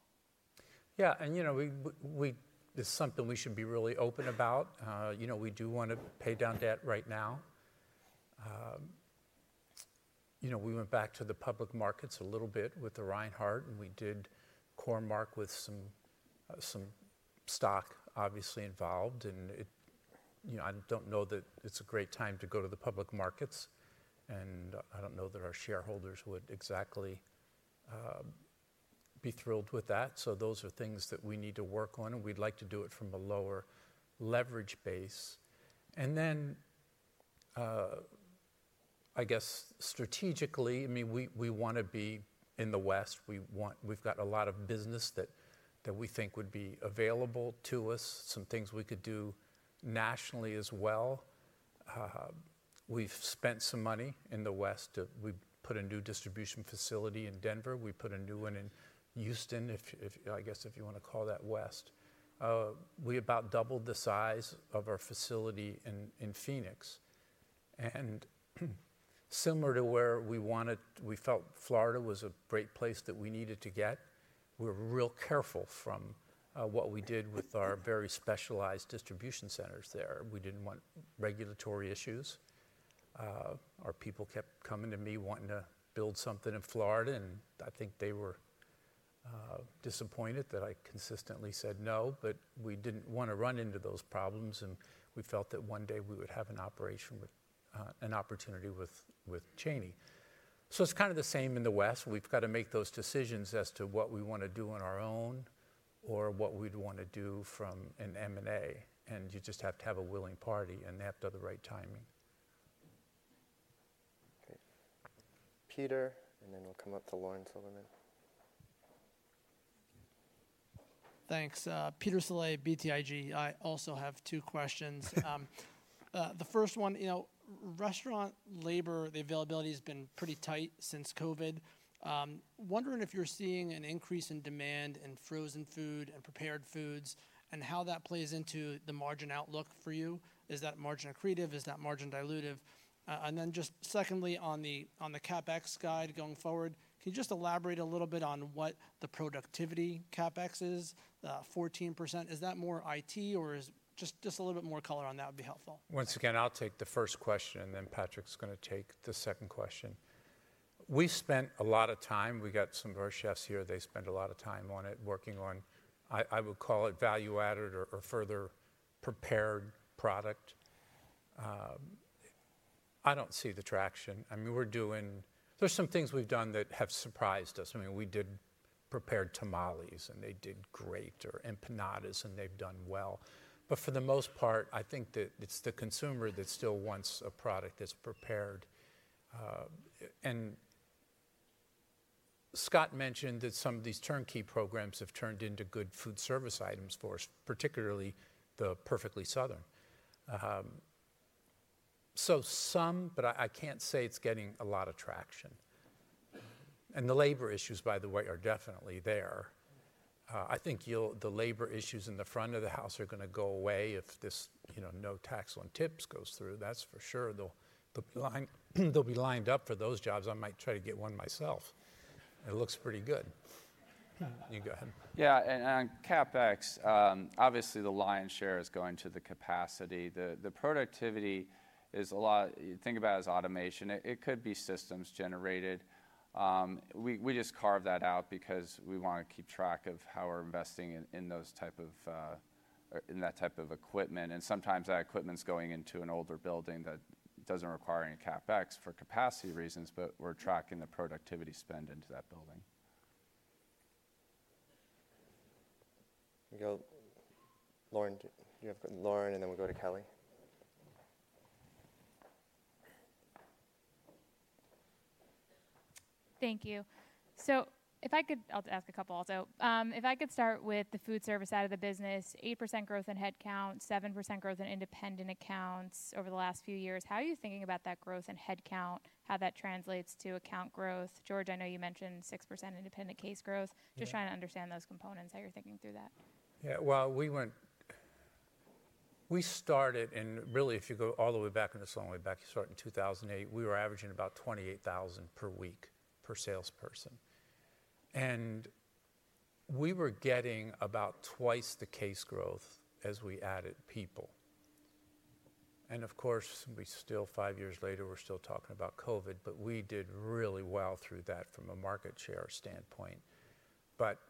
Yeah. It is something we should be really open about. We do want to pay down debt right now. We went back to the public markets a little bit with the Reinhart, and we did Core-Mark with some stock obviously involved. I do not know that it is a great time to go to the public markets, and I do not know that our shareholders would exactly be thrilled with that. Those are things that we need to work on, and we would like to do it from a lower leverage base. I guess strategically, I mean, we want to be in the West. We've got a lot of business that we think would be available to us, some things we could do nationally as well. We've spent some money in the West. We put a new distribution facility in Denver. We put a new one in Houston, I guess if you want to call that West. We about doubled the size of our facility in Phoenix. Similar to where we felt Florida was a great place that we needed to get, we're real careful from what we did with our very specialized distribution centers there. We didn't want regulatory issues. Our people kept coming to me wanting to build something in Florida, and I think they were disappointed that I consistently said no, but we did not want to run into those problems, and we felt that one day we would have an operation with an opportunity with Cheney. It is kind of the same in the West. We have to make those decisions as to what we want to do on our own or what we would want to do from an M&A. You just have to have a willing party and have the right timing. Okay. Peter, and then we will come up to Lauren Silberman. Thanks. Peter Saleh, BTIG. I also have two questions. The first one, restaurant labor, the availability has been pretty tight since COVID. Wondering if you're seeing an increase in demand in frozen food and prepared foods and how that plays into the margin outlook for you. Is that margin accretive? Is that margin dilutive? Secondly, on the CapEx guide going forward, can you just elaborate a little bit on what the productivity CapEx is, 14%? Is that more IT, or just a little bit more color on that would be helpful? Once again, I'll take the first question, and then Patrick's going to take the second question. We spent a lot of time. We got some of our chefs here. They spent a lot of time on it working on, I would call it value-added or further prepared product. I don't see the traction. I mean, there's some things we've done that have surprised us. I mean, we did prepared tamales, and they did great, or empanadas, and they've done well. For the most part, I think that it's the consumer that still wants a product that's prepared. Scott mentioned that some of these turnkey programs have turned into good Foodservice items for us, particularly the Perfectly Southern. Some, but I can't say it's getting a lot of traction. The labor issues, by the way, are definitely there. I think the labor issues in the front of the house are going to go away if this no tax on tips goes through. That's for sure. They'll be lined up for those jobs. I might try to get one myself. It looks pretty good. You can go ahead. Yeah. On CapEx, obviously the lion's share is going to the capacity. The productivity is a lot you think about as automation. It could be systems generated. We just carve that out because we want to keep track of how we're investing in those type of in that type of equipment. And sometimes that equipment's going into an older building that doesn't require any CapEx for capacity reasons, but we're tracking the productivity spend into that building. Lauren, you have a good one. Lauren, and then we'll go to Kelly. Thank you. If I could, I'll ask a couple also. If I could start with the foodservice side of the business, 8% growth in headcount, 7% growth in independent accounts over the last few years. How are you thinking about that growth in headcount, how that translates to account growth? George, I know you mentioned 6% independent case growth. Just trying to understand those components, how you're thinking through that. Yeah. We started, and really if you go all the way back in the song way back, you start in 2008, we were averaging about $28,000 per week per salesperson. We were getting about twice the case growth as we added people. Of course, we still, five years later, we're still talking about COVID, but we did really well through that from a market share standpoint.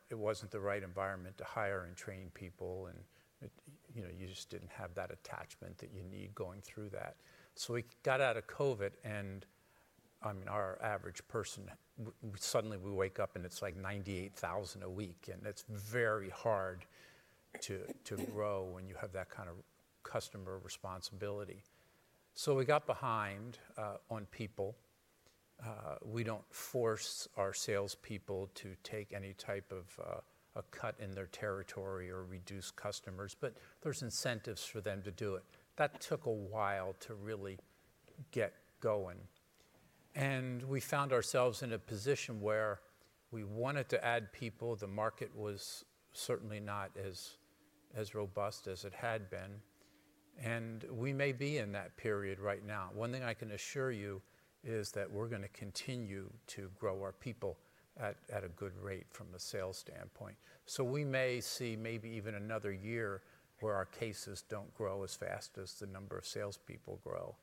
It was not the right environment to hire and train people, and you just did not have that attachment that you need going through that. We got out of COVID, and I mean, our average person, suddenly we wake up and it is like $98,000 a week, and it is very hard to grow when you have that kind of customer responsibility. We got behind on people. We do not force our salespeople to take any type of a cut in their territory or reduce customers, but there are incentives for them to do it. That took a while to really get going. We found ourselves in a position where we wanted to add people. The market was certainly not as robust as it had been. We may be in that period right now. One thing I can assure you is that we are going to continue to grow our people at a good rate from a sales standpoint. We may see maybe even another year where our cases do not grow as fast as the number of salespeople grow.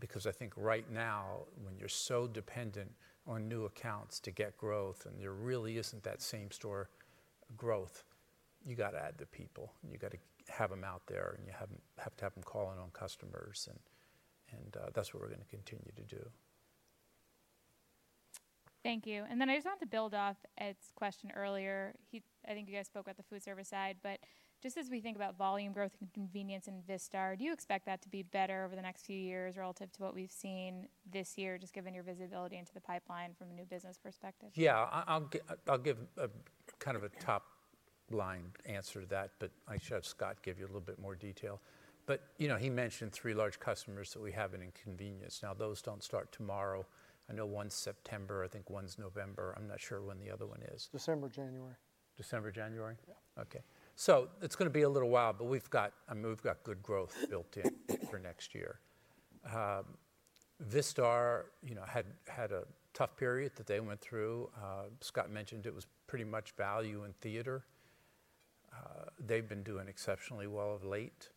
Because I think right now, when you're so dependent on new accounts to get growth and there really isn't that same store growth, you got to add the people and you got to have them out there and you have to have them calling on customers. That's what we're going to continue to do. Thank you. I just want to build off Ed's question earlier. I think you guys spoke about the Foodservice side, but just as we think about volume growth and Convenience in Vistar, do you expect that to be better over the next few years relative to what we've seen this year, just given your visibility into the pipeline from a new business perspective? Yeah. I'll give kind of a top-line answer to that, but I should have Scott give you a little bit more detail. He mentioned three large customers that we have in Convenience. Now, those do not start tomorrow. I know one is September. I think one is November. I am not sure when the other one is. December, January. December, January? Yeah. Okay. It is going to be a little while, but we have got good growth built in for next year. Vistar had a tough period that they went through. Scott mentioned it was pretty much value and theater. They have been doing exceptionally well of late.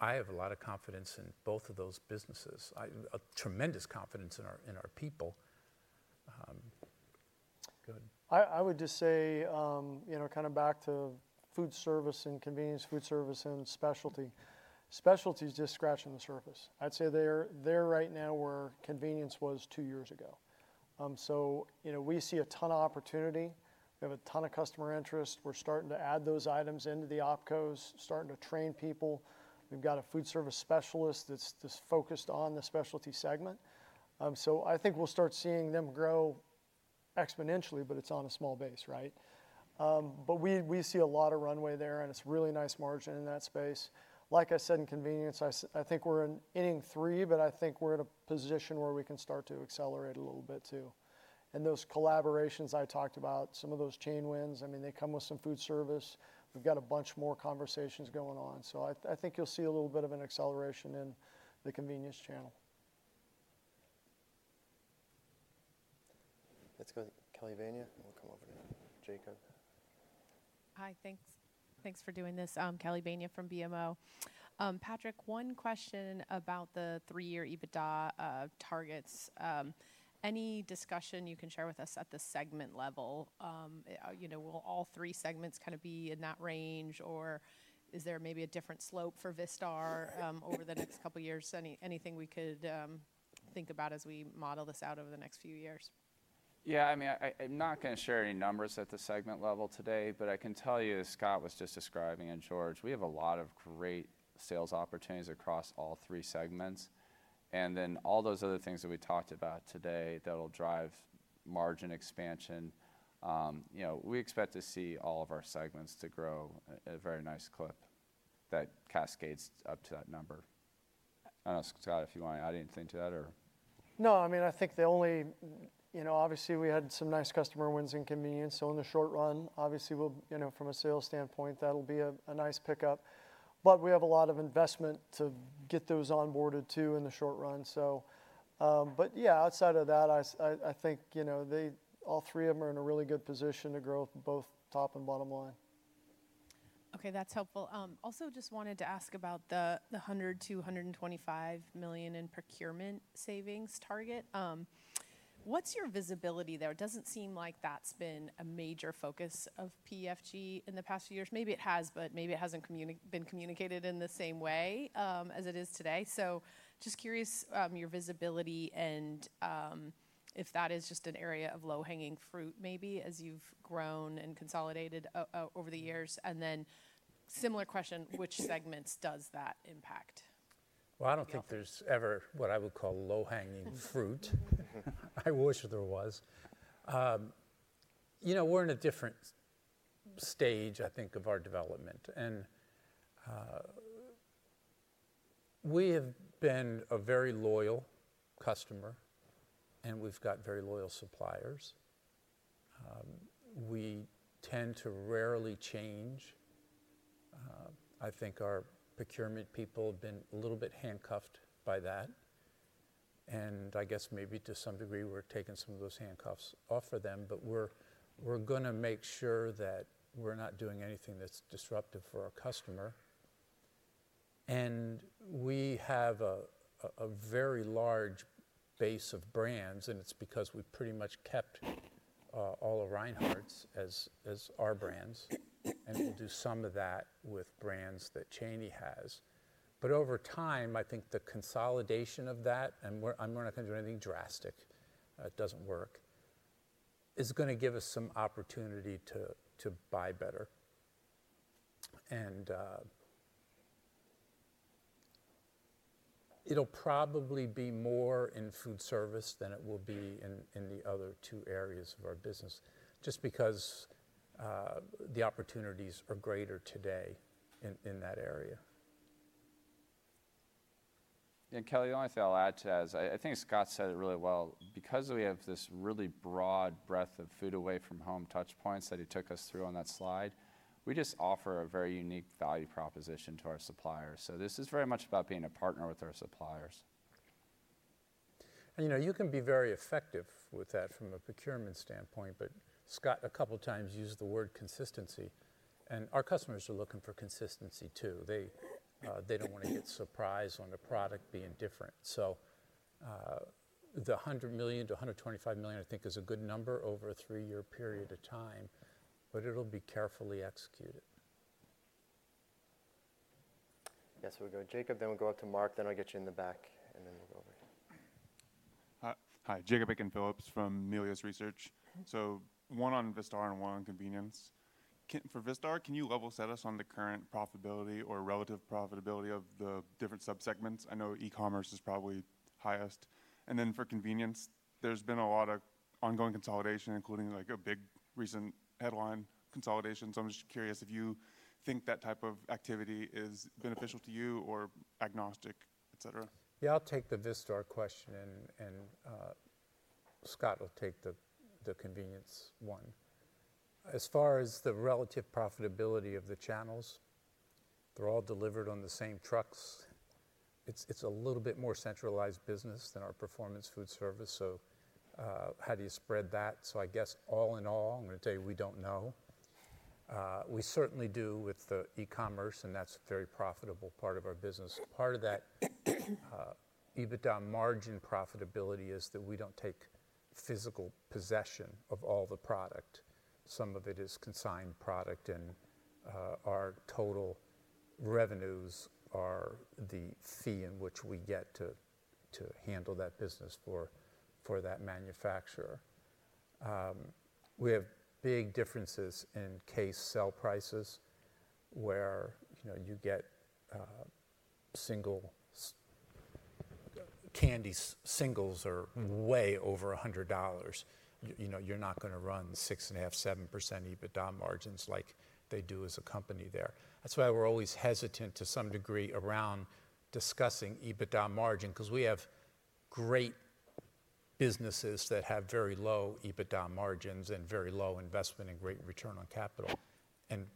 I have a lot of confidence in both of those businesses, tremendous confidence in our people. Good. I would just say kind of back to Foodservice and convenience, foodservice and specialty. Specialty is just scratching the surface. I would say they are right now where Convenience was two years ago. We see a ton of opportunity. We have a ton of customer interest. We're starting to add those items into the OpCos, starting to train people. We've got a Foodservice specialist that's focused on the Specialty segment. So I think we'll start seeing them grow exponentially, but it's on a small base, right? But we see a lot of runway there, and it's a really nice margin in that space. Like I said, in Convenience, I think we're in inning three, but I think we're in a position where we can start to accelerate a little bit too. And those collaborations I talked about, some of those chain wins, I mean, they come with some Foodservice. We've got a bunch more conversations going on. So I think you'll see a little bit of an acceleration in the Convenience channel. Let's go to Kelly Bania and we'll come over to Jacob. Hi. Thanks for doing this. Kelly Bania from BMO. Patrick, one question about the three-year EBITDA targets. Any discussion you can share with us at the segment level? Will all three segments kind of be in that range, or is there maybe a different slope for Vistar over the next couple of years? Anything we could think about as we model this out over the next few years? Yeah. I mean, I'm not going to share any numbers at the segment level today, but I can tell you as Scott was just describing and George, we have a lot of great sales opportunities across all three segments. And then all those other things that we talked about today that'll drive margin expansion. We expect to see all of our segments to grow a very nice clip that cascades up to that number. I don't know, Scott, if you want to add anything to that or? No, I mean, I think the only, obviously we had some nice customer wins in Convenience. In the short run, obviously from a sales standpoint, that'll be a nice pickup. We have a lot of investment to get those onboarded too in the short run. Yeah, outside of that, I think all three of them are in a really good position to grow both top and bottom line. Okay. That's helpful. Also, just wanted to ask about the $100 million-$125 million in procurement savings target. What's your visibility there? It doesn't seem like that's been a major focus of PFG in the past few years. Maybe it has, but maybe it hasn't been communicated in the same way as it is today. Just curious your visibility and if that is just an area of low-hanging fruit maybe as you've grown and consolidated over the years. Then similar question, which segments does that impact? I do not think there is ever what I would call low-hanging fruit. I wish there was. We are in a different stage, I think, of our development. We have been a very loyal customer, and we have got very loyal suppliers. We tend to rarely change. I think our procurement people have been a little bit handcuffed by that. I guess maybe to some degree, we are taking some of those handcuffs off of them, but we are going to make sure that we are not doing anything that is disruptive for our customer. We have a very large base of brands, and it is because we pretty much kept all of Reinhart's as our brands. We will do some of that with brands that Cheney has. Over time, I think the consolidation of that, and we're not going to do anything drastic, it doesn't work, is going to give us some opportunity to buy better. It'll probably be more in Foodservice than it will be in the other two areas of our business, just because the opportunities are greater today in that area. Kelly, the only thing I'll add to that is I think Scott said it really well. Because we have this really broad breadth of food away from home touch points that he took us through on that slide, we just offer a very unique value proposition to our suppliers. This is very much about being a partner with our suppliers. You can be very effective with that from a procurement standpoint, but Scott, a couple of times, used the word consistency. Our customers are looking for consistency too. They do not want to get surprised on a product being different. The $100 million-$125 million, I think, is a good number over a three-year period of time, but it will be carefully executed. Yeah. We will go to Jacob, then we will go up to Mark, then I will get you in the back, and then we will go over here. Hi. Jacob Aiken-Phillips from Melius Research. One on Vistar and one on Convenience. For Vistar, can you level set us on the current profitability or relative profitability of the different subsegments? I know e-commerce is probably highest. For Convenience, there has been a lot of ongoing consolidation, including a big recent headline consolidation. I am just curious if you think that type of activity is beneficial to you or agnostic, et cetera. Yeah. I'll take the Vistar question, and Scott will take the Convenience one. As far as the relative profitability of the channels, they're all delivered on the same trucks. It's a little bit more centralized business than our Performance Foodservice. How do you spread that? I guess all in all, I'm going to tell you we don't know. We certainly do with the e-commerce, and that's a very profitable part of our business. Part of that EBITDA margin profitability is that we don't take physical possession of all the product. Some of it is consigned product, and our total revenues are the fee in which we get to handle that business for that manufacturer. We have big differences in case sale prices where you get candy singles are way over $100. You're not going to run 6.5%-7% EBITDA margins like they do as a Company there. That's why we're always hesitant to some degree around discussing EBITDA margin because we have great businesses that have very low EBITDA margins and very low investment and great return on capital. And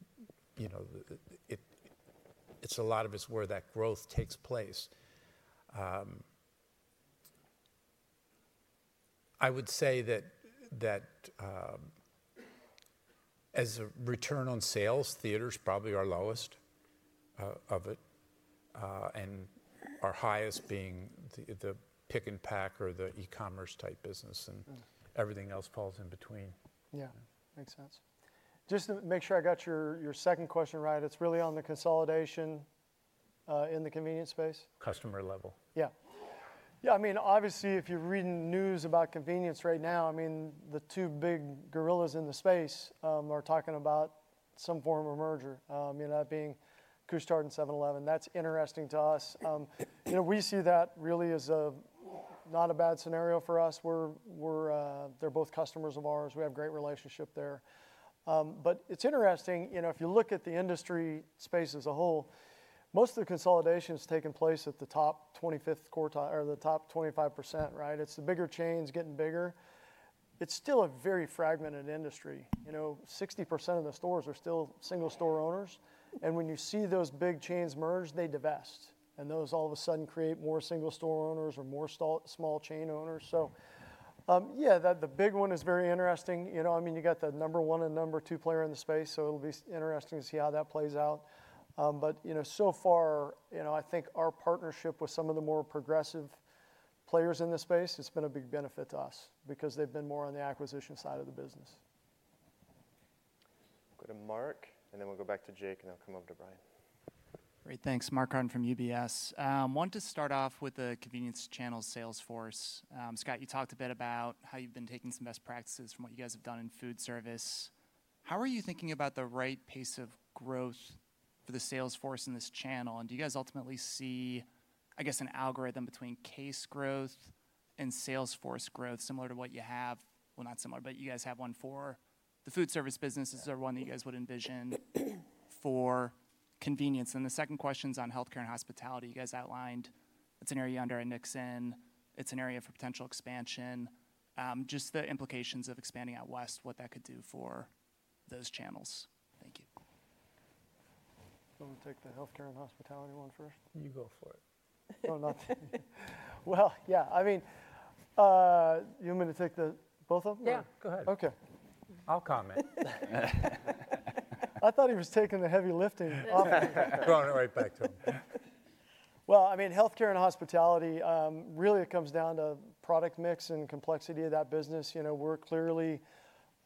a lot of it's where that growth takes place. I would say that as a return on sales, theaters probably are lowest of it, and our highest being the pick and pack or the e-commerce type business, and everything else falls in between. Yeah. Makes sense. Just to make sure I got your second question right, it's really on the consolidation in the Convenience space? Customer level. Yeah. Yeah. I mean, obviously, if you're reading news about Convenience right now, I mean, the two big gorillas in the space are talking about some form of merger, that being Couche-Tard and 7-Eleven. That's interesting to us. We see that really as not a bad scenario for us. They're both customers of ours. We have a great relationship there. It's interesting, if you look at the industry space as a whole, most of the consolidation has taken place at the top 25% quartile or the top 25%, right? It's the bigger chains getting bigger. It's still a very fragmented industry. 60% of the stores are still single store owners. When you see those big chains merge, they divest. Those all of a sudden create more single store owners or more small chain owners. Yeah, the big one is very interesting. I mean, you got the number one and number two player in the space, so it'll be interesting to see how that plays out. So far, I think our partnership with some of the more progressive players in the space, it's been a big benefit to us because they've been more on the acquisition side of the business. Go to Mark, and then we'll go back to Jake, and then we'll come over to Brian. Great. Thanks. Mark Carden from UBS. I want to start off with the Convenience channel sales force. Scott, you talked a bit about how you've been taking some best practices from what you guys have done in Foodservice. How are you thinking about the right pace of growth for the sales force in this channel? Do you guys ultimately see, I guess, an algorithm between case growth and sales force growth similar to what you have? Not similar, but you guys have one for the Foodservice businesses or one that you guys would envision for Convenience. The second question is on healthcare and hospitality. You guys outlined it's an area under a Nixon. It's an area for potential expansion. Just the implications of expanding out west, what that could do for those channels. Thank you. Do you want to take the healthcare and hospitality one first? You go for it. Yeah. I mean, you want me to take both of them? Yeah. Go ahead. Okay. I'll comment. I thought he was taking the heavy lifting off. Throwing it right back to him. I mean, healthcare and hospitality, really it comes down to product mix and complexity of that business. We're clearly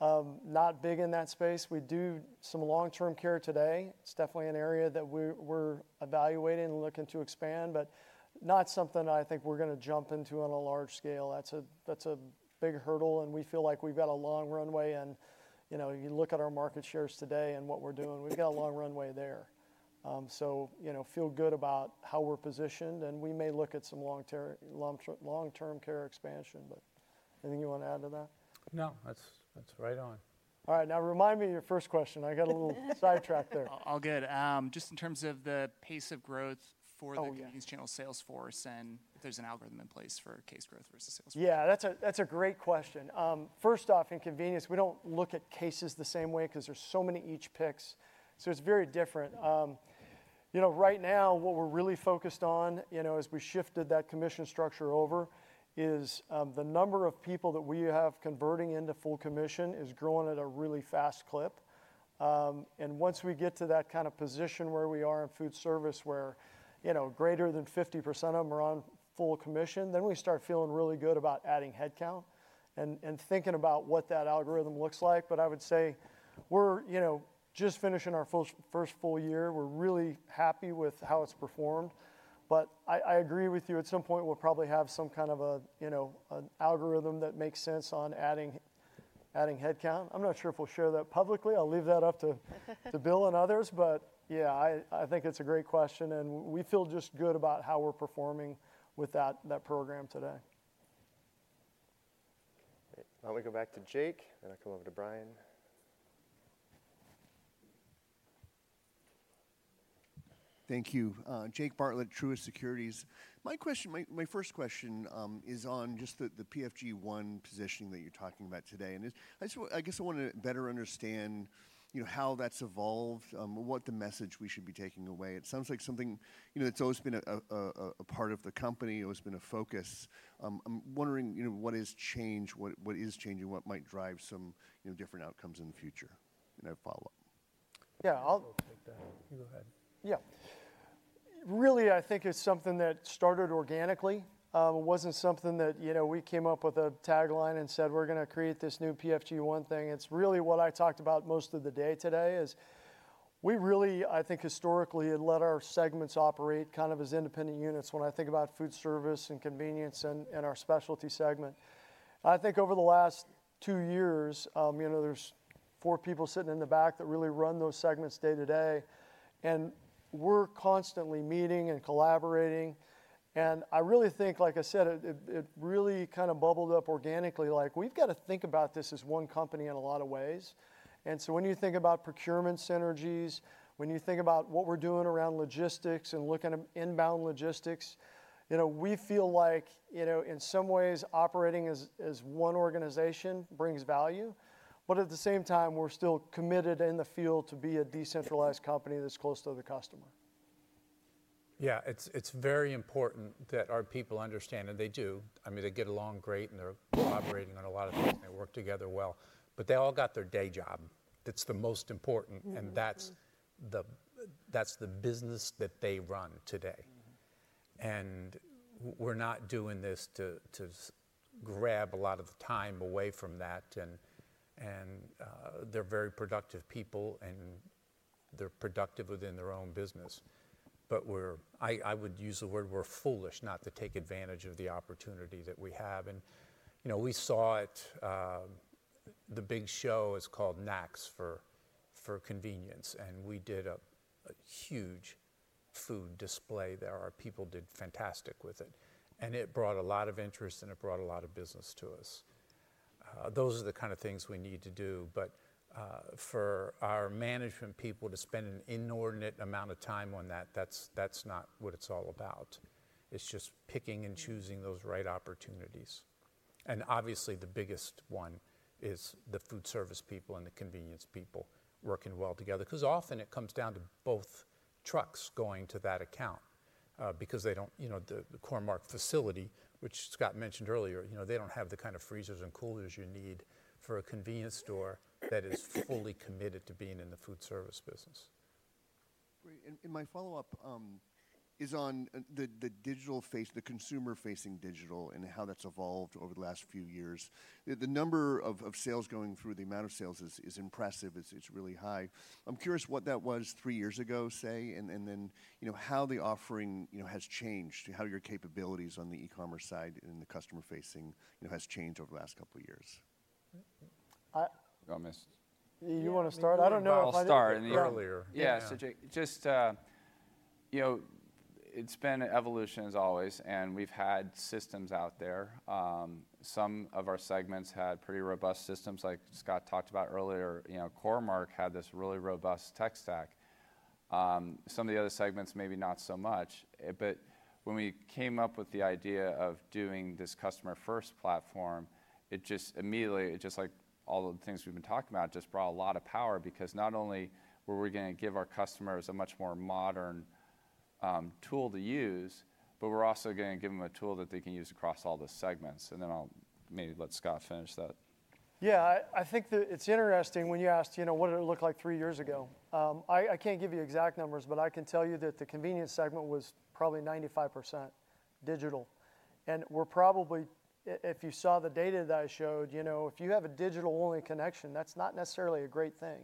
not big in that space. We do some long-term care today. It's definitely an area that we're evaluating and looking to expand, but not something I think we're going to jump into on a large scale. That's a big hurdle, and we feel like we've got a long runway. You look at our market shares today and what we're doing, we've got a long runway there. Feel good about how we're positioned, and we may look at some long-term care expansion, but anything you want to add to that? No. That's right on. All right. Now remind me of your first question. I got a little sidetracked there. All good. Just in terms of the pace of growth for the Convenience channel sales force and if there's an algorithm in place for case growth versus sales force. Yeah. That's a great question. First off, in Convenience, we do not look at cases the same way because there are so many each picks. It is very different. Right now, what we are really focused on as we shifted that commission structure over is the number of people that we have converting into full commission is growing at a really fast clip. Once we get to that kind of position where we are in Foodservice where greater than 50% of them are on full commission, we start feeling really good about adding headcount and thinking about what that algorithm looks like. I would say we are just finishing our first full year. We are really happy with how it has performed. I agree with you. At some point, we will probably have some kind of an algorithm that makes sense on adding headcount. I am not sure if we will share that publicly. I'll leave that up to Bill and others. Yeah, I think it's a great question, and we feel just good about how we're performing with that program today. Great. Why don't we go back to Jake, and I'll come over to Brian. Thank you. Jake Bartlett, Truist Securities. My first question is on just the PFG One positioning that you're talking about today. I guess I want to better understand how that's evolved, what the message we should be taking away. It sounds like something that's always been a part of the company, always been a focus. I'm wondering what has changed, what is changing, what might drive some different outcomes in the future in a follow-up. Yeah. I'll take that. You go ahead. Yeah. Really, I think it's something that started organically. It was not something that we came up with a tagline and said, "We are going to create this new PFG One thing." It is really what I talked about most of the day today is we really, I think historically, had let our segments operate kind of as independent units when I think about Foodservice and Convenience and our Specialty segment. I think over the last two years, there are four people sitting in the back that really run those segments day to day. We are constantly meeting and collaborating. I really think, like I said, it really kind of bubbled up organically. We have got to think about this as one Company in a lot of ways. When you think about procurement synergies, when you think about what we are doing around logistics and looking at inbound logistics, we feel like in some ways, operating as one organization brings value. At the same time, we're still committed in the field to be a decentralized company that's close to the customer. Yeah. It's very important that our people understand, and they do. I mean, they get along great, and they're cooperating on a lot of things, and they work together well. They all got their day job. That's the most important, and that's the business that they run today. We're not doing this to grab a lot of the time away from that. They're very productive people, and they're productive within their own business. I would use the word we're foolish not to take advantage of the opportunity that we have. We saw it. The big show is called NAX for Convenience, and we did a huge food display there. Our people did fantastic with it. It brought a lot of interest, and it brought a lot of business to us. Those are the kind of things we need to do. For our management people to spend an inordinate amount of time on that, that's not what it's all about. It's just picking and choosing those right opportunities. Obviously, the biggest one is the Foodservice people and the Convenience people working well together because often it comes down to both trucks going to that account because they do not, the Core-Mark facility, which Scott mentioned earlier, they do not have the kind of freezers and coolers you need for a Convenience store that is fully committed to being in the Foodservice business. Great. My follow-up is on the digital face, the consumer-facing digital and how that's evolved over the last few years. The number of sales going through, the amount of sales is impressive. It's really high. I'm curious what that was three years ago, say, and then how the offering has changed, how your capabilities on the e-commerce side and the customer-facing has changed over the last couple of years. I missed. You want to start? I don't know if I did. I'll start earlier. Yeah. So Jake, just it's been an evolution as always, and we've had systems out there. Some of our segments had pretty robust systems like Scott talked about earlier. Core-Mark had this really robust tech stack. Some of the other segments maybe not so much. When we came up with the idea of doing this customer-first platform, it just immediately, just like all the things we've been talking about, brought a lot of power because not only were we going to give our customers a much more modern tool to use, but we were also going to give them a tool that they can use across all the segments. I'll maybe let Scott finish that. Yeah. I think it's interesting when you asked what did it look like three years ago. I can't give you exact numbers, but I can tell you that the Convenience segment was probably 95% digital. We're probably, if you saw the data that I showed, if you have a digital-only connection, that's not necessarily a great thing.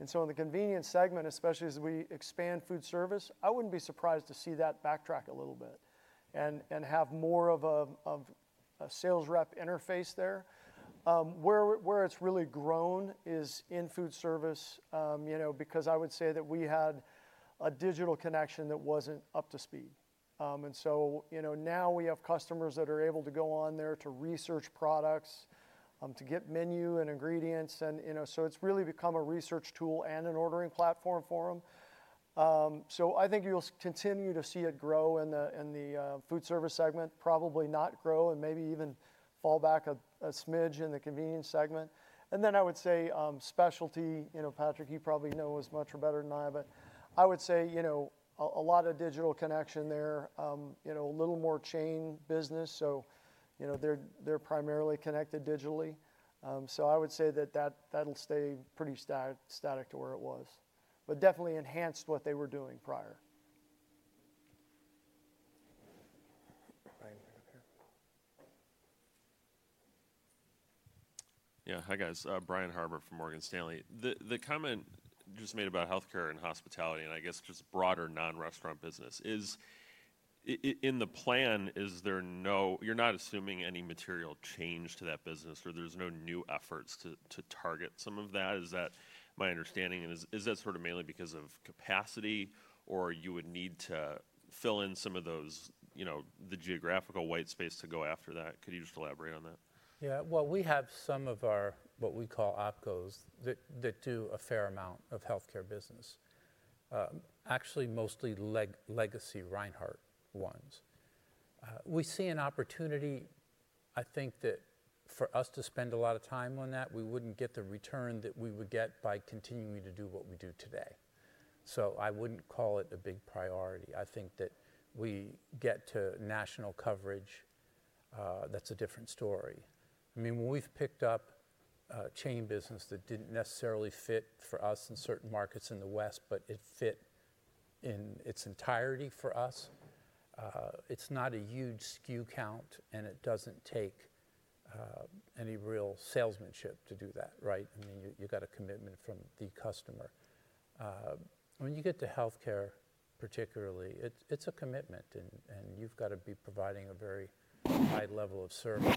In the Convenience segment, especially as we expand Foodservice, I would not be surprised to see that backtrack a little bit and have more of a sales rep interface there. Where it has really grown is in Foodservice because I would say that we had a digital connection that was not up to speed. Now we have customers that are able to go on there to research products, to get menu and ingredients. It has really become a research tool and an ordering platform for them. I think you will continue to see it grow in the Foodservice segment, probably not grow and maybe even fall back a smidge in the Convenience segment. I would say Specialty, Patrick, you probably know as much or better than I, but I would say a lot of digital connection there, a little more chain business. They're primarily connected digitally. I would say that that'll stay pretty static to where it was, but definitely enhanced what they were doing prior. Yeah. Hi guys. Brian Harbour from Morgan Stanley. The comment just made about Healthcare and Hospitality, and I guess just broader non-restaurant business, is in the plan, you're not assuming any material change to that business or there's no new efforts to target some of that. Is that my understanding? Is that sort of mainly because of capacity, or you would need to fill in some of the geographical white space to go after that? Could you just elaborate on that? Yeah. We have some of our what we call OpCos that do a fair amount of Healthcare business, actually mostly legacy Reinhart ones. We see an opportunity, I think, that for us to spend a lot of time on that, we would not get the return that we would get by continuing to do what we do today. I would not call it a big priority. I think that we get to national coverage, that is a different story. I mean, we have picked up Chain business that did not necessarily fit for us in certain markets in the West, but it fit in its entirety for us. It is not a huge SKU count, and it does not take any real salesmanship to do that, right? I mean, you have a commitment from the customer. When you get to Healthcare, particularly, it is a commitment, and you have to be providing a very high level of service.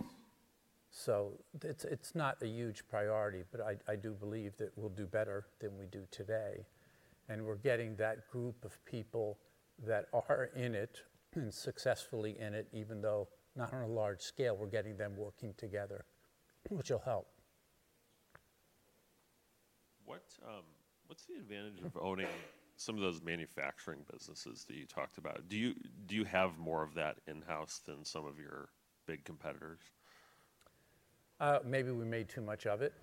It is not a huge priority, but I do believe that we will do better than we do today. We're getting that group of people that are in it and successfully in it, even though not on a large scale, we're getting them working together, which will help. What's the advantage of owning some of those manufacturing businesses that you talked about? Do you have more of that in-house than some of your big competitors? Maybe we made too much of it.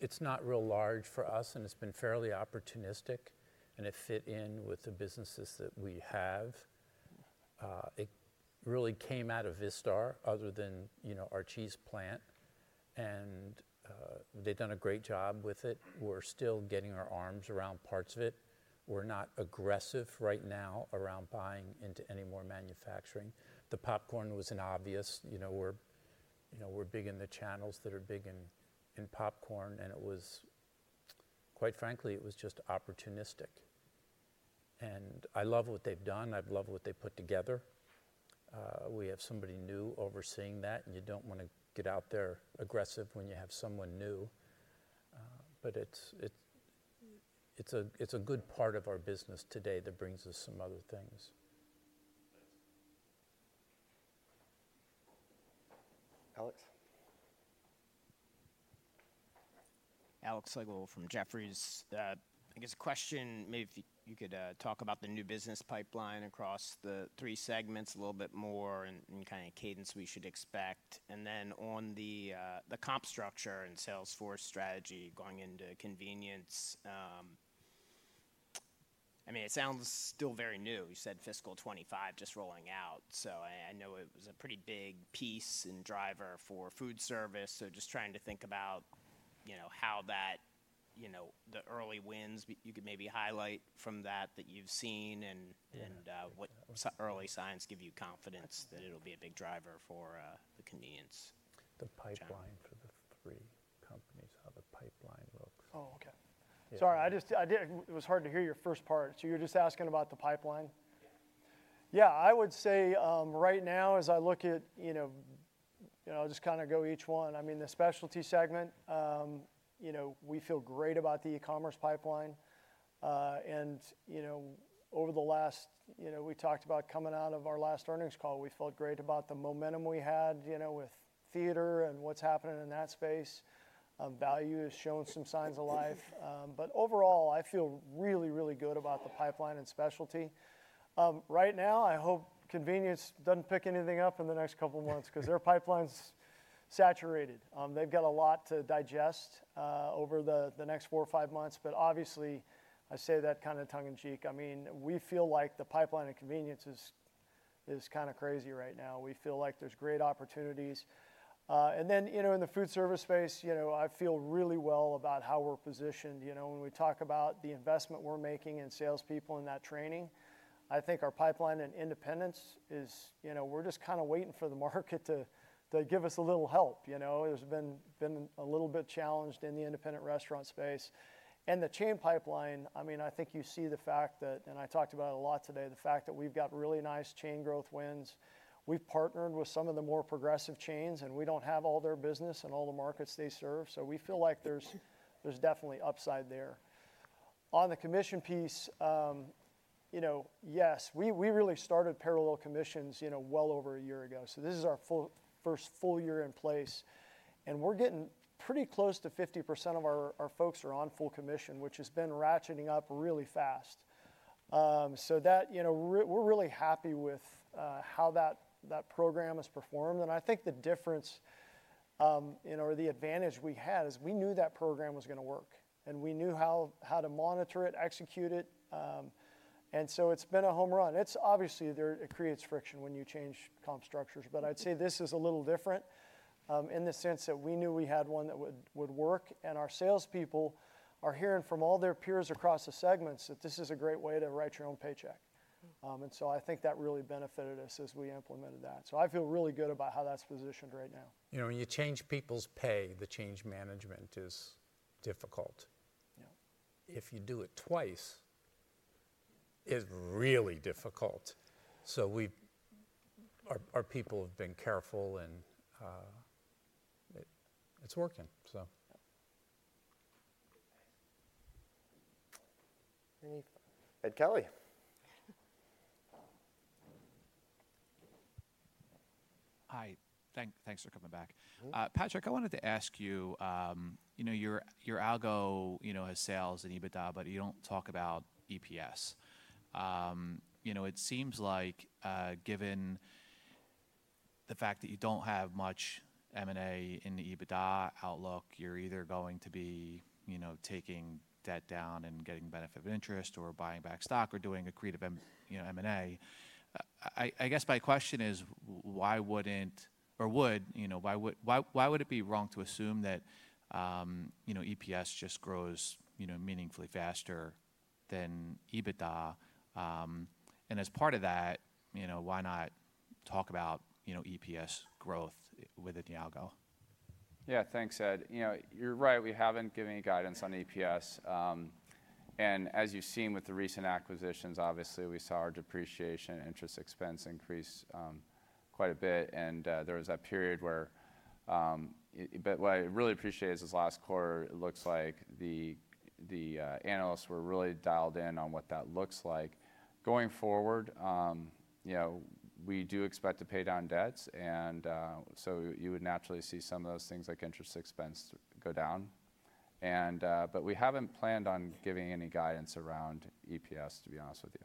It's not real large for us, and it's been fairly opportunistic, and it fit in with the businesses that we have. It really came out of Vistar other than our cheese plant, and they've done a great job with it. We're still getting our arms around parts of it. We're not aggressive right now around buying into any more manufacturing. The popcorn was an obvious. We're big in the channels that are big in popcorn, and quite frankly, it was just opportunistic. I love what they've done. I love what they put together. We have somebody new overseeing that, and you do not want to get out there aggressive when you have someone new. It is a good part of our business today that brings us some other things. Alex. Alex Slagle from Jefferies. I guess a question, maybe if you could talk about the new business pipeline across the three segments a little bit more and kind of cadence we should expect. On the comp structure and sales force strategy going into convenience, I mean, it sounds still very new. You said fiscal 2025 just rolling out. I know it was a pretty big piece and driver for Foodservice. Just trying to think about how the early wins you could maybe highlight from that that you've seen and what early signs give you confidence that it'll be a big driver for the Convenience. The pipeline for the three companies, how the pipeline looks. Oh, okay. Sorry. It was hard to hear your first part. You're just asking about the pipeline? Yeah. I would say right now, as I look at, I'll just kind of go each one. I mean, the Specialty segment, we feel great about the e-commerce pipeline. And over the last, we talked about coming out of our last earnings call. We felt great about the momentum we had with theater and what's happening in that space. Value has shown some signs of life. Overall, I feel really, really good about the pipeline and Specialty. Right now, I hope Convenience does not pick anything up in the next couple of months because their pipeline's saturated. They've got a lot to digest over the next four or five months. Obviously, I say that kind of tongue in cheek. I mean, we feel like the pipeline of Convenience is kind of crazy right now. We feel like there's great opportunities. In the Foodservice space, I feel really well about how we're positioned. When we talk about the investment we're making in salespeople and that training, I think our pipeline in independence is we're just kind of waiting for the market to give us a little help. There's been a little bit challenged in the Independent Restaurant space. The Chain pipeline, I mean, I think you see the fact that, and I talked about it a lot today, the fact that we've got really nice chain growth wins. We've partnered with some of the more progressive chains, and we don't have all their business and all the markets they serve. We feel like there's definitely upside there. On the commission piece, yes, we really started parallel commissions well over a year ago. This is our first full year in place. We're getting pretty close to 50% of our folks are on full commission, which has been ratcheting up really fast. We're really happy with how that program has performed. I think the difference or the advantage we had is we knew that program was going to work, and we knew how to monitor it, execute it. It's been a home run. Obviously, it creates friction when you change comp structures, but I'd say this is a little different in the sense that we knew we had one that would work. Our salespeople are hearing from all their peers across the segments that this is a great way to write your own paycheck. I think that really benefited us as we implemented that. I feel really good about how that's positioned right now. When you change people's pay, the change management is difficult. If you do it twice, it's really difficult. Our people have been careful, and it's working. Ed Kelly. Hi. Thanks for coming back. Patrick, I wanted to ask you, your Algo has sales in EBITDA, but you don't talk about EPS. It seems like given the fact that you don't have much M&A in the EBITDA outlook, you're either going to be taking debt down and getting benefit of interest or buying back stock or doing a creative M&A. I guess my question is, why wouldn't or would, why would it be wrong to assume that EPS just grows meaningfully faster than EBITDA? As part of that, why not talk about EPS growth within the Algo? Yeah. Thanks, Ed. You're right. We haven't given any guidance on EPS. As you've seen with the recent acquisitions, obviously, we saw our depreciation interest expense increase quite a bit. There was that period where what I really appreciate is this last quarter, it looks like the analysts were really dialed in on what that looks like. Going forward, we do expect to pay down debts. You would naturally see some of those things like interest expense go down. We have not planned on giving any guidance around EPS, to be honest with you.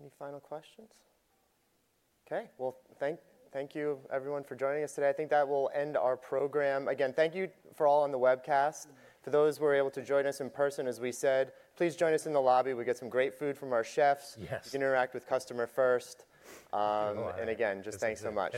Any final questions? Okay. Thank you, everyone, for joining us today. I think that will end our program. Again, thank you for all on the webcast. To those who were able to join us in person, as we said, please join us in the lobby. We have some great food from our chefs. You can interact with Customer First. Again, just thanks so much.